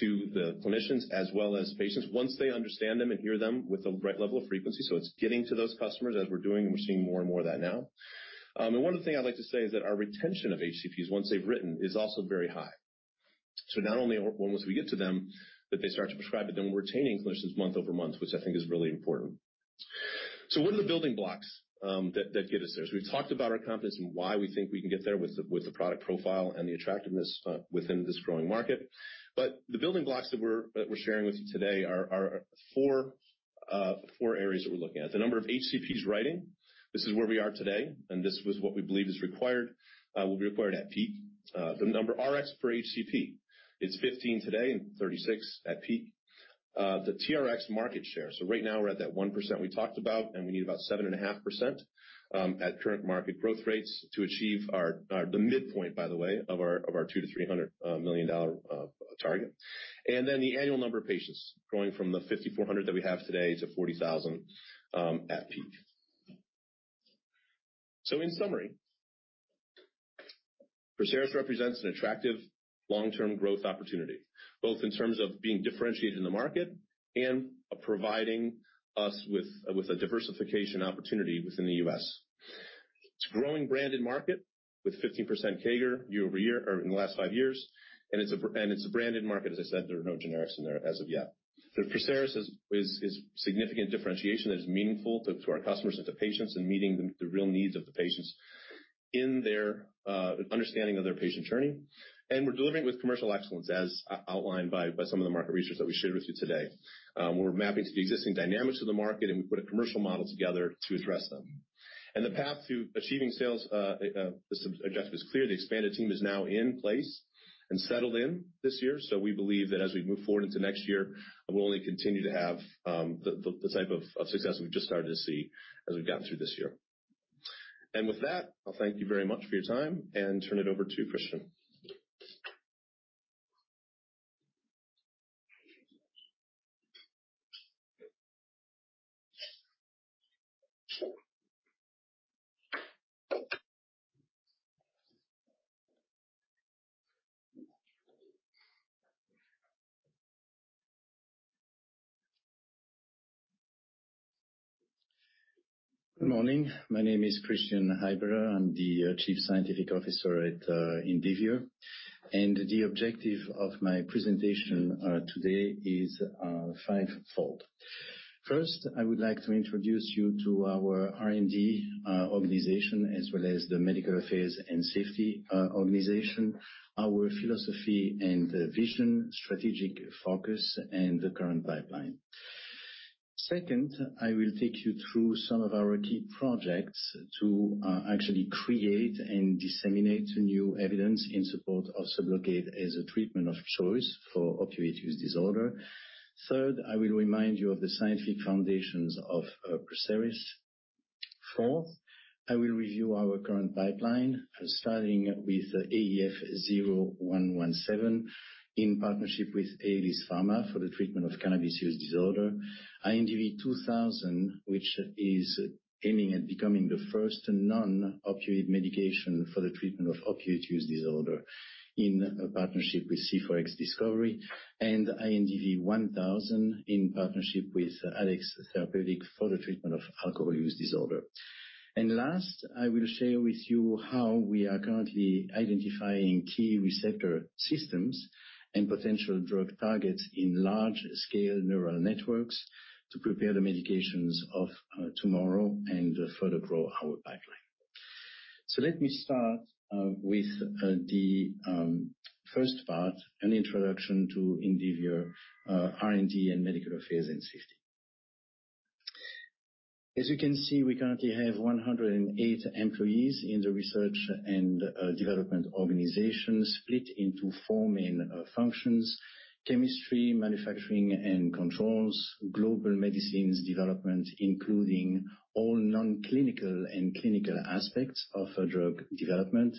to the clinicians as well as patients. Once they understand them and hear them with the right level of frequency, so it's getting to those customers as we're doing, and we're seeing more and more of that now. One of the things I'd like to say is that our retention of HCPs once they've written is also very high. Not only once we get to them that they start to prescribe it, then we're retaining clinicians month-over-month, which I think is really important. What are the building blocks that get us there? We've talked about our confidence and why we think we can get there with the product profile and the attractiveness within this growing market. The building blocks that we're sharing with you today are four areas that we're looking at. The number of HCPs writing. This is where we are today, and this was what we believe is required, will be required at peak. The number RX per HCP. It's 15 today and 36 at peak. The TRX market share. Right now we're at that 1% we talked about, and we need about 7.5% at current market growth rates to achieve our... the midpoint, by the way, of our $200 million-$300 million target. The annual number of patients growing from the 5,400 that we have today to 40,000 at peak. In summary, PERSERIS represents an attractive long-term growth opportunity, both in terms of being differentiated in the market and providing us with a diversification opportunity within the U.S. It's growing branded market with 15% CAGR year-over-year, or in the last five years, and it's a branded market. As I said, there are no generics in there as of yet. The PERSERIS is significant differentiation that is meaningful to our customers and to patients in meeting the real needs of the patients in their understanding of their patient journey. We're delivering with commercial excellence as outlined by some of the market research that we shared with you today. We're mapping to the existing dynamics of the market, and we put a commercial model together to address them. The path to achieving sales, this objective is clear. The expanded team is now in place and settled in this year, we believe that as we move forward into next year, we'll only continue to have the type of success we've just started to see as we've gotten through this year. With that, I'll thank you very much for your time and turn it over to Christian. Good morning. My name is Christian Heidbreder. I'm the Chief Scientific Officer at Indivior. The objective of my presentation today is fivefold. First, I would like to introduce you to our R&D organization as well as the Medical Affairs and Safety organization, our philosophy and vision, strategic focus, and the current pipeline. Second, I will take you through some of our key projects to actually create and disseminate new evidence in support of SUBLOCADE as a treatment of choice for opioid use disorder. Third, I will remind you of the scientific foundations of PERSERIS. Fourth, I will review our current pipeline, starting with the AEF0117 in partnership with Aelis Farma for the treatment of cannabis use disorder. INDV-2000, which is aiming at becoming the first non-opioid medication for the treatment of opioid use disorder in a partnership with C4X Discovery. INDV-1000 in partnership with Addex Therapeutics for the treatment of alcohol use disorder. Last, I will share with you how we are currently identifying key receptor systems and potential drug targets in large-scale neural networks to prepare the medications of tomorrow and further grow our pipeline. Let me start with the first part, an introduction to Indivior R&D and Medical Affairs and Safety. As you can see, we currently have 108 employees in the research and development organization split into four main functions: chemistry, manufacturing and controls, global medicines development, including all non-clinical and clinical aspects of drug development,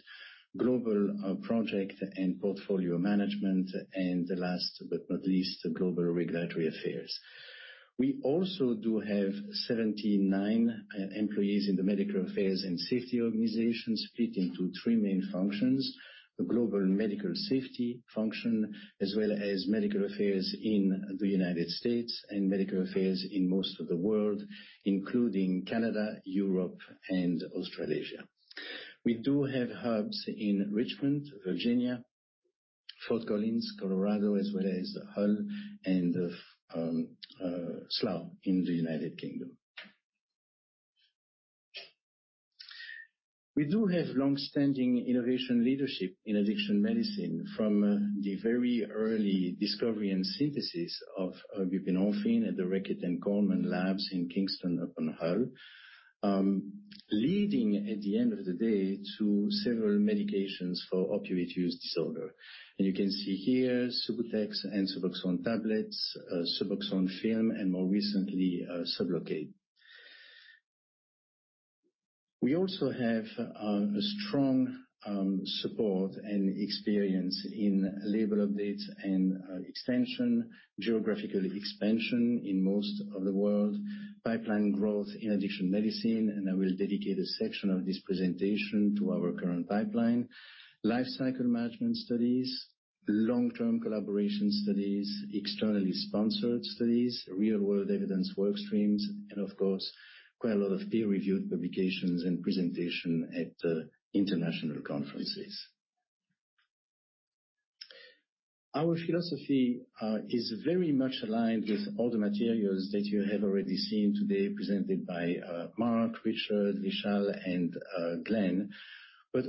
global project and portfolio management, and the last but not least, global regulatory affairs. We also do have 79 employees in the medical affairs and safety organization, split into three main functions. The global medical safety function, as well as medical affairs in the United States, and medical affairs in most of the world, including Canada, Europe and Australasia. We do have hubs in Richmond, Virginia, Fort Collins, Colorado, as well as Hull and Slough in the United Kingdom. We do have long-standing innovation leadership in addiction medicine from the very early discovery and synthesis of buprenorphine at the Reckitt & Colman labs in Kingston upon Hull. Leading, at the end of the day, to several medications for opioid use disorder. You can see here SUBUTEX and SUBOXONE tablets, SUBOXONE film, and more recently, SUBLOCADE. We also have a strong support and experience in label updates and extension, geographical expansion in most of the world, pipeline growth in addiction medicine. I will dedicate a section of this presentation to our current pipeline. Life cycle management studies, long-term collaboration studies, externally sponsored studies, real world evidence workstreams, and of course, quite a lot of peer-reviewed publications and presentation at international conferences. Our philosophy is very much aligned with all the materials that you have already seen today presented by Mark Crossley, Richard Simkin, Vishal Kalia, and Glen Gormley.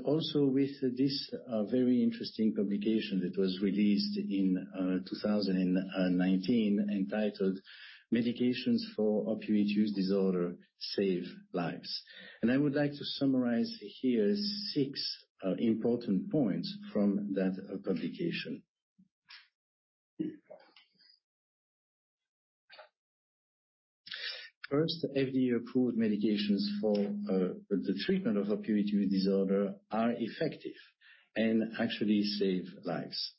Also with this very interesting publication that was released in 2019, entitled Medications for Opioid Use Disorder Save Lives. I would like to summarize here six important points from that publication. First, FDA-approved medications for the treatment of opioid use disorder are effective and actually save lives.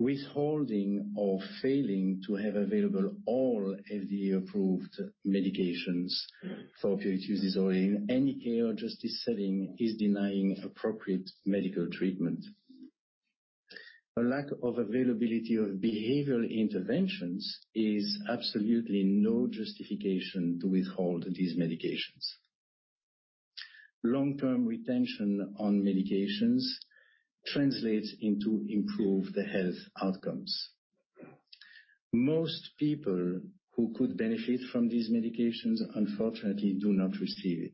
Withholding or failing to have available all FDA-approved medications for opioid use disorder in any care or justice setting is denying appropriate medical treatment. A lack of availability of behavioral interventions is absolutely no justification to withhold these medications. Long-term retention on medications translates into improved health outcomes. Most people who could benefit from these medications unfortunately do not receive it,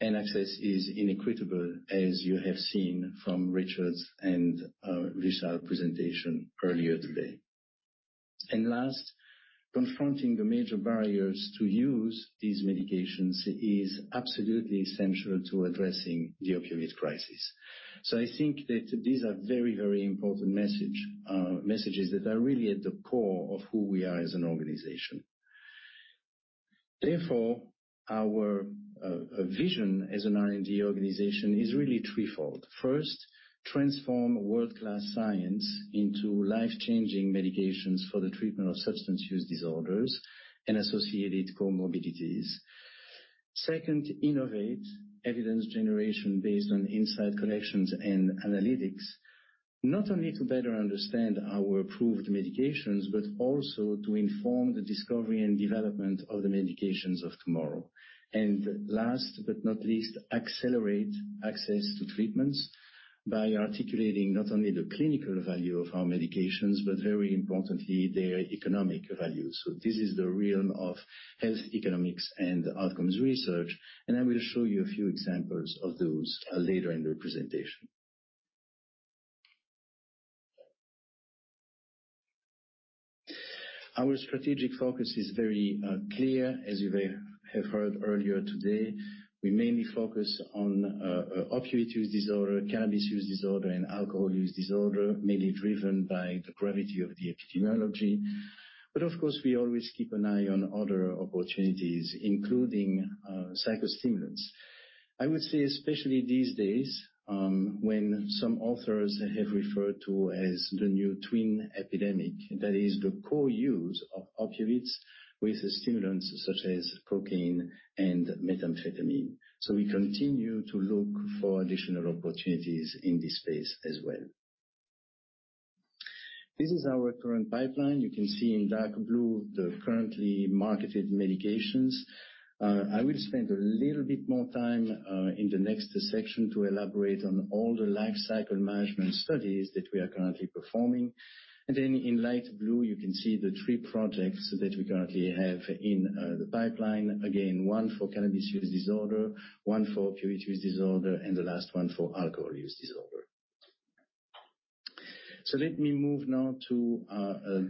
and access is inequitable, as you have seen from Richard's and Vishal's presentation earlier today. Last, confronting the major barriers to use these medications is absolutely essential to addressing the opioid crisis. I think that these are very, very important messages that are really at the core of who we are as an organization. Therefore, our vision as an R&D organization is really threefold. First, transform world-class science into life-changing medications for the treatment of substance use disorders and associated comorbidities. Second, innovate evidence generation based on insight, connections, and analytics, not only to better understand our approved medications, but also to inform the discovery and development of the medications of tomorrow. Last but not least, accelerate access to treatments by articulating not only the clinical value of our medications, but very importantly, their economic value. This is the realm of health economics and outcomes research, and I will show you a few examples of those later in the presentation. Our strategic focus is very clear, as you may have heard earlier today. We mainly focus on opioid use disorder, cannabis use disorder, and alcohol use disorder, mainly driven by the gravity of the epidemiology. Of course, we always keep an eye on other opportunities, including psychostimulants. I would say, especially these days, when some authors have referred to as the new twin epidemic, that is the co-use of opioids with stimulants such as cocaine and methamphetamine. We continue to look for additional opportunities in this space as well. This is our current pipeline. You can see in dark blue the currently marketed medications. I will spend a little bit more time in the next section to elaborate on all the life cycle management studies that we are currently performing. In light blue, you can see the three projects that we currently have in the pipeline. Again, one for cannabis use disorder, one for opioid use disorder, and the last one for alcohol use disorder. Let me move now to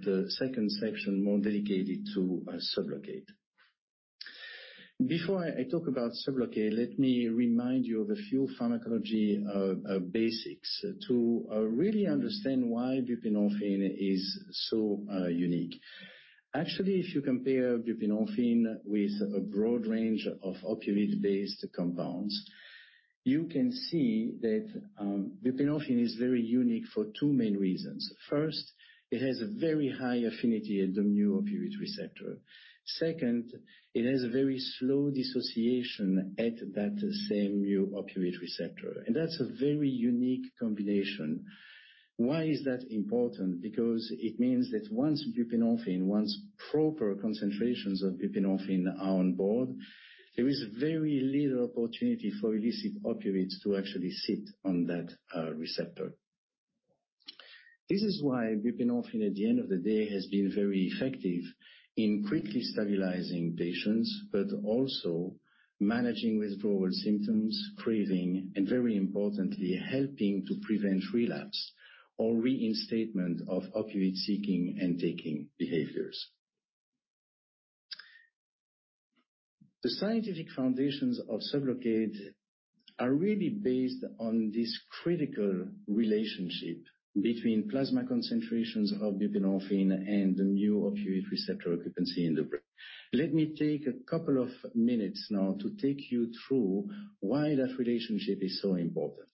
the second section, more dedicated to Sublocade. Before I talk about Sublocade, let me remind you of a few pharmacology basics to really understand why buprenorphine is so unique. Actually, if you compare buprenorphine with a broad range of opioid-based compounds, you can see that buprenorphine is very unique for two main reasons. First, it has a very high affinity at the mu-opioid receptor. Second, it has a very slow dissociation at that same mu-opioid receptor, and that's a very unique combination. Why is that important? Because it means that once proper concentrations of buprenorphine are on board, there is very little opportunity for illicit opioids to actually sit on that receptor. This is why buprenorphine, at the end of the day, has been very effective in quickly stabilizing patients but also managing withdrawal symptoms, craving, and very importantly, helping to prevent relapse or reinstatement of opioid-seeking and -taking behaviors. The scientific foundations of SUBLOCADE are really based on this critical relationship between plasma concentrations of buprenorphine and the mu-opioid receptor occupancy in the brain. Let me take a couple of minutes now to take you through why that relationship is so important.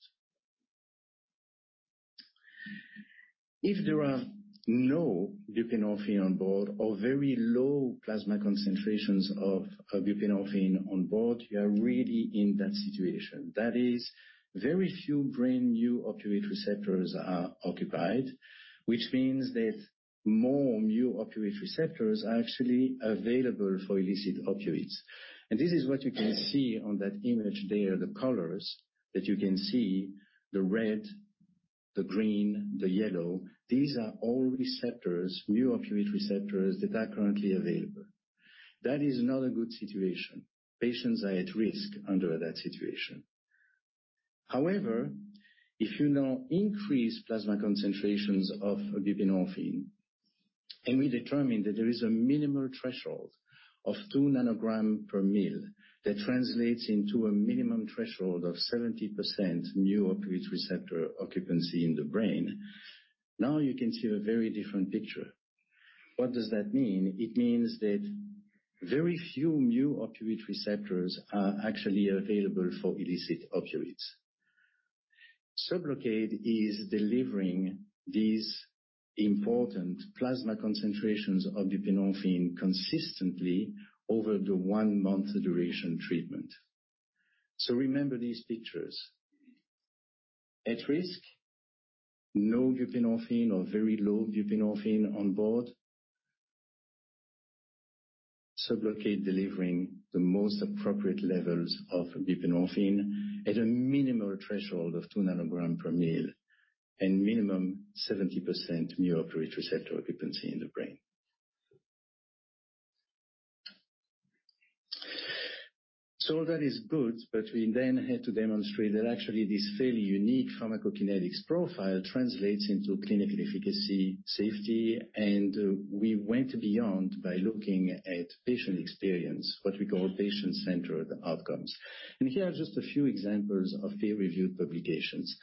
If there are no buprenorphine on board or very low plasma concentrations of buprenorphine on board, you are really in that situation. That is, very few brain mu-opioid receptors are occupied, which means that more mu-opioid receptors are actually available for illicit opioids. This is what you can see on that image there, the colors that you can see, the red, the green, the yellow, these are all receptors, mu-opioid receptors, that are currently available. That is not a good situation. Patients are at risk under that situation. If you now increase plasma concentrations of buprenorphine, and we determine that there is a minimal threshold of two nanogram per ml, that translates into a minimum threshold of 70% mu-opioid receptor occupancy in the brain. Now you can see a very different picture. What does that mean? It means that very few mu-opioid receptors are actually available for illicit opioids. SUBLOCADE is delivering these important plasma concentrations of buprenorphine consistently over the one-month duration treatment. Remember these pictures. At risk, no buprenorphine or very low buprenorphine on board. SUBLOCADE delivering the most appropriate levels of buprenorphine at a minimal threshold of 2 nanogram per ml and minimum 70% mu-opioid receptor occupancy in the brain. That is good, we had to demonstrate that actually this fairly unique pharmacokinetics profile translates into clinical efficacy, safety, and we went beyond by looking at patient experience, what we call patient-centered outcomes. Here are just a few examples of peer-reviewed publications.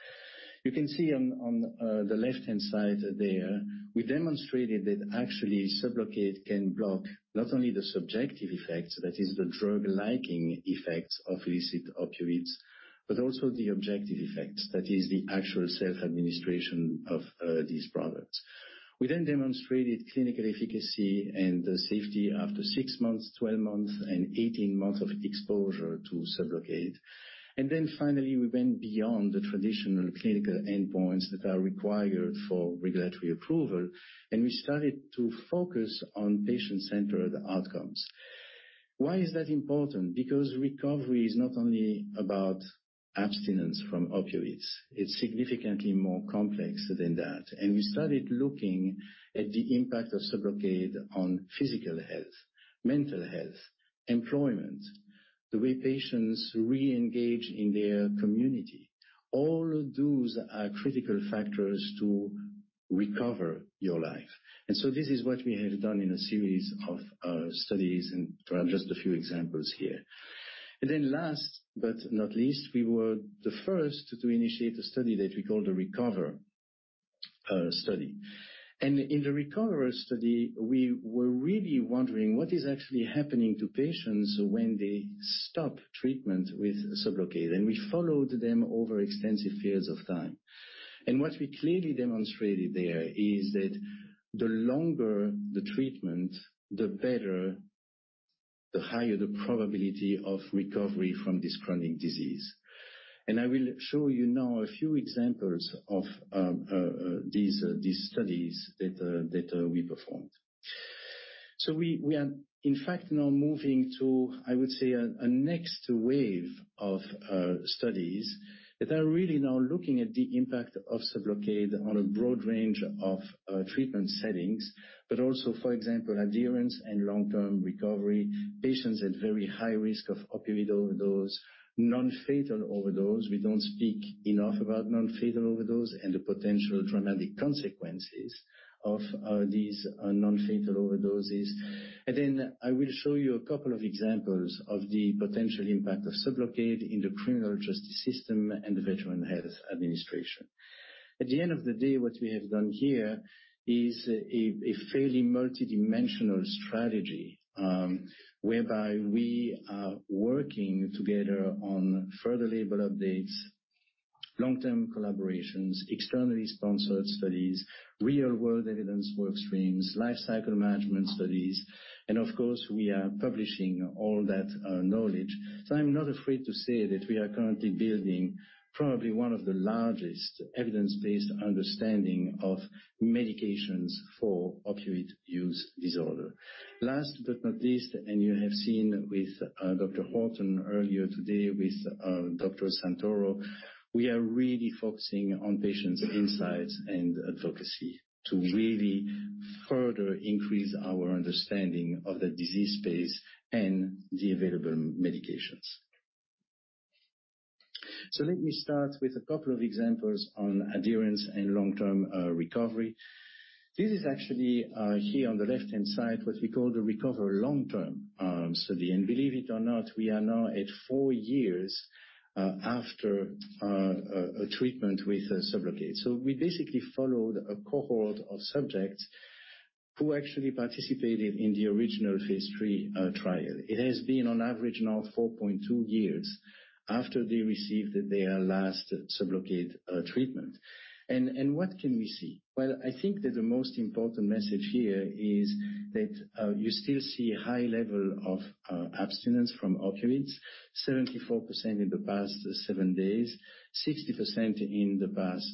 You can see on the left-hand side there, we demonstrated that actually SUBLOCADE can block not only the subjective effects, that is the drug-liking effects of illicit opioids, but also the objective effects, that is the actual self-administration of these products. We demonstrated clinical efficacy and safety after 6 months, 12 months, and 18 months of exposure to SUBLOCADE. Finally, we went beyond the traditional clinical endpoints that are required for regulatory approval, and we started to focus on patient-centered outcomes. Why is that important? Because recovery is not only about abstinence from opioids, it's significantly more complex than that. We started looking at the impact of SUBLOCADE on physical health, mental health, employment, the way patients reengage in their community. All those are critical factors to recover your life. This is what we have done in a series of studies, and there are just a few examples here. Last but not least, we were the first to initiate a study that we call the RECOVER study. In the RECOVER study, we were really wondering what is actually happening to patients when they stop treatment with SUBLOCADE, and we followed them over extensive periods of time. What we clearly demonstrated there is that the longer the treatment, the better, the higher the probability of recovery from this chronic disease. I will show you now a few examples of these studies we performed. We are in fact now moving to, I would say, a next wave of studies that are really now looking at the impact of SUBLOCADE on a broad range of treatment settings, but also, for example, adherence and long-term recovery, patients at very high risk of opioid overdose, non-fatal overdose. We don't speak enough about non-fatal overdose and the potential dramatic consequences of these non-fatal overdoses. I will show you a couple of examples of the potential impact of SUBLOCADE in the criminal justice system and the Veterans Health Administration. At the end of the day, what we have done here is a fairly multidimensional strategy, whereby we are working together on further label updates, long-term collaborations, externally sponsored studies, real world evidence work streams, life cycle management studies, and of course, we are publishing all that knowledge. I'm not afraid to say that we are currently building probably one of the largest evidence-based understanding of medications for opioid use disorder. Last but not least, you have seen with Dr. Horton earlier today, with Dr. Santoro, we are really focusing on patients' insights and advocacy to really further increase our understanding of the disease space and the available medications. Let me start with a couple of examples on adherence and long-term recovery. This is actually here on the left-hand side, what we call the RECOVER-Long Term study. Believe it or not, we are now at four years after a treatment with SUBLOCADE. We basically followed a cohort of subjects who actually participated in the original phase III trial. It has been on average now 4.2 years after they received their last SUBLOCADE treatment. What can we see? Well, I think that the most important message here is that you still see high level of abstinence from opioids, 74% in the past seven days, 60% in the past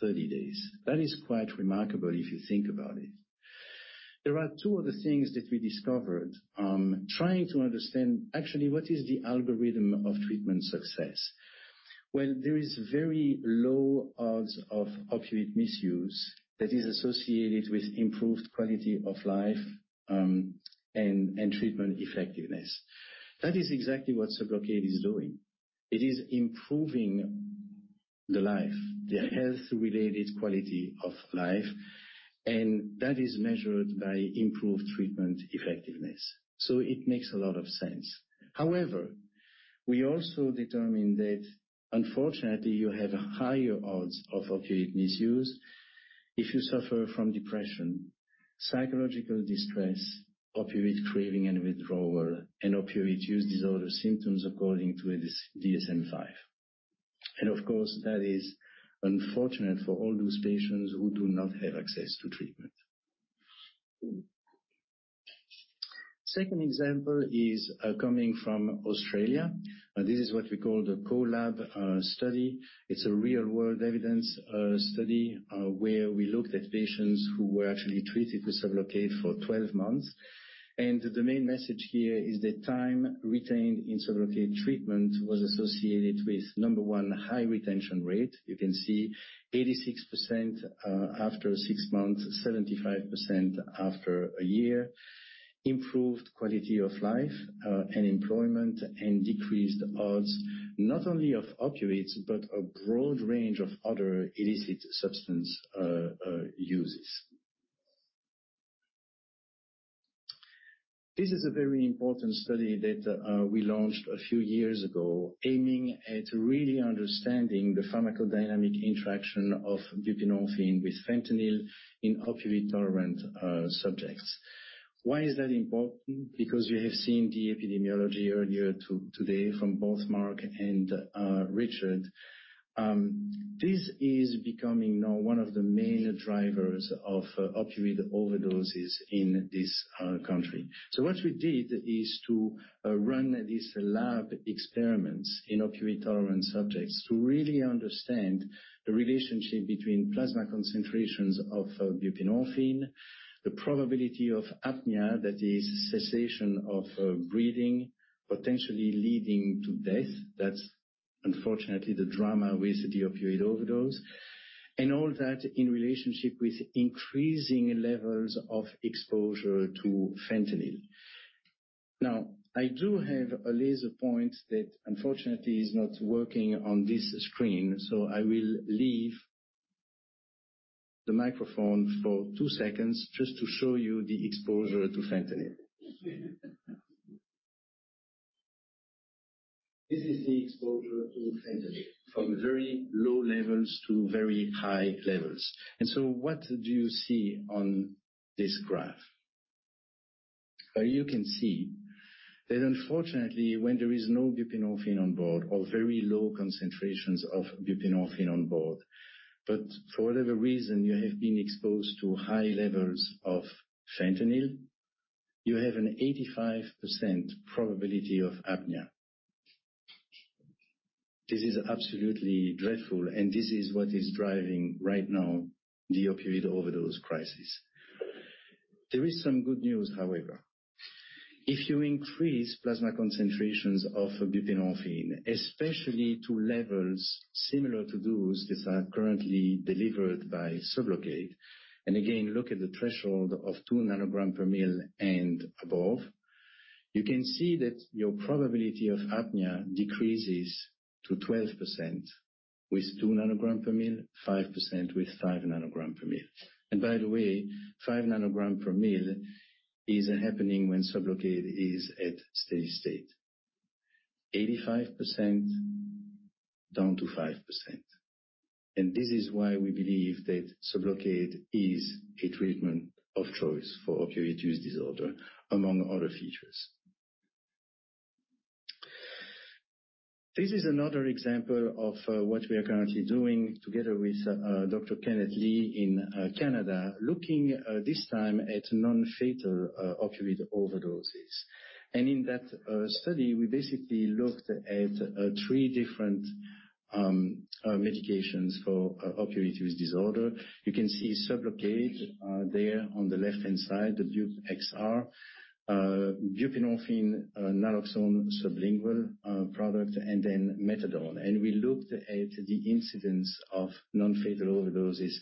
30 days. That is quite remarkable if you think about it. There are two other things that we discovered, trying to understand actually what is the algorithm of treatment success. Well, there is very low odds of opioid misuse that is associated with improved quality of life, and treatment effectiveness. That is exactly what SUBLOCADE is doing. It is improving the life, the health-related quality of life, and that is measured by improved treatment effectiveness. It makes a lot of sense. However, we also determine that unfortunately, you have higher odds of opioid misuse if you suffer from depression, psychological distress, opioid craving and withdrawal, and opioid use disorder symptoms according to this DSM-V. Of course, that is unfortunate for all those patients who do not have access to treatment. Second example is coming from Australia. This is what we call the COLAB study. It's a real-world evidence study where we looked at patients who were actually treated with SUBLOCADE for 12 months. The main message here is that time retained in SUBLOCADE treatment was associated with, number 1, high retention rate. You can see 86% after six months, 75% after a year, improved quality of life and employment, and decreased odds, not only of opioids, but a broad range of other illicit substance uses. This is a very important study that we launched a few years ago, aiming at really understanding the pharmacodynamic interaction of buprenorphine with fentanyl in opioid-tolerant subjects. Why is that important? You have seen the epidemiology earlier today from both Mark and Richard. This is becoming now one of the main drivers of opioid overdoses in this country. What we did is to run these lab experiments in opioid-tolerant subjects to really understand the relationship between plasma concentrations of buprenorphine, the probability of apnea, that is cessation of breathing, potentially leading to death. That's unfortunately the drama with the opioid overdose. All that in relationship with increasing levels of exposure to fentanyl. Now, I do have a laser point that unfortunately is not working on this screen, so I will leave the microphone for two seconds just to show you the exposure to fentanyl. This is the exposure to fentanyl from very low levels to very high levels. What do you see on this graph? Well, you can see that unfortunately, when there is no buprenorphine on board or very low concentrations of buprenorphine on board, but for whatever reason you have been exposed to high levels of fentanyl, you have an 85% probability of apnea. This is absolutely dreadful, and this is what is driving right now the opioid overdose crisis. There is some good news, however. If you increase plasma concentrations of buprenorphine, especially to levels similar to those that are currently delivered by SUBLOCADE, and again, look at the threshold of 2 nanogram per ml and above, you can see that your probability of apnea decreases to 12% with 2 nanogram per ml, 5% with 5 nanogram per ml. By the way, 5 nanogram per ml is happening when SUBLOCADE is at steady state. 85% down to 5%. This is why we believe that SUBLOCADE is a treatment of choice for opioid use disorder, among other features. This is another example of what we are currently doing together with Dr. Kenneth Lee in Canada, looking this time at non-fatal opioid overdoses. In that study, we basically looked at three different medications for opioid use disorder. You can see Sublocade, there on the left-hand side, the BuXR, buprenorphine naloxone sublingual product, and then methadone. We looked at the incidence of non-fatal overdoses.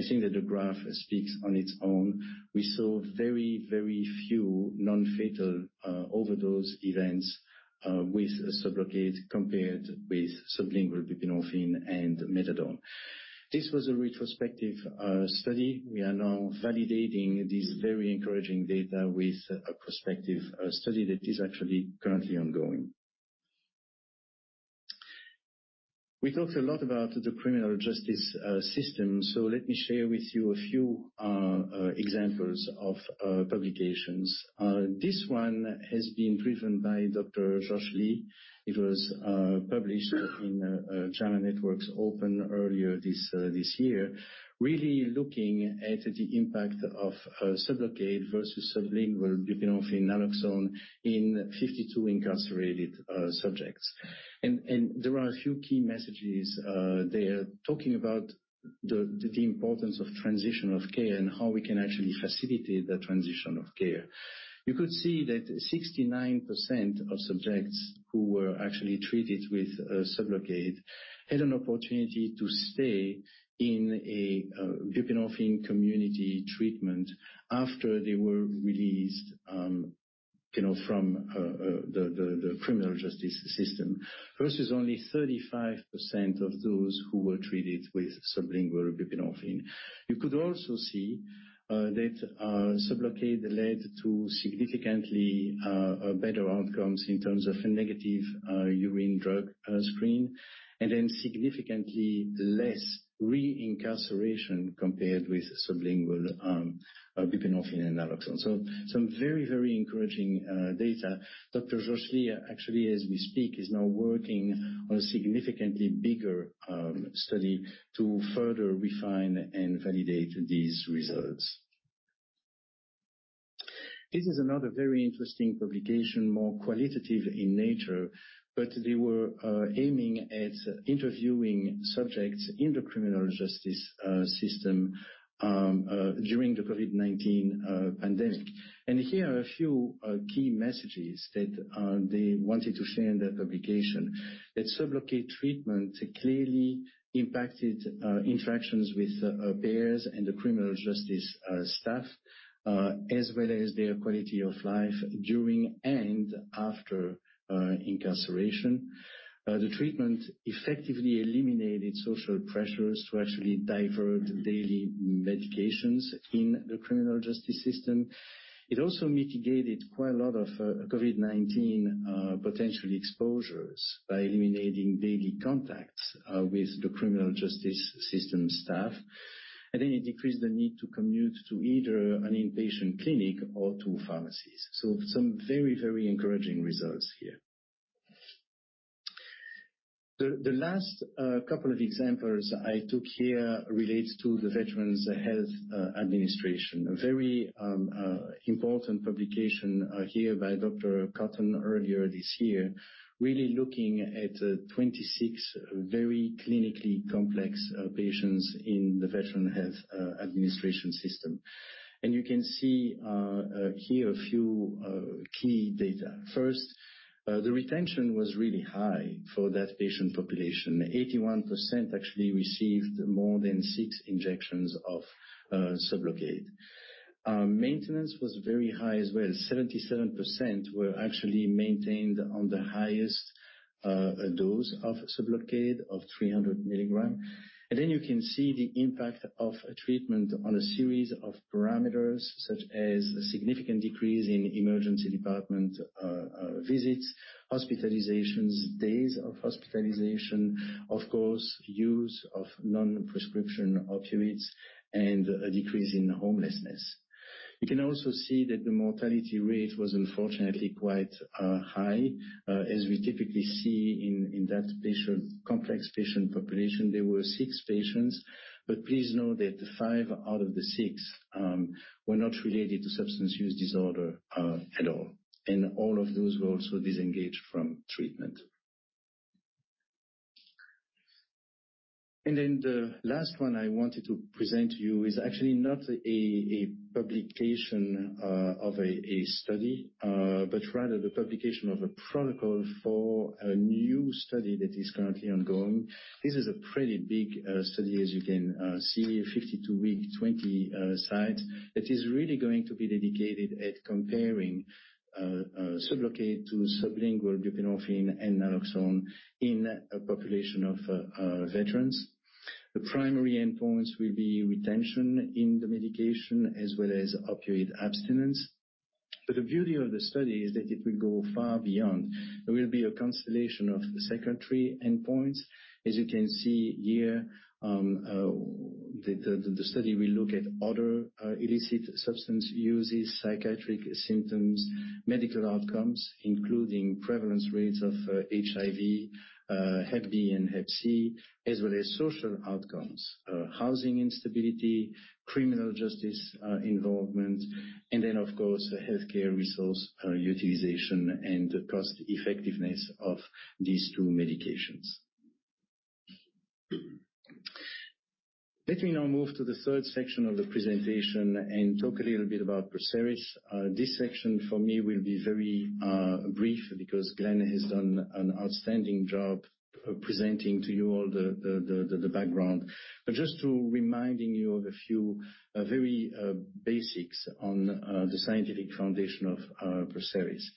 I think that the graph speaks on its own. We saw very, very few non-fatal overdose events with Sublocade compared with sublingual buprenorphine and methadone. This was a retrospective study. We are now validating this very encouraging data with a prospective study that is actually currently ongoing. We talked a lot about the criminal justice system, so let me share with you a few examples of publications. This one has been driven by Dr. Josh Lee. It was published in JAMA Network's Open earlier this year, really looking at the impact of Sublocade versus sublingual buprenorphine naloxone in 52 incarcerated subjects. There are a few key messages there talking about the importance of transition of care and how we can actually facilitate that transition of care. You could see that 69% of subjects who were actually treated with SUBLOCADE had an opportunity to stay in a buprenorphine community treatment after they were released, you know, from the criminal justice system, versus only 35% of those who were treated with sublingual buprenorphine. You could also see that SUBLOCADE led to significantly better outcomes in terms of negative urine drug screen, and then significantly less reincarceration compared with sublingual buprenorphine and naloxone. Some very, very encouraging data. Dr. Josh Lee, actually, as we speak, is now working on a significantly bigger study to further refine and validate these results. This is another very interesting publication, more qualitative in nature, but they were aiming at interviewing subjects in the criminal justice system during the COVID-19 pandemic. Here are a few key messages that they wanted to share in that publication, that SUBLOCADE treatment clearly impacted interactions with peers and the criminal justice staff as well as their quality of life during and after incarceration. The treatment effectively eliminated social pressures to actually divert daily medications in the criminal justice system. It also mitigated quite a lot of COVID-19 potential exposures by eliminating daily contacts with the criminal justice system staff. It decreased the need to commute to either an inpatient clinic or to pharmacies. Some very, very encouraging results here. The last couple of examples I took here relates to the Veterans Health Administration. A very important publication here by Dr. Cotton earlier this year, really looking at 26 very clinically complex patients in the Veterans Health Administration system. You can see here a few key data. First, the retention was really high for that patient population. 81% actually received more than six injections of SUBLOCADE. Maintenance was very high as well. 77% were actually maintained on the highest dose of SUBLOCADE of 300 milligram. Then you can see the impact of a treatment on a series of parameters, such as a significant decrease in emergency department visits, hospitalizations, days of hospitalization, of course, use of non-prescription opioids and a decrease in homelessness. You can also see that the mortality rate was unfortunately quite high, as we typically see in that complex patient population. There were six patients, please know that five patients out of the six patients were not related to substance use disorder at all. All of those were also disengaged from treatment. The last one I wanted to present to you is actually not a publication of a study, but rather the publication of a protocol for a new study that is currently ongoing. This is a pretty big study, as you can see, 52-week, 20 sites. It is really going to be dedicated at comparing SUBLOCADE to sublingual buprenorphine and naloxone in a population of veterans. The primary endpoints will be retention in the medication as well as opiate abstinence. The beauty of the study is that it will go far beyond. There will be a constellation of secondary endpoints. As you can see here, the study will look at other illicit substance uses, psychiatric symptoms, medical outcomes, including prevalence rates of HIV, Hep B and Hep C, as well as social outcomes, housing instability, criminal justice involvement, and then, of course, healthcare resource utilization and the cost effectiveness of these two medications. Let me now move to the third section of the presentation and talk a little bit about PERSERIS. This section for me will be very brief because Glen has done an outstanding job of presenting to you all the background. Just reminding you of a few very basics on the scientific foundation of PERSERIS.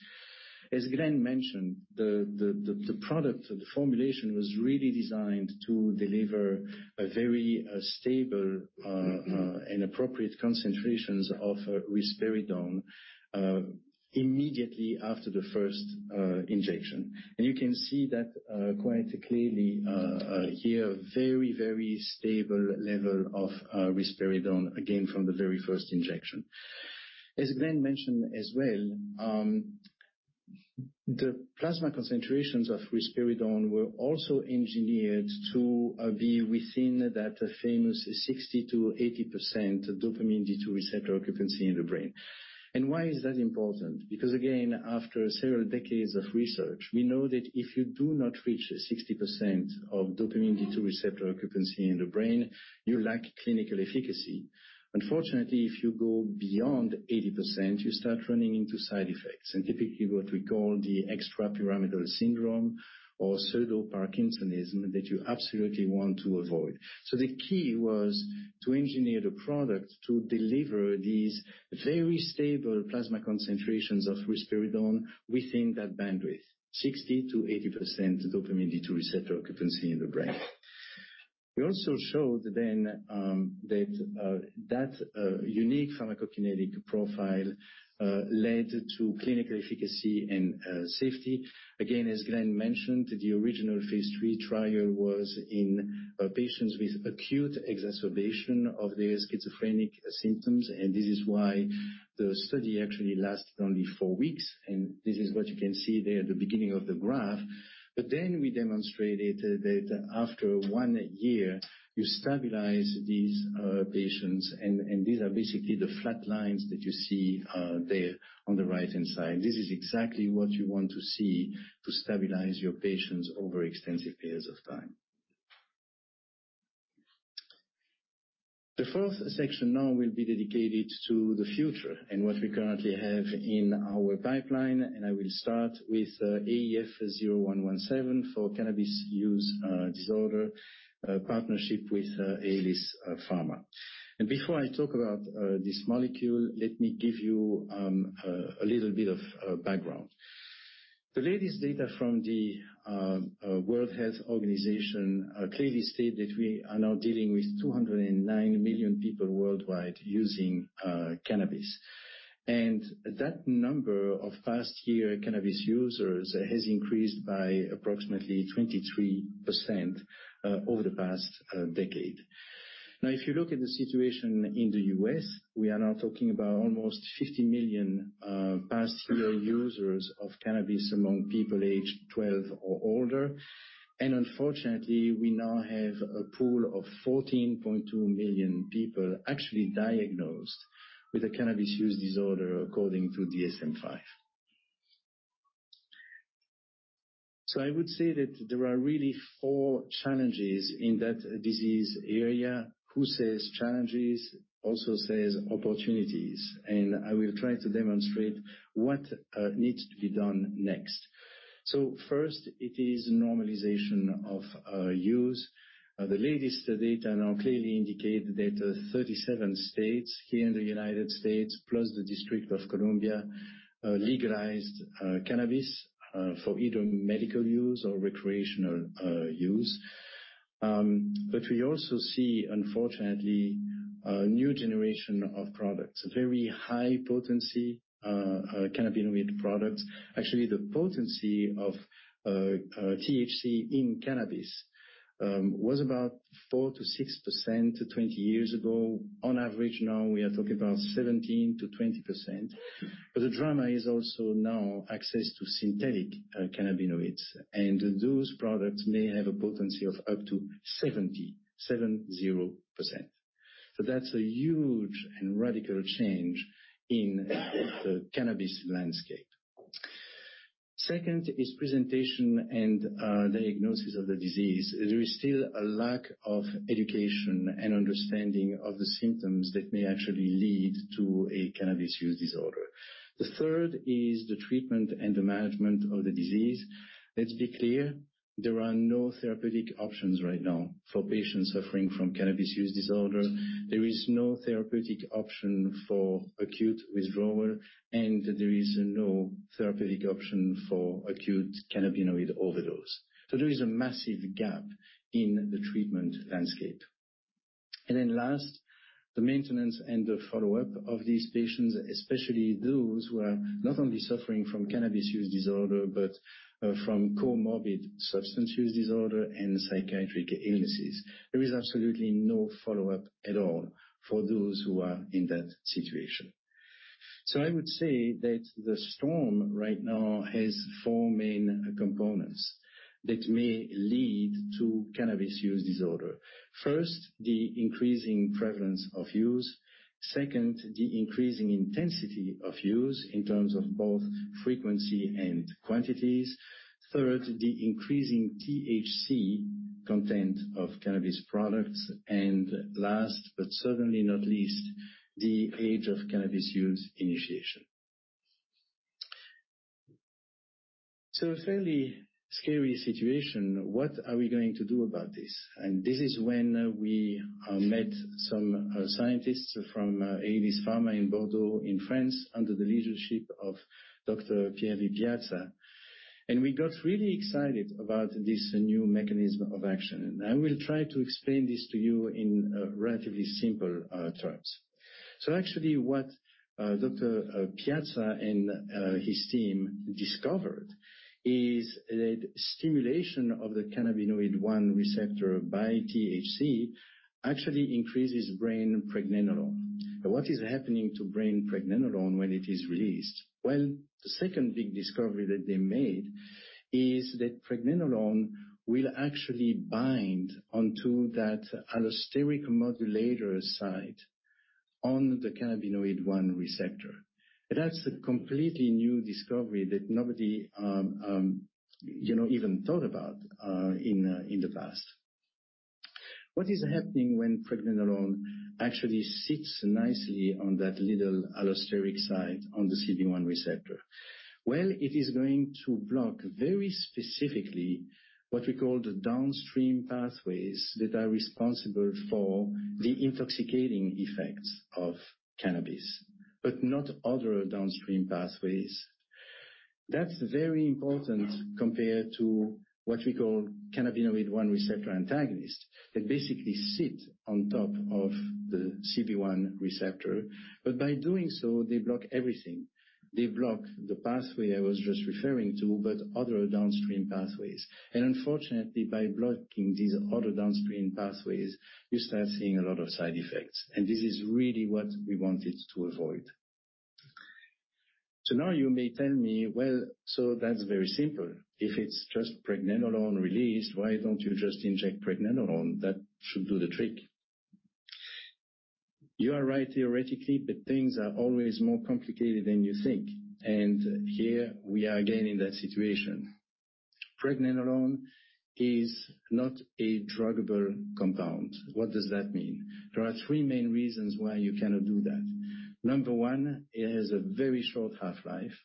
As Glenn mentioned, the product or the formulation was really designed to deliver a very stable and appropriate concentrations of risperidone immediately after the first injection. You can see that quite clearly here, very stable level of risperidone, again, from the very first injection. As Glenn mentioned as well, the plasma concentrations of risperidone were also engineered to be within that famous 60%-80% dopamine D2 receptor occupancy in the brain. Why is that important? Because again, after several decades of research, we know that if you do not reach 60% of dopamine D2 receptor occupancy in the brain, you lack clinical efficacy. Unfortunately, if you go beyond 80%, you start running into side effects and typically what we call the extrapyramidal syndrome or pseudo-parkinsonism that you absolutely want to avoid. The key was to engineer the product to deliver these very stable plasma concentrations of risperidone within that bandwidth, 60% dopamine -80% dopamine D2 receptor occupancy in the brain. We also showed that unique pharmacokinetic profile led to clinical efficacy and safety. As Glen mentioned, the original phase three trial was in patients with acute exacerbation of their schizophrenic symptoms, and this is why the study actually lasted only four weeks, and this is what you can see there at the beginning of the graph. We demonstrated that after 1 year you stabilize these patients, and these are basically the flat lines that you see there on the right-hand side. This is exactly what you want to see to stabilize your patients over extensive periods of time. The fourth section now will be dedicated to the future and what we currently have in our pipeline, I will start with AEF0117 for cannabis use disorder, partnership with Aelis Farma. Before I talk about this molecule, let me give you a little bit of background. The latest data from the World Health Organization clearly state that we are now dealing with 209 million people worldwide using cannabis. That number of past year cannabis users has increased by approximately 23% over the past decade. If you look at the situation in the U.S., we are now talking about almost 50 million past year users of cannabis among people aged 12 or older. Unfortunately, we now have a pool of 14.2 million people actually diagnosed with a cannabis use disorder according to DSM-V. I would say that there are really four challenges in that disease area. Who says challenges also says opportunities. I will try to demonstrate what needs to be done next. First it is normalization of use. The latest data now clearly indicate that 37 states here in the United States, plus the District of Columbia, legalized cannabis for either medical use or recreational use. We also see, unfortunately, a new generation of products, very high potency, cannabinoid products. Actually, the potency of THC in cannabis, was about 4%-6% 20 years ago. On average now, we are talking about 17%-20%. The drama is also now access to synthetic cannabinoids. Those products may have a potency of up to 70%. That's a huge and radical change in the cannabis landscape. Second is presentation and diagnosis of the disease. There is still a lack of education and understanding of the symptoms that may actually lead to a cannabis use disorder. The third is the treatment and the management of the disease. Let's be clear, there are no therapeutic options right now for patients suffering from cannabis use disorder. There is no therapeutic option for acute withdrawal, there is no therapeutic option for acute cannabinoid overdose. There is a massive gap in the treatment landscape. Last, the maintenance and the follow-up of these patients, especially those who are not only suffering from cannabis use disorder, but from comorbid substance use disorder and psychiatric illnesses. There is absolutely no follow-up at all for those who are in that situation. I would say that the storm right now has four main components that may lead to cannabis use disorder. First, the increasing prevalence of use. Second, the increasing intensity of use in terms of both frequency and quantities. Third, the increasing THC content of cannabis products. Last, but certainly not least, the age of cannabis use initiation. A fairly scary situation. What are we going to do about this? This is when we met some scientists from Aelis Farma in Bordeaux, in France, under the leadership of Dr. Pierre Piazza. We got really excited about this new mechanism of action. I will try to explain this to you in relatively simple terms. Actually, what Dr. Piazza and his team discovered is that stimulation of the cannabinoid one receptor by THC actually increases brain pregnenolone. What is happening to brain pregnenolone when it is released? Well, the second big discovery that they made is that pregnenolone will actually bind onto that allosteric modulator site on the cannabinoid one receptor. That's a completely new discovery that nobody, you know, even thought about in the past. What is happening when pregnenolone actually sits nicely on that little allosteric site on the CB1 receptor? Well, it is going to block very specifically what we call the downstream pathways that are responsible for the intoxicating effects of cannabis, but not other downstream pathways. That's very important compared to what we call cannabinoid one receptor antagonist, that basically sit on top of the CB1 receptor. By doing so, they block everything. They block the pathway I was just referring to, but other downstream pathways. Unfortunately, by blocking these other downstream pathways, you start seeing a lot of side effects. This is really what we wanted to avoid. Now you may tell me, "Well, that's very simple. If it's just pregnenolone released, why don't you just inject pregnenolone? That should do the trick." You are right theoretically, but things are always more complicated than you think. Here we are again in that situation. Pregnenolone is not a druggable compound. What does that mean? There are three main reasons why you cannot do that. Number one, it has a very short half-life.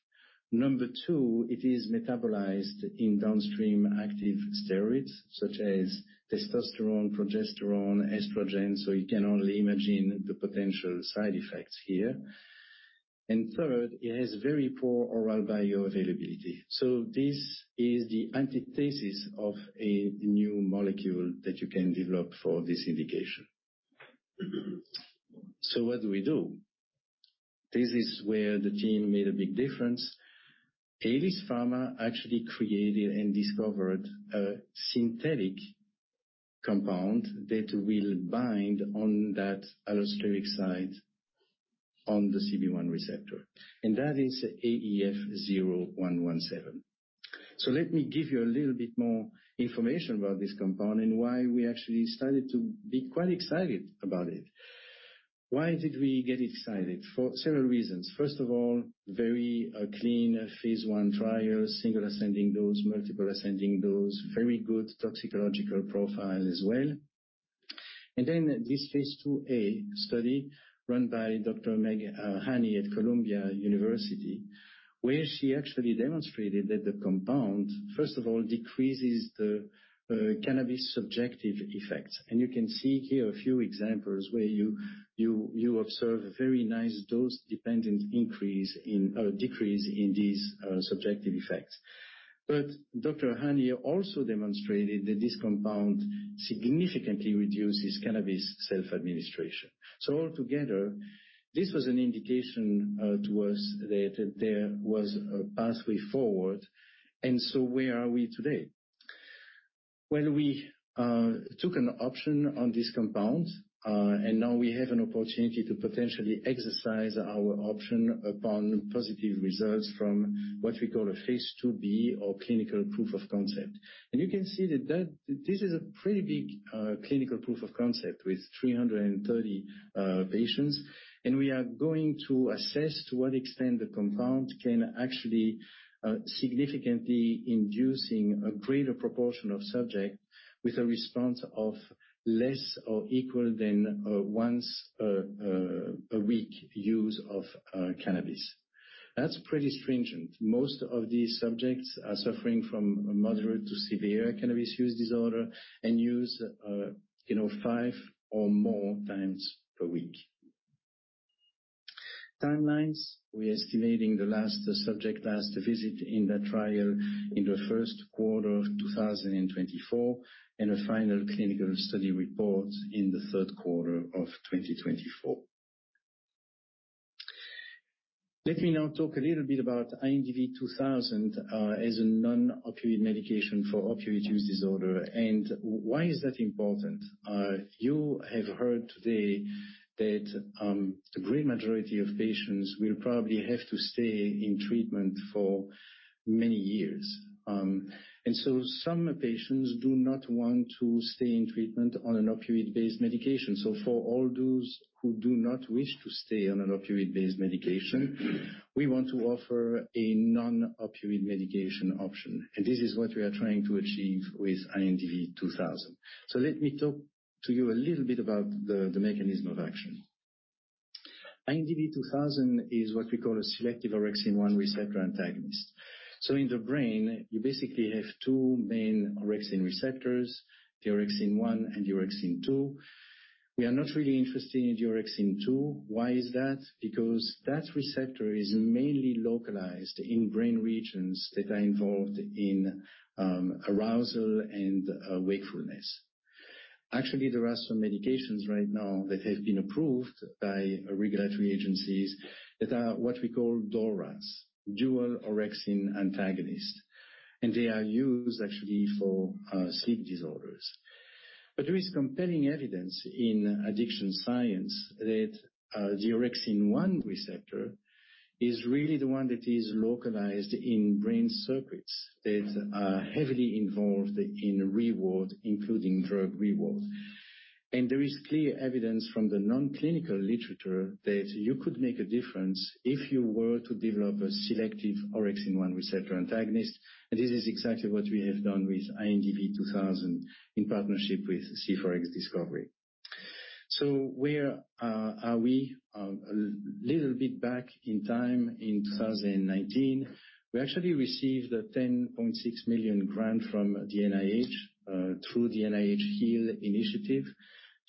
Number two, it is metabolized in downstream active steroids such as testosterone, progesterone, estrogen, so you can only imagine the potential side effects here. Third, it has very poor oral bioavailability. This is the antithesis of a new molecule that you can develop for this indication. What do we do? This is where the team made a big difference. Aelis Farma actually created and discovered a synthetic compound that will bind on that allosteric site on the CB1 receptor, and that is AEF-0117. Let me give you a little bit more information about this compound and why we actually started to be quite excited about it. Why did we get excited? For several reasons. First of all, very clean phase 1 trial. Single ascending dose, multiple ascending dose. Very good toxicological profile as well. This phase 2A study run by Dr. Meg Haney at Columbia University. Where she actually demonstrated that the compound, first of all, decreases the cannabis subjective effects. You can see here a few examples where you observe a very nice dose-dependent decrease in these subjective effects. Dr. Haney also demonstrated that this compound significantly reduces cannabis self-administration. Altogether, this was an indication to us that there was a pathway forward. Where are we today? We took an option on this compound, now we have an opportunity to potentially exercise our option upon positive results from what we call a phase 2B or clinical proof of concept. You can see that this is a pretty big clinical proof of concept with 330 patients. We are going to assess to what extent the compound can actually significantly inducing a greater proportion of subject with a response of less or equal than once a week use of cannabis. That's pretty stringent. Most of these subjects are suffering from moderate to severe cannabis use disorder and use, you know, five or more times per week. Timelines, we're estimating the last subject, last visit in that trial in the first quarter of 2024, and a final clinical study report in the third quarter of 2024. Let me now talk a little bit about INDV-2000 as a non-opioid medication for opioid use disorder, and why is that important? You have heard today that the great majority of patients will probably have to stay in treatment for many years. Some patients do not want to stay in treatment on an opioid-based medication. For all those who do not wish to stay on an opioid-based medication, we want to offer a non-opioid medication option. This is what we are trying to achieve with INDV-2000. Let me talk to you a little bit about the mechanism of action. INDV-2000 is what we call a selective orexin one receptor antagonist. In the brain, you basically have two main orexin receptors, the orexin one and the orexin 2. We are not really interested in the orexin 2. Why is that? Because that receptor is mainly localized in brain regions that are involved in arousal and wakefulness. Actually, there are some medications right now that have been approved by regulatory agencies that are what we call DORAs, dual orexin antagonists, and they are used actually for sleep disorders. There is compelling evidence in addiction science that the orexin 1 receptor is really the one that is localized in brain circuits that are heavily involved in reward, including drug reward. There is clear evidence from the non-clinical literature that you could make a difference if you were to develop a selective orexin 1 receptor antagonist, and this is exactly what we have done with INDV-2000 in partnership with C4X Discovery. Where are we? A little bit back in time in 2019, we actually received a $10.6 million grant from the NIH, through the NIH HEAL Initiative,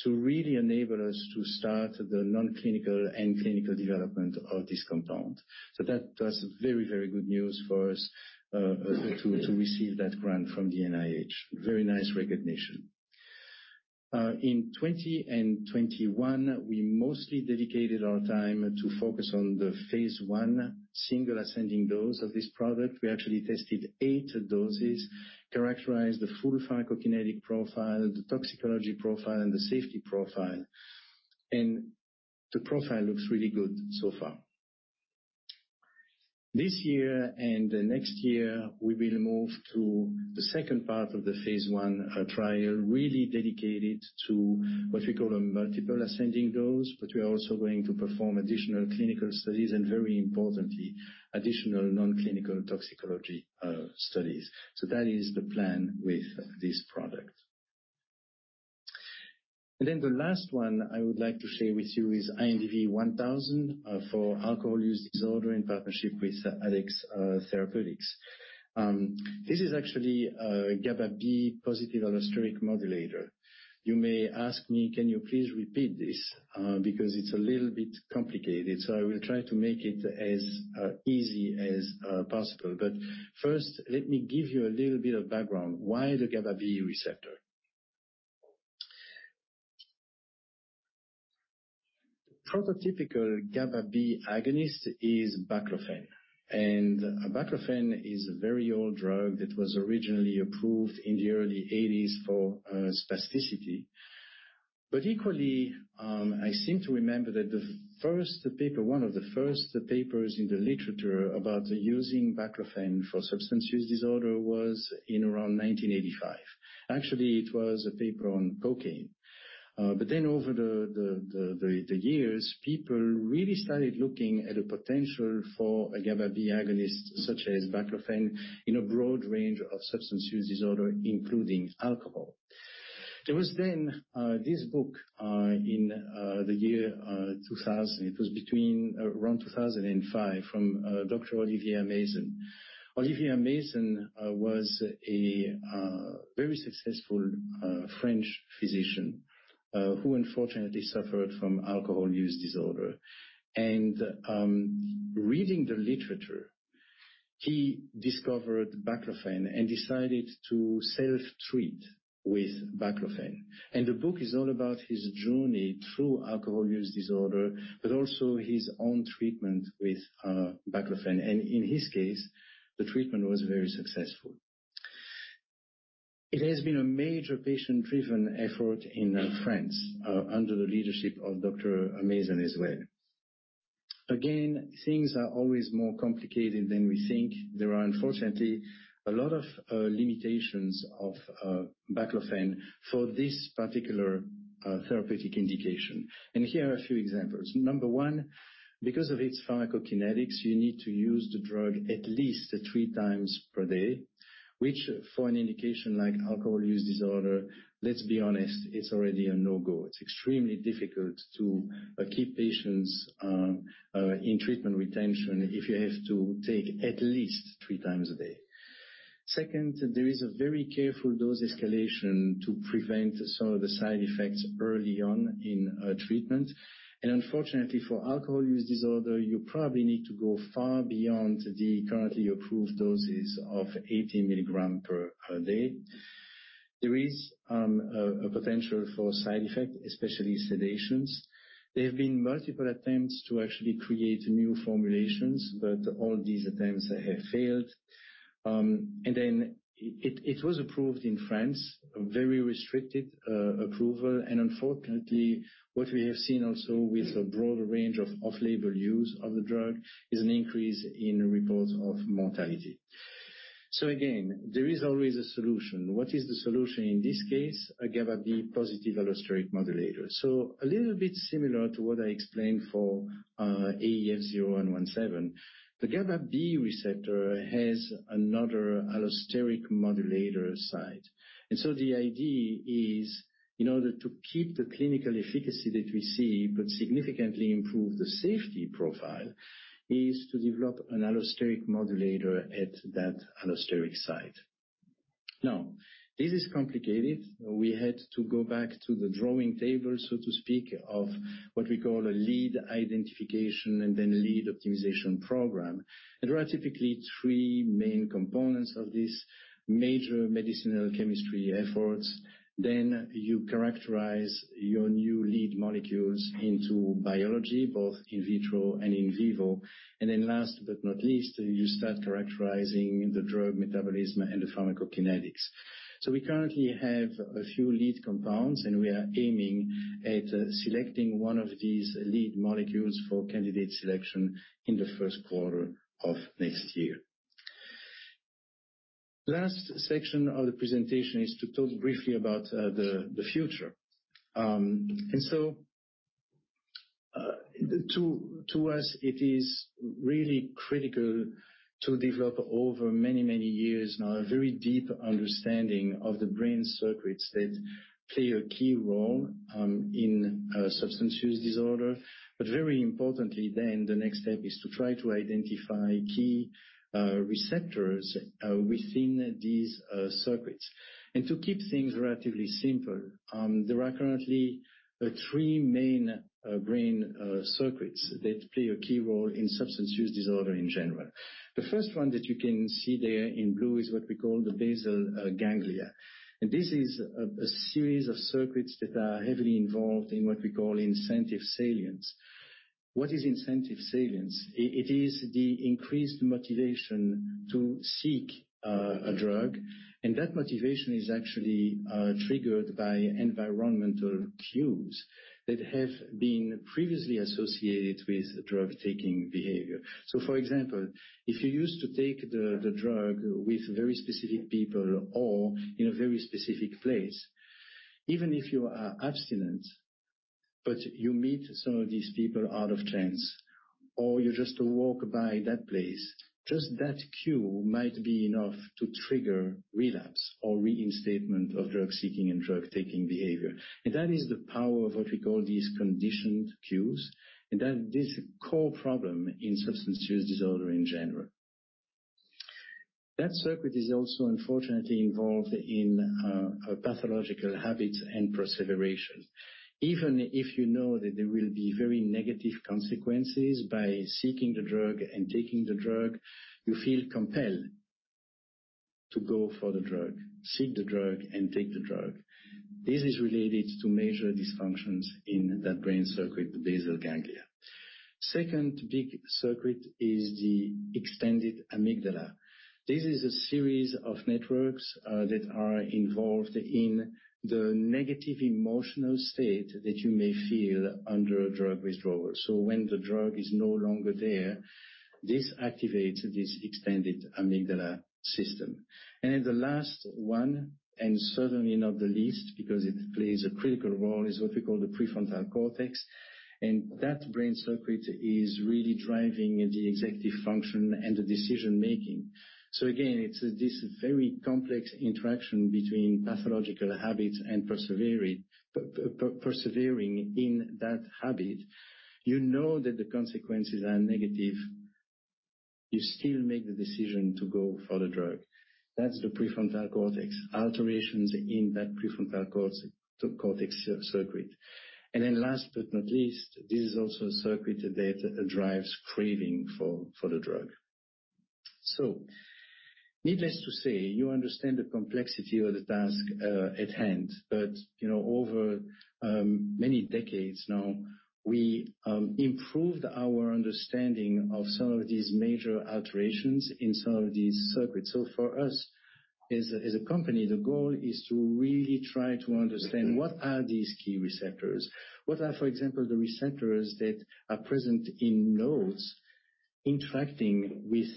to really enable us to start the non-clinical and clinical development of this compound. That was very good news for us to receive that grant from the NIH. Very nice recognition. In 2021, we mostly dedicated our time to focus on the phase I single ascending dose of this product. We actually tested eight doses, characterized the full pharmacokinetic profile, the toxicology profile, and the safety profile. The profile looks really good so far. This year and next year, we will move to the second part of the phase 1 trial, really dedicated to what we call a multiple ascending dose. We are also going to perform additional clinical studies and, very importantly, additional non-clinical toxicology studies. That is the plan with this product. The last one I would like to share with you is INDV-1000 for alcohol use disorder in partnership with Addex Therapeutics. This is actually a GABA B positive allosteric modulator. You may ask me, "Can you please repeat this?" because it's a little bit complicated, so I will try to make it as easy as possible. First, let me give you a little bit of background. Why the GABA B receptor? Prototypical GABA B agonist is baclofen. Baclofen is a very old drug that was originally approved in the early 80s for spasticity. I seem to remember that the first paper, one of the first papers in the literature about using baclofen for substance use disorder was in around 1985. Actually, it was a paper on cocaine. Over the years, people really started looking at the potential for a GABA B agonist, such as baclofen, in a broad range of substance use disorder, including alcohol. This book in the year 2000. It was between around 2005 from Dr. Olivier Ameisen. Olivier Ameisen was a very successful French physician who unfortunately suffered from alcohol use disorder. Reading the literature, he discovered baclofen and decided to self-treat with baclofen. The book is all about his journey through alcohol use disorder, but also his own treatment with baclofen. In his case, the treatment was very successful. It has been a major patient-driven effort in France under the leadership of Dr. Mazan as well. Again, things are always more complicated than we think. There are, unfortunately, a lot of limitations of baclofen for this particular therapeutic indication. Here are a few examples. Number one, because of its pharmacokinetics, you need to use the drug at least three times per day, which for an indication like alcohol use disorder, let's be honest, it's already a no-go. It's extremely difficult to keep patients in treatment retention if you have to take at least three times a day. There is a very careful dose escalation to prevent some of the side effects early on in treatment. Unfortunately, for alcohol use disorder, you probably need to go far beyond the currently approved doses of 80 milligrams per day. There is a potential for side effects, especially sedations. There have been multiple attempts to actually create new formulations, all these attempts have failed. It was approved in France, a very restricted approval. Unfortunately, what we have seen also with a broader range of off-label use of the drug is an increase in reports of mortality. Again, there is always a solution. What is the solution in this case? A GABA B positive allosteric modulator. A little bit similar to what I explained for AEF-0117. The GABA B receptor has another allosteric modulator site. The idea is, in order to keep the clinical efficacy that we see but significantly improve the safety profile, is to develop an allosteric modulator at that allosteric site. Now, this is complicated. We had to go back to the drawing table, so to speak, of what we call a lead identification and then lead optimization program. There are typically three main components of this major medicinal chemistry efforts. You characterize your new lead molecules into biology, both in vitro and in vivo. Last but not least, you start characterizing the drug metabolism and the pharmacokinetics. We currently have a few lead compounds, and we are aiming at selecting one of these lead molecules for candidate selection in the first quarter of next year. Last section of the presentation is to talk briefly about the future. To us, it is really critical to develop over many years now a very deep understanding of the brain circuits that play a key role in substance use disorder. Very importantly, then the next step is to try to identify key receptors within these circuits. To keep things relatively simple, there are currently three main brain circuits that play a key role in substance use disorder in general. The first one that you can see there in blue is what we call the basal ganglia. This is a series of circuits that are heavily involved in what we call incentive salience. What is incentive salience? It is the increased motivation to seek a drug, and that motivation is actually triggered by environmental cues that have been previously associated with drug-taking behavior. For example, if you used to take the drug with very specific people or in a very specific place, even if you are abstinent, but you meet some of these people out of chance or you just walk by that place, just that cue might be enough to trigger relapse or reinstatement of drug-seeking and drug-taking behavior. That is the power of what we call these conditioned cues, and that is a core problem in substance use disorder in general. That circuit is also, unfortunately, involved in pathological habits and perseveration. Even if you know that there will be very negative consequences by seeking the drug and taking the drug, you feel compelled to go for the drug, seek the drug, and take the drug. This is related to major dysfunctions in that brain circuit, the basal ganglia. Second big circuit is the extended amygdala. This is a series of networks that are involved in the negative emotional state that you may feel under drug withdrawal. When the drug is no longer there, this activates this extended amygdala system. Then the last one, and certainly not the least, because it plays a critical role, is what we call the prefrontal cortex. That brain circuit is really driving the executive function and the decision-making. Again, it's this very complex interaction between pathological habits and persevering in that habit. You know that the consequences are negative, you still make the decision to go for the drug. That's the prefrontal cortex, alterations in that prefrontal cortex circuit. Last but not least, this is also a circuit that drives craving for the drug. Needless to say, you understand the complexity of the task at hand. You know, over many decades now, we improved our understanding of some of these major alterations in some of these circuits. For us, as a company, the goal is to really try to understand what are these key receptors, what are, for example, the receptors that are present in nodes interacting with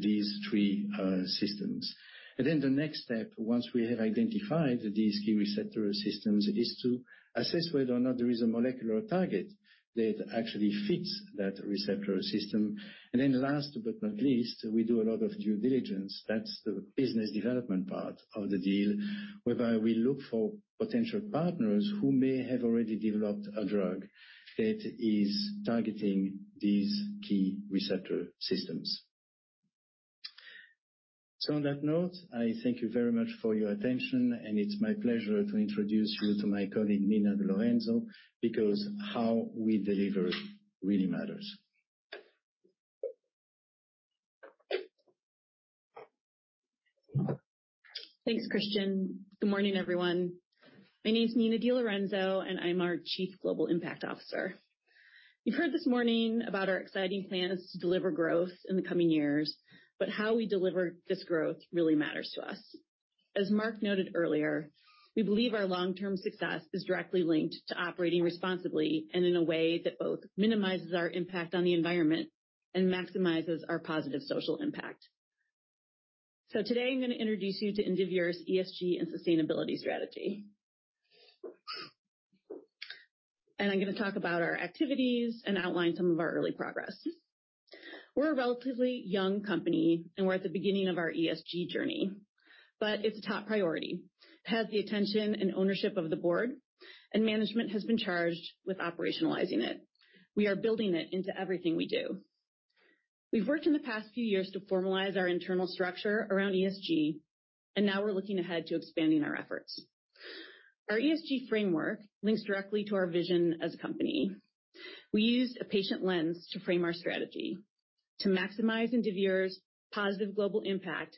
these three systems. The next step, once we have identified these key receptor systems, is to assess whether or not there is a molecular target that actually fits that receptor system. Last but not least, we do a lot of due diligence. That's the business development part of the deal, whereby we look for potential partners who may have already developed a drug that is targeting these key receptor systems. On that note, I thank you very much for your attention, and it's my pleasure to introduce you to my colleague, Nina DeLorenzo, because how we deliver really matters. Thanks, Christian. Good morning, everyone. My name is Nina DiLorenzo, I'm our Chief Global Impact Officer. You've heard this morning about our exciting plans to deliver growth in the coming years, how we deliver this growth really matters to us. As Mark noted earlier, we believe our long-term success is directly linked to operating responsibly and in a way that both minimizes our impact on the environment and maximizes our positive social impact. Today, I'm gonna introduce you to Indivior's ESG and sustainability strategy. I'm gonna talk about our activities and outline some of our early progress. We're a relatively young company, we're at the beginning of our ESG journey, it's a top priority. It has the attention and ownership of the board, management has been charged with operationalizing it. We are building it into everything we do. We've worked in the past few years to formalize our internal structure around ESG, and now we're looking ahead to expanding our efforts. Our ESG framework links directly to our vision as a company. We used a patient lens to frame our strategy to maximize Indivior's positive global impact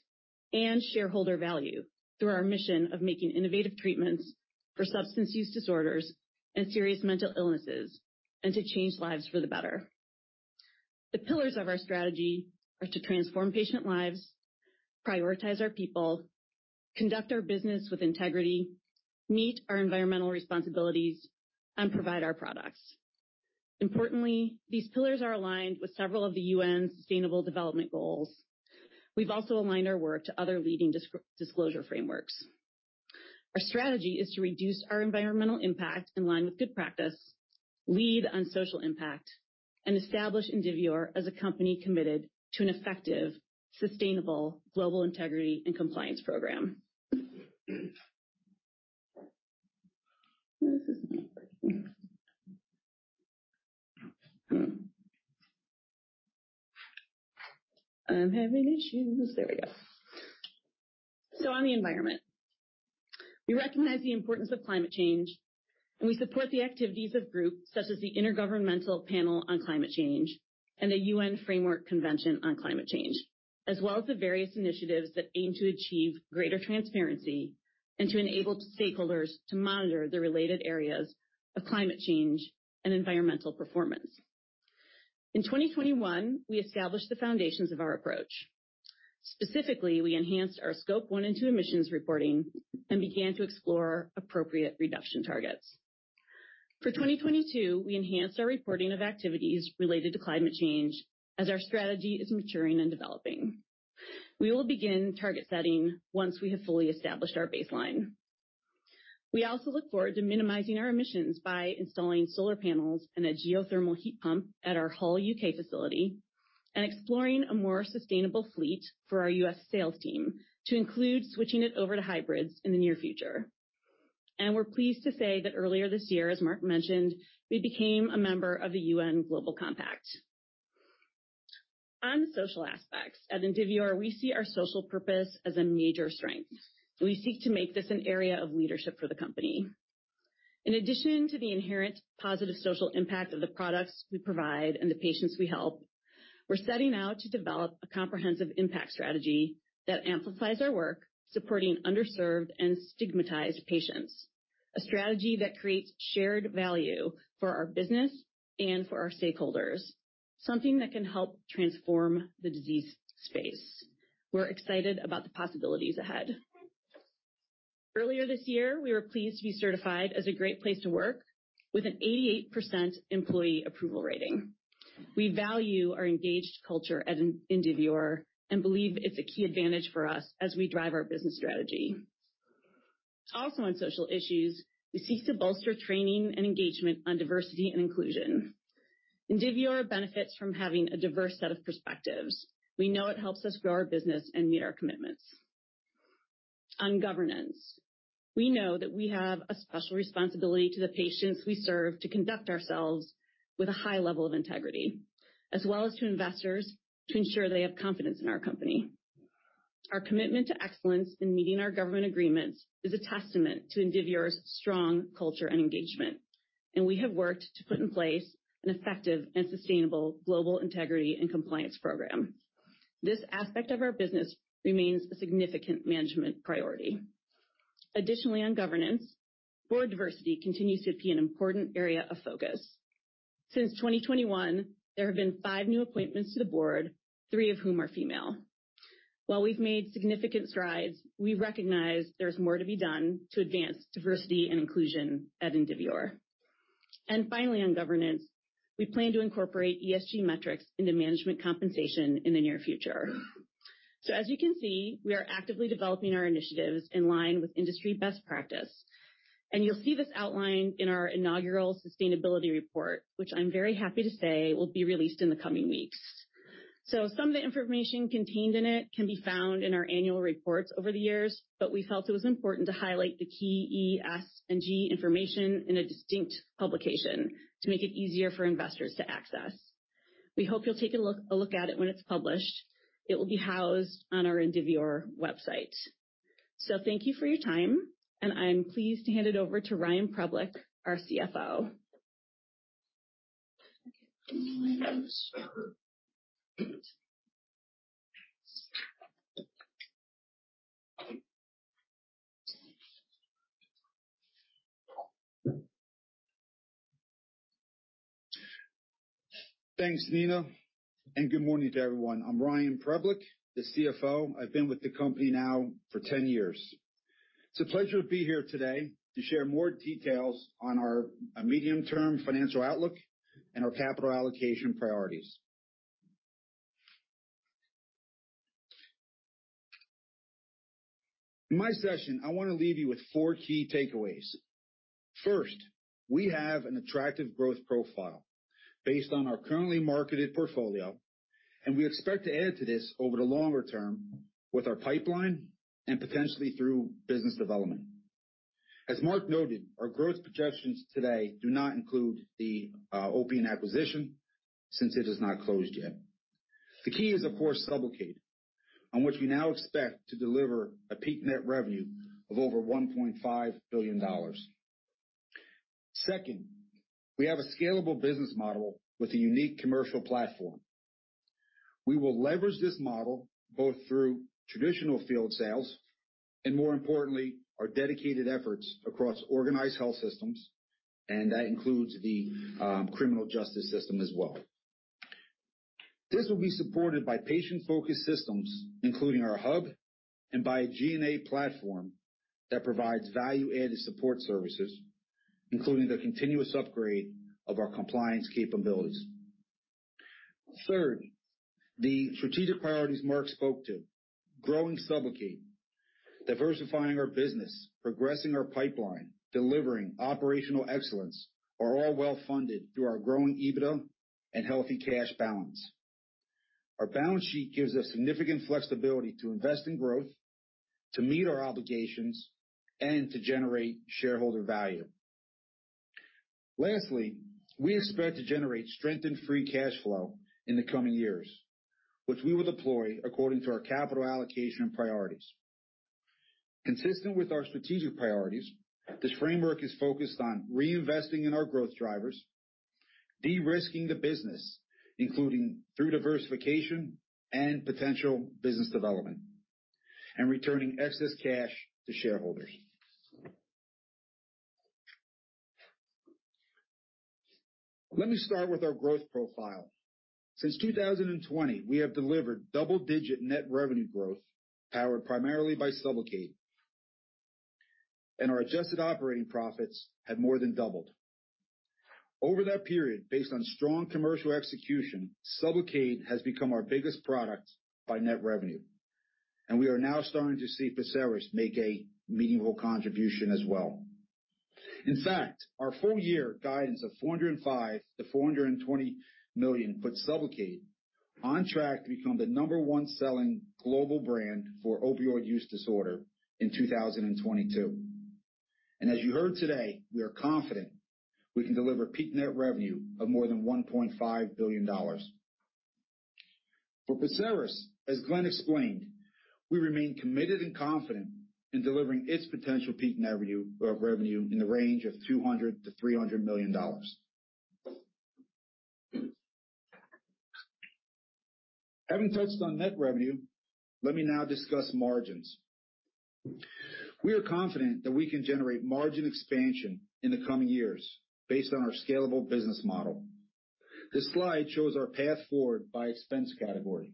and shareholder value through our mission of making innovative treatments for substance use disorders and serious mental illnesses and to change lives for the better. The pillars of our strategy are to transform patient lives, prioritize our people, conduct our business with integrity, meet our environmental responsibilities, and provide our products. Importantly, these pillars are aligned with several of the UN's Sustainable Development Goals. We've also aligned our work to other leading disclosure frameworks. Our strategy is to reduce our environmental impact in line with good practice, lead on social impact, and establish Indivior as a company committed to an effective, sustainable global integrity and compliance program. This isn't working. I'm having issues. There we go. On the environment. We recognize the importance of climate change, and we support the activities of groups such as the Intergovernmental Panel on Climate Change and the UN Framework Convention on Climate Change, as well as the various initiatives that aim to achieve greater transparency and to enable stakeholders to monitor the related areas of climate change and environmental performance. In 2021, we established the foundations of our approach. Specifically, we enhanced our scope 1 emmision and scope 2 emissions reporting and began to explore appropriate reduction targets. For 2022, we enhanced our reporting of activities related to climate change as our strategy is maturing and developing. We will begin target setting once we have fully established our baseline. We also look forward to minimizing our emissions by installing solar panels and a geothermal heat pump at our Hull, U.K., facility and exploring a more sustainable fleet for our U.S. sales team to include switching it over to hybrids in the near future. We're pleased to say that earlier this year, as Mark mentioned, we became a member of the UN Global Compact. On the social aspects, at Indivior, we see our social purpose as a major strength. We seek to make this an area of leadership for the company. In addition to the inherent positive social impact of the products we provide and the patients we help, we're setting out to develop a comprehensive impact strategy that amplifies our work supporting underserved and stigmatized patients. A strategy that creates shared value for our business and for our stakeholders, something that can help transform the disease space. We're excited about the possibilities ahead. Earlier this year, we were pleased to be certified as a great place to work with an 88% employee approval rating. We value our engaged culture at Indivior and believe it's a key advantage for us as we drive our business strategy. On social issues, we seek to bolster training and engagement on diversity and inclusion. Indivior benefits from having a diverse set of perspectives. We know it helps us grow our business and meet our commitments. On governance. We know that we have a special responsibility to the patients we serve, to conduct ourselves with a high level of integrity, as well as to investors to ensure they have confidence in our company. Our commitment to excellence in meeting our government agreements is a testament to Indivior's strong culture and engagement, and we have worked to put in place an effective and sustainable global integrity and compliance program. This aspect of our business remains a significant management priority. Additionally, on governance, board diversity continues to be an important area of focus. Since 2021, there have been five new appointments to the board, three of whom are female. While we've made significant strides, we recognize there's more to be done to advance diversity and inclusion at Indivior. Finally, on governance, we plan to incorporate ESG metrics into management compensation in the near future. As you can see, we are actively developing our initiatives in line with industry best practice. You'll see this outlined in our inaugural sustainability report, which I'm very happy to say will be released in the coming weeks. Some of the information contained in it can be found in our annual reports over the years, but we felt it was important to highlight the key E, S, and G information in a distinct publication to make it easier for investors to access. We hope you'll take a look at it when it's published. It will be housed on our Indivior website. Thank you for your time, and I'm pleased to hand it over to Ryan Preblick, our CFO. Thanks, Nina, and good morning to everyone. I'm Ryan Preblick, the CFO. I've been with the company now for 10 years. It's a pleasure to be here today to share more details on our medium-term financial outlook and our capital allocation priorities. In my session, I wanna leave you with four key takeaways. First, we have an attractive growth profile based on our currently marketed portfolio, and we expect to add to this over the longer term with our pipeline and potentially through business development. As Mark noted, our growth projections today do not include the Opiant acquisition since it is not closed yet. The key is, of course, SUBLOCADE, on which we now expect to deliver a peak net revenue of over $1.5 billion. Second, we have a scalable business model with a unique commercial platform. We will leverage this model both through traditional field sales and, more importantly, our dedicated efforts across organized health systems, and that includes the criminal justice system as well. This will be supported by patient-focused systems, including our hub and by a GNA platform that provides value-added support services, including the continuous upgrade of our compliance capabilities. Third, the strategic priorities Mark spoke to. Growing SUBLOCADE, diversifying our business, progressing our pipeline, delivering operational excellence are all well-funded through our growing EBITDA and healthy cash balance. Our balance sheet gives us significant flexibility to invest in growth, to meet our obligations, and to generate shareholder value. Lastly, we expect to generate strengthened free cash flow in the coming years, which we will deploy according to our capital allocation priorities. Consistent with our strategic priorities, this framework is focused on reinvesting in our growth drivers, de-risking the business, including through diversification and potential business development, and returning excess cash to shareholders. Let me start with our growth profile. Since 2020, we have delivered double-digit net revenue growth, powered primarily by SUBLOCADE. Our adjusted operating profits have more than doubled. Over that period, based on strong commercial execution, SUBLOCADE has become our biggest product by net revenue, and we are now starting to see PERSERIS make a meaningful contribution as well. In fact, our full year guidance of $405 million-$420 million puts SUBLOCADE on track to become the number-one selling global brand for opioid use disorder in 2022. As you heard today, we are confident we can deliver peak net revenue of more than $1.5 billion. For PERSERIS, as Glen explained, we remain committed and confident in delivering its potential peak net revenue in the range of $200 million-$300 million. Having touched on net revenue, let me now discuss margins. We are confident that we can generate margin expansion in the coming years based on our scalable business model. This slide shows our path forward by expense category.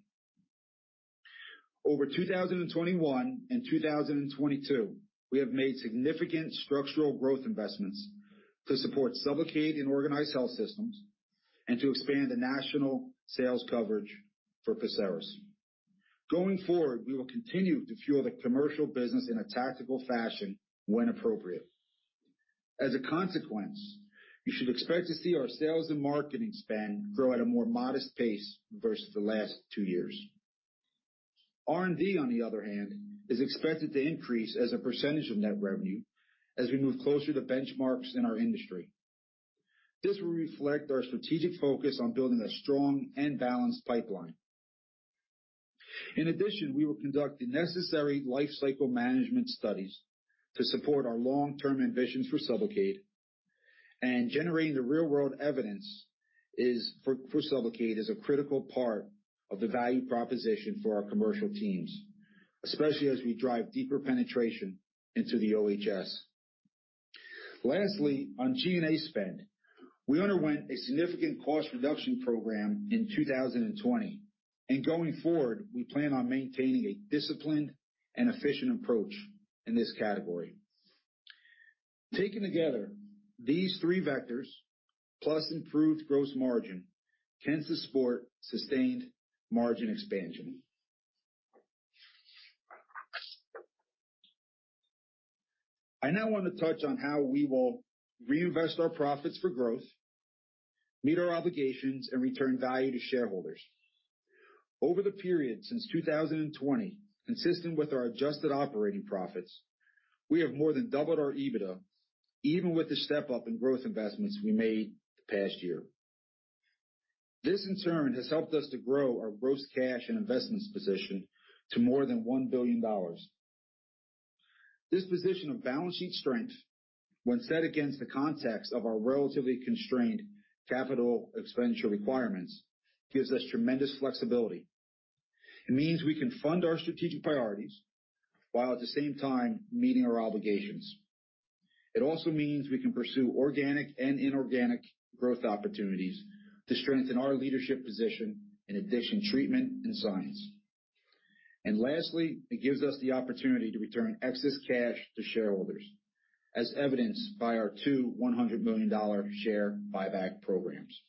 Over 2021 and 2022, we have made significant structural growth investments to support SUBLOCADE in organized health systems and to expand the national sales coverage for PERSERIS. Going forward, we will continue to fuel the commercial business in a tactical fashion when appropriate. As a consequence, you should expect to see our sales and marketing spend grow at a more modest pace versus the last two years. R&D, on the other hand, is expected to increase as a percent of net revenue as we move closer to benchmarks in our industry. This will reflect our strategic focus on building a strong and balanced pipeline. In addition, we will conduct the necessary life cycle management studies to support our long-term ambitions for SUBLOCADE. Generating the real-world evidence for SUBLOCADE is a critical part of the value proposition for our commercial teams, especially as we drive deeper penetration into the OHS. Lastly, on G&A spend, we underwent a significant cost reduction program in 2020. Going forward, we plan on maintaining a disciplined and efficient approach in this category. Taken together, these three vectors plus improved gross margin can support sustained margin expansion. I now want to touch on how we will reinvest our profits for growth, meet our obligations, and return value to shareholders. Over the period since 2020, consistent with our adjusted operating profits, we have more than doubled our EBITDA, even with the step-up in growth investments we made the past year. This, in turn, has helped us to grow our gross cash and investments position to more than $1 billion. This position of balance sheet strength, when set against the context of our relatively constrained capital expenditure requirements, gives us tremendous flexibility. It means we can fund our strategic priorities while at the same time meeting our obligations. It also means we can pursue organic and inorganic growth opportunities to strengthen our leadership position in addiction treatment and science. Lastly, it gives us the opportunity to return excess cash to shareholders, as evidenced by our 2 $100 million share buyback programs.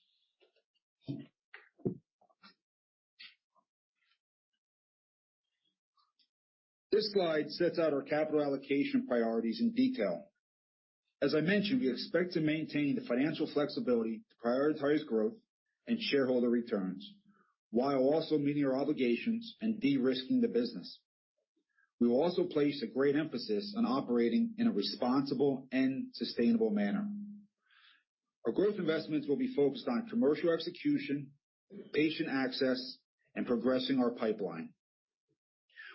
This slide sets out our capital allocation priorities in detail. As I mentioned, we expect to maintain the financial flexibility to prioritize growth and shareholder returns while also meeting our obligations and de-risking the business. We will also place a great emphasis on operating in a responsible and sustainable manner. Our growth investments will be focused on commercial execution, patient access, and progressing our pipeline.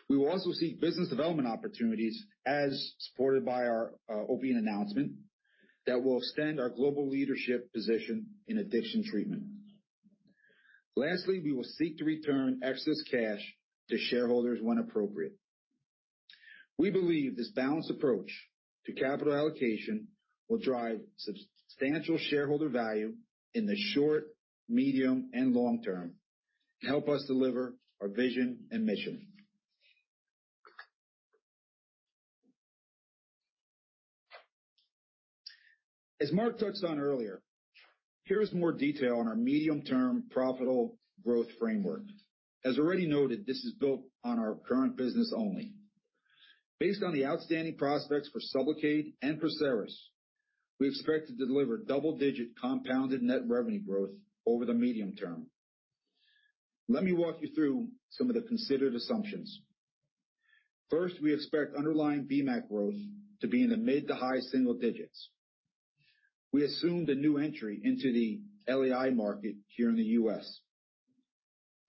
We will also seek business development opportunities as supported by our Opiant announcement that will extend our global leadership position in addiction treatment. Lastly, we will seek to return excess cash to shareholders when appropriate. We believe this balanced approach to capital allocation will drive substantial shareholder value in the short, medium, and long term and help us deliver our vision and mission. As Mark touched on earlier, here is more detail on our medium-term profitable growth framework. As already noted, this is built on our current business only. Based on the outstanding prospects for SUBLOCADE and PERSERIS, we expect to deliver double-digit compounded net revenue growth over the medium term. Let me walk you through some of the considered assumptions. First, we expect underlying Vmac growth to be in the mid to high single digits. We assumed a new entry into the LAI market here in the U.S.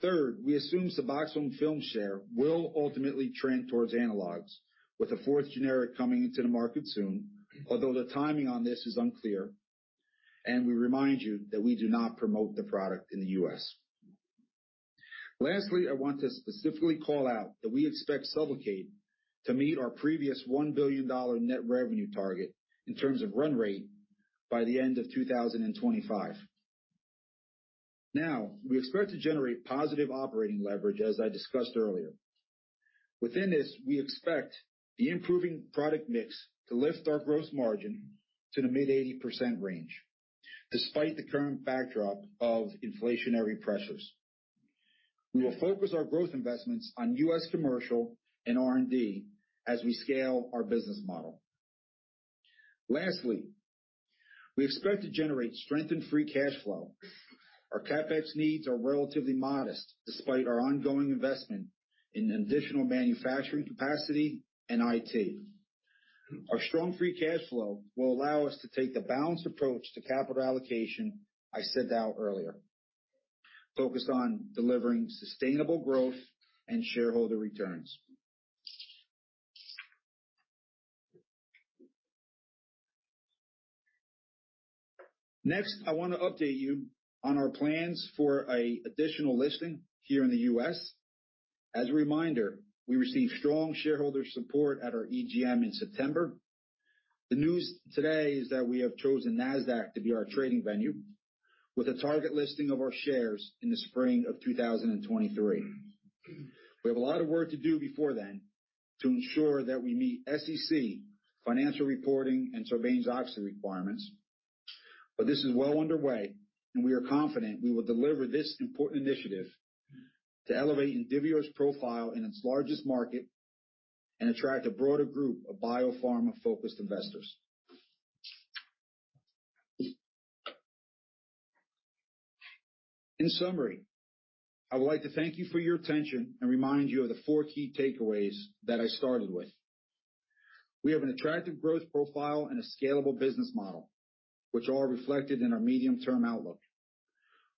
Third, we assume SUBOXONE film share will ultimately trend towards analogs with a fourth generic coming into the market soon. Although the timing on this is unclear, and we remind you that we do not promote the product in the U.S. Lastly, I want to specifically call out that we expect SUBLOCADE to meet our previous $1 billion net revenue target in terms of run rate by the end of 2025. Now, we expect to generate positive operating leverage, as I discussed earlier. Within this, we expect the improving product mix to lift our gross margin to the mid-80% range despite the current backdrop of inflationary pressures. We will focus our growth investments on U.S. commercial and R&D as we scale our business model. Lastly, we expect to generate strengthened free cash flow. Our CapEx needs are relatively modest despite our ongoing investment in additional manufacturing capacity and IT. Our strong free cash flow will allow us to take the balanced approach to capital allocation I set out earlier, focused on delivering sustainable growth and shareholder returns. Next, I want to update you on our plans for a additional listing here in the U.S. As a reminder, we received strong shareholder support at our EGM in September. The news today is that we have chosen Nasdaq to be our trading venue with a target listing of our shares in the spring of 2023. We have a lot of work to do before then to ensure that we meet SEC financial reporting and Sarbanes-Oxley requirements, this is well underway, and we are confident we will deliver this important initiative to elevate Indivior's profile in its largest market and attract a broader group of biopharma-focused investors. In summary, I would like to thank you for your attention and remind you of the four key takeaways that I started with. We have an attractive growth profile and a scalable business model, which are reflected in our medium-term outlook.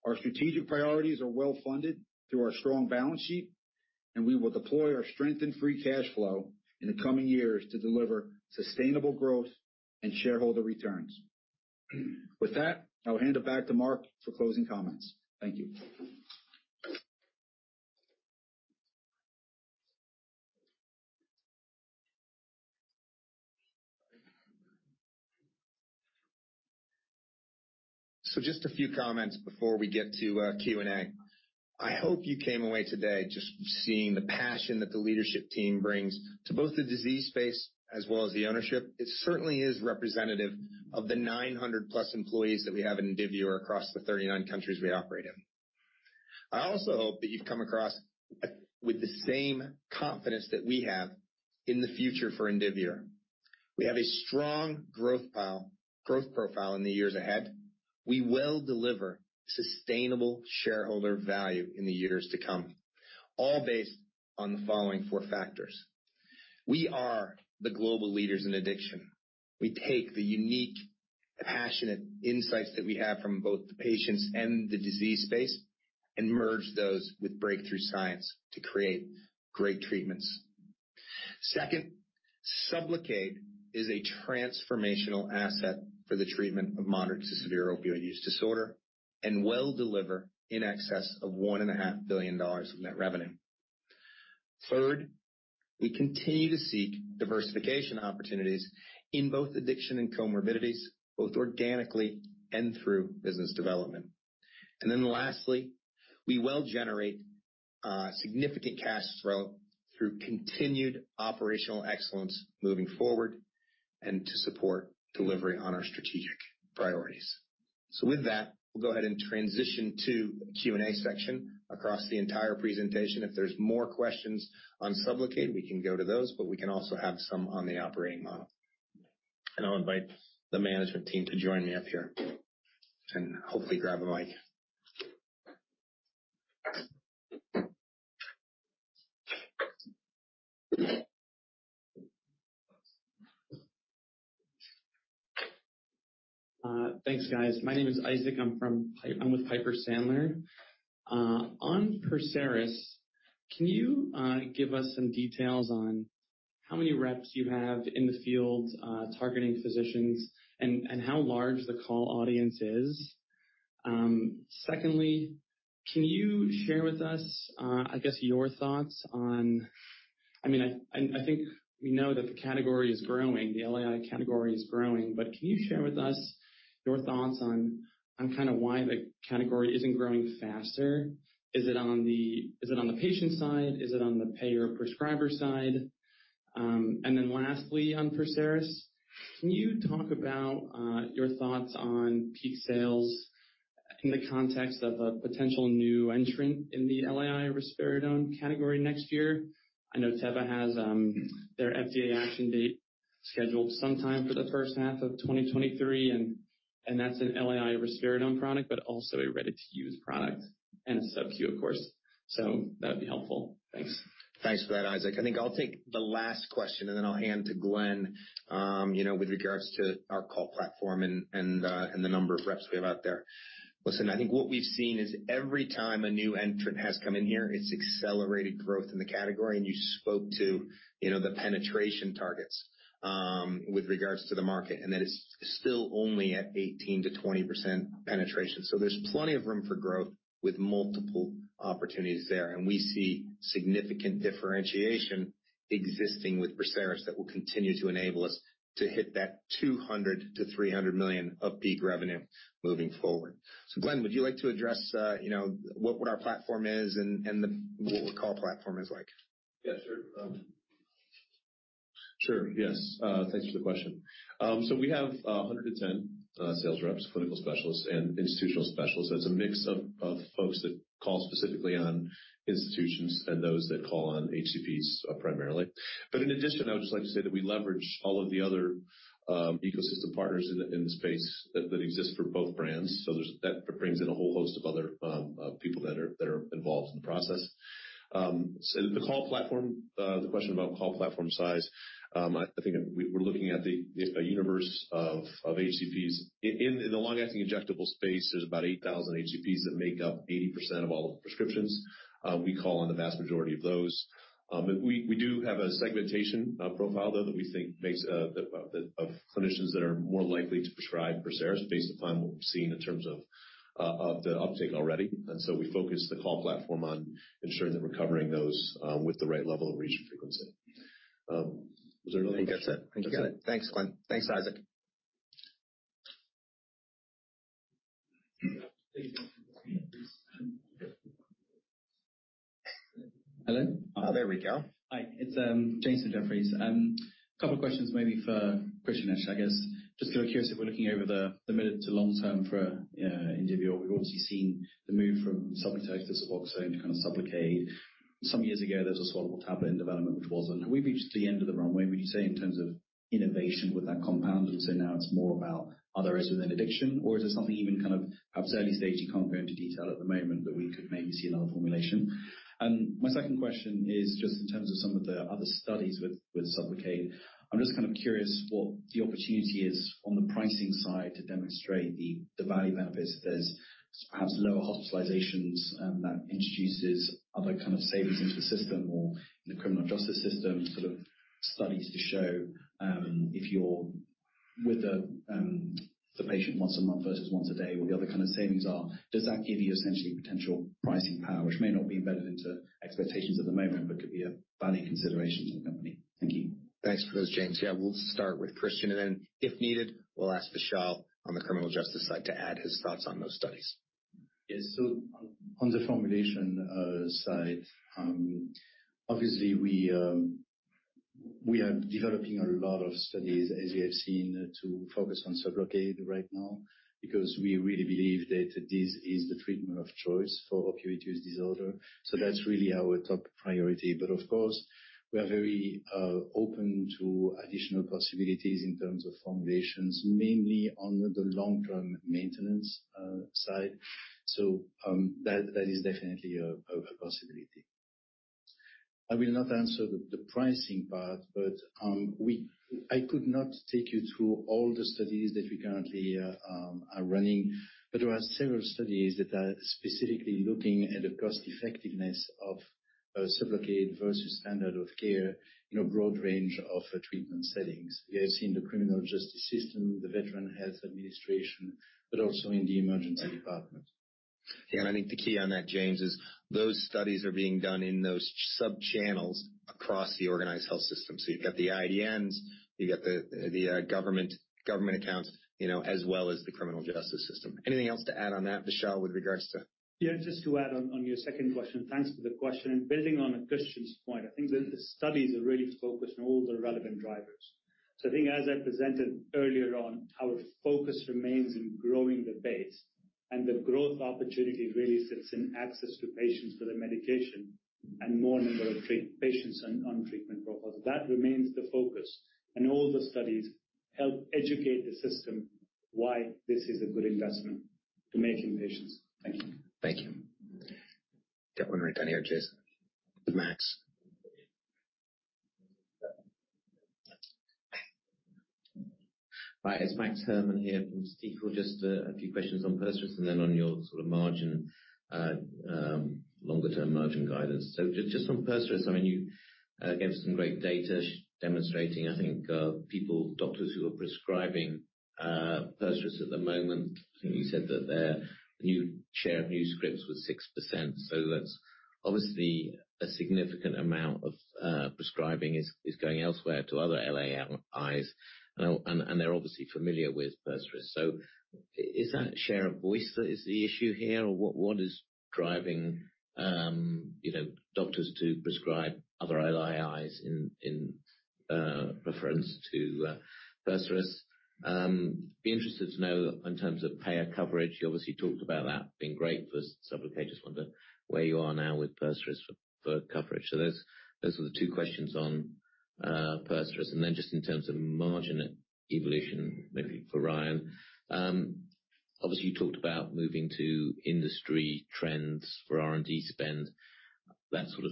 Our strategic priorities are well-funded through our strong balance sheet, and we will deploy our strength and free cash flow in the coming years to deliver sustainable growth and shareholder returns. With that, I'll hand it back to Mark for closing comments. Thank you. Just a few comments before we get to Q&A. I hope you came away today just seeing the passion that the leadership team brings to both the disease space as well as the ownership. It certainly is representative of the 900 plus employees that we have at Indivior across the 39 countries we operate in. I also hope that you've come across with the same confidence that we have in the future for Indivior. We have a strong growth profile in the years ahead. We will deliver sustainable shareholder value in the years to come, all based on the following four factors. We are the global leaders in addiction. We take the unique, passionate insights that we have from both the patients and the disease space and merge those with breakthrough science to create great treatments. Second, SUBLOCADE is a transformational asset for the treatment of moderate to severe opioid use disorder and will deliver in excess of $1.5 billion of net revenue. Third, we continue to seek diversification opportunities in both addiction and comorbidities, both organically and through business development. Lastly, we will generate significant cash flow through continued operational excellence moving forward and to support delivery on our strategic priorities. With that, we'll go ahead and transition to Q&A section across the entire presentation. If there's more questions on SUBLOCADE, we can go to those, but we can also have some on the operating model. I'll invite the management team to join me up here and hopefully grab a mic. Thanks, guys. My name is Isaac. I'm with Piper Sandler. On PERSERIS, can you give us some details on how many reps you have in the field, targeting physicians and how large the call audience is? Secondly, can you share with us, I guess your thoughts on... I mean, I think we know that the category is growing, the LAI category is growing, but can you share with us your thoughts on kind of why the category isn't growing faster? Is it on the patient side? Is it on the payer prescriber side? Lastly, on PERSERIS, can you talk about your thoughts on peak sales in the context of a potential new entrant in the LAI risperidone category next year? I know Teva has their FDA action date scheduled sometime for the first half of 2023, and that's an LAI risperidone product, but also a ready-to-use product and a subQ, of course. That'd be helpful. Thanks. Thanks for that, Isaac. I think I'll take the last question, then I'll hand to Glenn, you know, with regards to our call platform and the number of reps we have out there. Listen, I think what we've seen is every time a new entrant has come in here, it's accelerated growth in the category. You spoke to, you know, the penetration targets with regards to the market, and that is still only at 18%-20% penetration. There's plenty of room for growth with multiple opportunities there. We see significant differentiation existing with PERSERIS that will continue to enable us to hit that $200 million-$300 million of peak revenue moving forward. Glenn, would you like to address, you know, what our platform is and what our call platform is like? Yes, sure. Sure. Yes. Thanks for the question. We have 110 sales reps, clinical specialists and institutional specialists. It's a mix of folks that call specifically on institutions and those that call on HCPs primarily. In addition, I would just like to say that we leverage all of the other ecosystem partners in the space that exists for both brands. That brings in a whole host of other people that are involved in the process. The call platform, the question about call platform size, I think we're looking at the universe of HCPs. In the long-acting injectable space, there's about 8,000 HCPs that make up 80% of all the prescriptions. We call on the vast majority of those. We, we do have a segmentation profile, though, that we think makes of clinicians that are more likely to prescribe PERSERIS based upon what we've seen in terms of the uptake already. We focus the call platform on ensuring that we're covering those with the right level of reach and frequency. Was there another- I think that's it. I think that's it. Thanks, Glen. Thanks, Isaac. Please. Hello? Oh, there we go. Hi, it's Jason Jeffries. A couple of questions maybe for Christian, I guess. Just kind of curious if we're looking over the mid to long term for Indivior. We've obviously seen the move from SUBLOCADE to SUBOXONE to kind of SUBLOCADE. Some years ago, there was a swallowable tablet in development, which wasn't. Have we reached the end of the runway, would you say, in terms of innovation with that compound. Now it's more about are there is an addiction or is it something even kind of perhaps early stage, you can't go into detail at the moment, but we could maybe see another formulation. My second question is just in terms of some of the other studies with Sublocade. I'm just kind of curious what the opportunity is on the pricing side to demonstrate the value benefits. There's perhaps lower hospitalizations, that introduces other kind of savings into the system or in the criminal justice system, sort of studies to show, if you're with the patient once a month versus once a day, what the other kind of savings are. Does that give you essentially potential pricing power which may not be embedded into expectations at the moment, but could be a value consideration to the company? Thank you. Thanks for those, Jason. Yeah, we'll start with Christian, and then if needed, we'll ask Vishal on the criminal justice side to add his thoughts on those studies. Yes. On, on the formulation side, obviously we are developing a lot of studies, as you have seen, to focus on SUBLOCADE right now because we really believe that this is the treatment of choice for opioid use disorder. That's really our top priority. Of course, we are very open to additional possibilities in terms of formulations, mainly on the long-term maintenance side. That, that is definitely a possibility. I will not answer the pricing part, but I could not take you through all the studies that we currently are running. There are several studies that are specifically looking at the cost effectiveness of SUBLOCADE versus standard of care in a broad range of treatment settings. As in the criminal justice system, the Veterans Health Administration, but also in the emergency department. Yeah. I think the key on that, Jason, is those studies are being done in those sub-channels across the organized health system. You've got the IDNs, you've got the government accounts, you know, as well as the criminal justice system. Anything else to add on that, Vishal, with regards to- Yeah, just to add on your second question. Thanks for the question. Building on Christian's point, I think the studies are really focused on all the relevant drivers. I think as I presented earlier on, our focus remains in growing the base and the growth opportunity really sits in access to patients for the medication and more number of patients on treatment profiles. That remains the focus and all the studies help educate the system why this is a good investment to making patients. Thank you. Thank you. Get one right down here. Cheers. Max. Hi, it's Max Herrmann here from Stifel. Just a few questions on PERSERIS and then on your sort of margin, longer term margin guidance. Just on PERSERIS, I mean, you gave some great data demonstrating, I think, people, doctors who are prescribing, PERSERIS at the moment. I think you said that their share of new scripts was 6%, so that's obviously a significant amount of prescribing is going elsewhere to other LAIs. They're obviously familiar with PERSERIS. Is that share of voice that is the issue here or what is driving, you know, doctors to prescribe other LAIs in reference to PERSERIS? Be interested to know in terms of payer coverage. You obviously talked about that being great for SUBLOCADE. Just wonder where you are now with PERSERIS for coverage. Those are the two questions on PERSERIS. Then just in terms of margin evolution, maybe for Ryan, obviously you talked about moving to industry trends for R&D spend. That sort of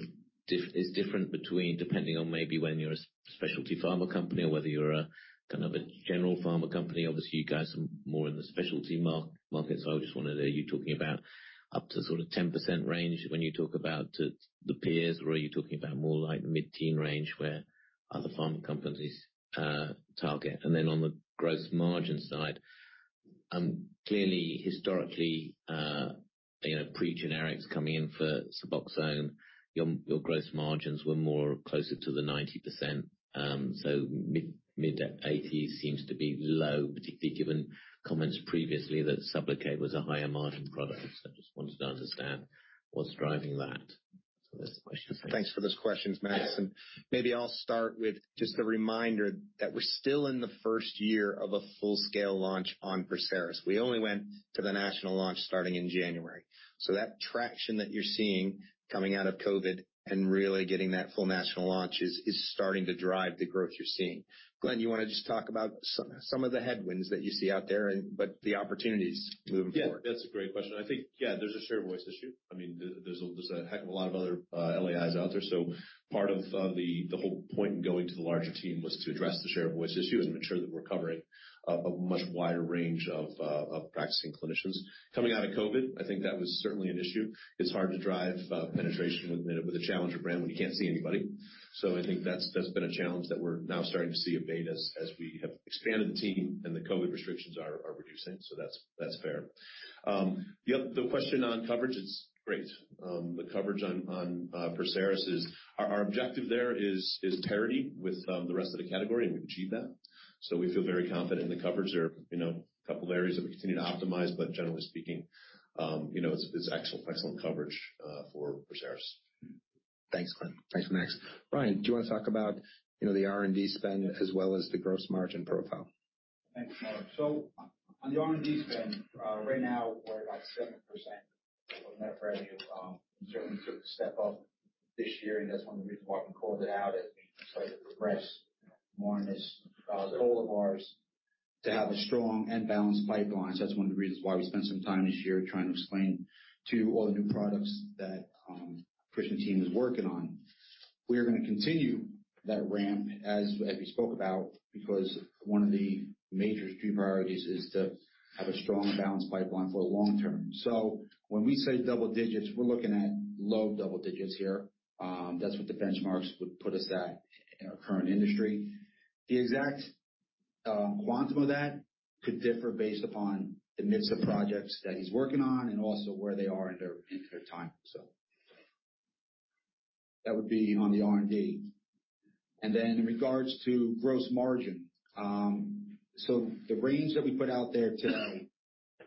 is different between depending on maybe when you're a specialty pharma company or whether you're a kind of a general pharma company. Obviously, you guys are more in the specialty market. I just wondered, are you talking about up to sort of 10% range when you talk about the peers, or are you talking about more like mid-teen range where other pharma companies target? Then on the gross margin side, clearly historically, you know, pre-generics coming in for SUBOXONE, your gross margins were more closer to the 90%. Mid 80s% seems to be low, particularly given comments previously that SUBLOCADE was a higher margin product. Just wanted to understand what's driving that. There's the questions. Thanks for those questions, Max. Yeah. Maybe I'll start with just the reminder that we're still in the first year of a full-scale launch on PERSERIS. We only went to the national launch starting in January. That traction that you're seeing coming out of COVID and really getting that full national launch is starting to drive the growth you're seeing. Glen, you wanna just talk about some of the headwinds that you see out there but the opportunities moving forward? Yeah, that's a great question. I think, yeah, there's a share voice issue. There's a heck of a lot of other LAIIs out there. Part of the whole point in going to the larger team was to address the share voice issue and make sure that we're covering a much wider range of practicing clinicians. Coming out of COVID, I think that was certainly an issue. It's hard to drive penetration with a challenger brand when you can't see anybody. I think that's been a challenge that we're now starting to see abate as we have expanded the team and the COVID restrictions are reducing. That's fair. The question on coverage is great. The coverage on PERSERIS is. Our objective there is parity with the rest of the category, and we've achieved that. We feel very confident in the coverage. There are, you know, a couple of areas that we continue to optimize. Generally speaking, you know, it's excellent coverage for PERSERIS. Thanks, Glen. Thanks, Max. Ryan, do you wanna talk about, you know, the R&D spend as well as the gross margin profile? Thanks, Mark. On the R&D spend, right now we're at 7%. Certainly took a step up this year, and that's one of the reasons why we called it out as we try to progress more in this goal of ours to have a strong and balanced pipeline. That's one of the reasons why we spent some time this year trying to explain to all the new products that Krish and team is working on. We are gonna continue that ramp as we spoke about, because one of the major key priorities is to have a strong balanced pipeline for the long term. When we say double digits, we're looking at low double digits here. That's what the benchmarks would put us at in our current industry. The exact quantum of that could differ based upon the mix of projects that he's working on and also where they are in their time cycle. That would be on the R&D. In regards to gross margin, the range that we put out there today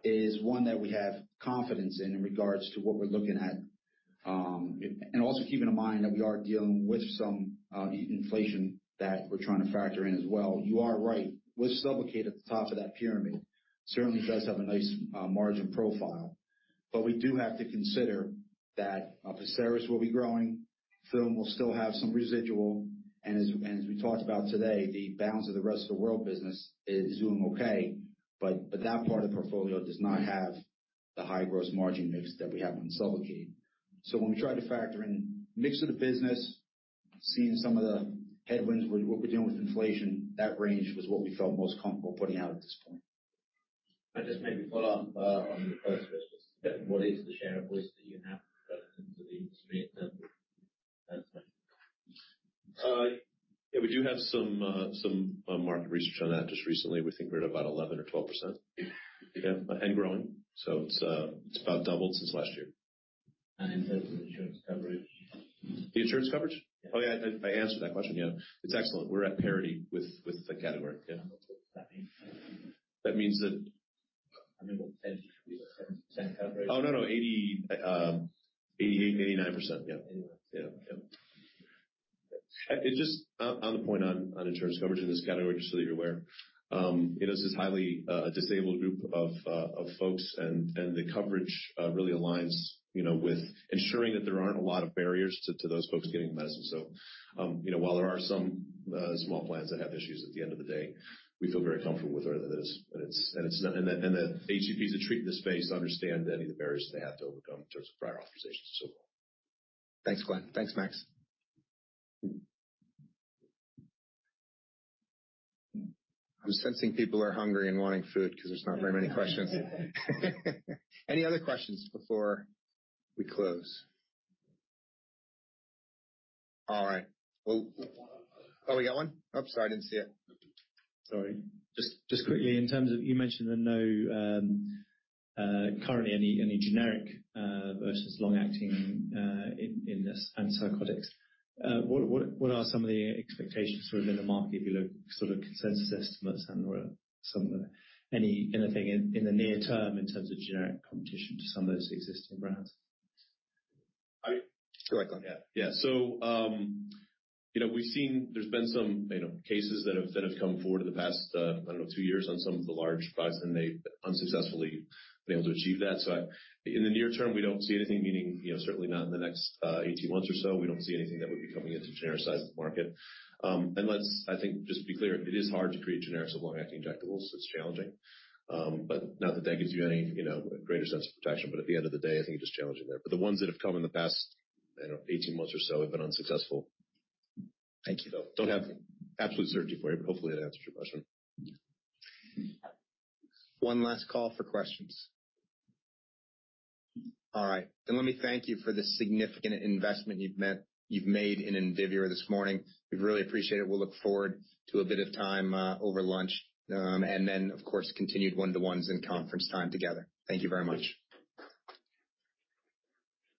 is one that we have confidence in regards to what we're looking at. Also keeping in mind that we are dealing with some inflation that we're trying to factor in as well. You are right. With SUBLOCADE at the top of that pyramid certainly does have a nice margin profile. We do have to consider that PERSERIS will be growing, Throm will still have some residual, as we talked about today, the balance of the rest of the world business is doing okay, but that part of the portfolio does not have the high gross margin mix that we have on SUBLOCADE. When we try to factor in mix of the business, seeing some of the headwinds, what we're dealing with inflation, that range was what we felt most comfortable putting out at this point. I just maybe follow up on the first question. What is the share of voice that you have relative to the? We do have some market research on that. Just recently, we think we're at about 11% or 12%. Growing. It's about doubled since last year. In terms of insurance coverage. The insurance coverage? Yeah. Oh, yeah. I answered that question. Yeah. It's excellent. We're at parity with the category. Yeah. What does that mean? That means that... I mean, what percentage? Is it 70% coverage? Oh, no, 88%-89%. Yeah. Eighty-nine. Yeah, yeah. On the point on insurance coverage in this category, just so that you're aware, you know, this is highly disabled group of folks, and the coverage really aligns, you know, with ensuring that there aren't a lot of barriers to those folks getting the medicine. You know, while there are some small plans that have issues at the end of the day, we feel very comfortable. The HCPs that treat in the space understand any of the barriers that they have to overcome in terms of prior authorizations and so forth. Thanks, Glen. Thanks, Max. I'm sensing people are hungry and wanting food 'cause there's not very many questions. Any other questions before we close? All right. Oh. Oh, we got one? Oh, sorry, I didn't see it. Sorry. Just quickly, in terms of you mentioned that no, currently any generic, versus long-acting in this antipsychotics. What are some of the expectations sort of in the market if you look sort of consensus estimates and where some of the. Anything in the near term in terms of generic competition to some of those existing brands? Go ahead, Glen. Yeah. Yeah. You know, we've seen there's been some, you know, cases that have, that have come forward in the past, I don't know, two years on some of the large products, and they've unsuccessfully been able to achieve that. In the near term, we don't see anything meaning, you know, certainly not in the next 18 months or so. We don't see anything that would be coming into genericize the market. Unless, I think, just to be clear, it is hard to create generics of long-acting injectables. It's challenging. Not that that gives you any, you know, greater sense of protection, but at the end of the day, I think it's just challenging there. The ones that have come in the past, I don't know, 18 months or so have been unsuccessful. Thank you, though. Don't have absolute certainty for you, but hopefully that answers your question. One last call for questions. All right. Let me thank you for the significant investment you've made in Indivior this morning. We really appreciate it. We'll look forward to a bit of time, over lunch, of course, continued one-to-ones and conference time together. Thank you very much.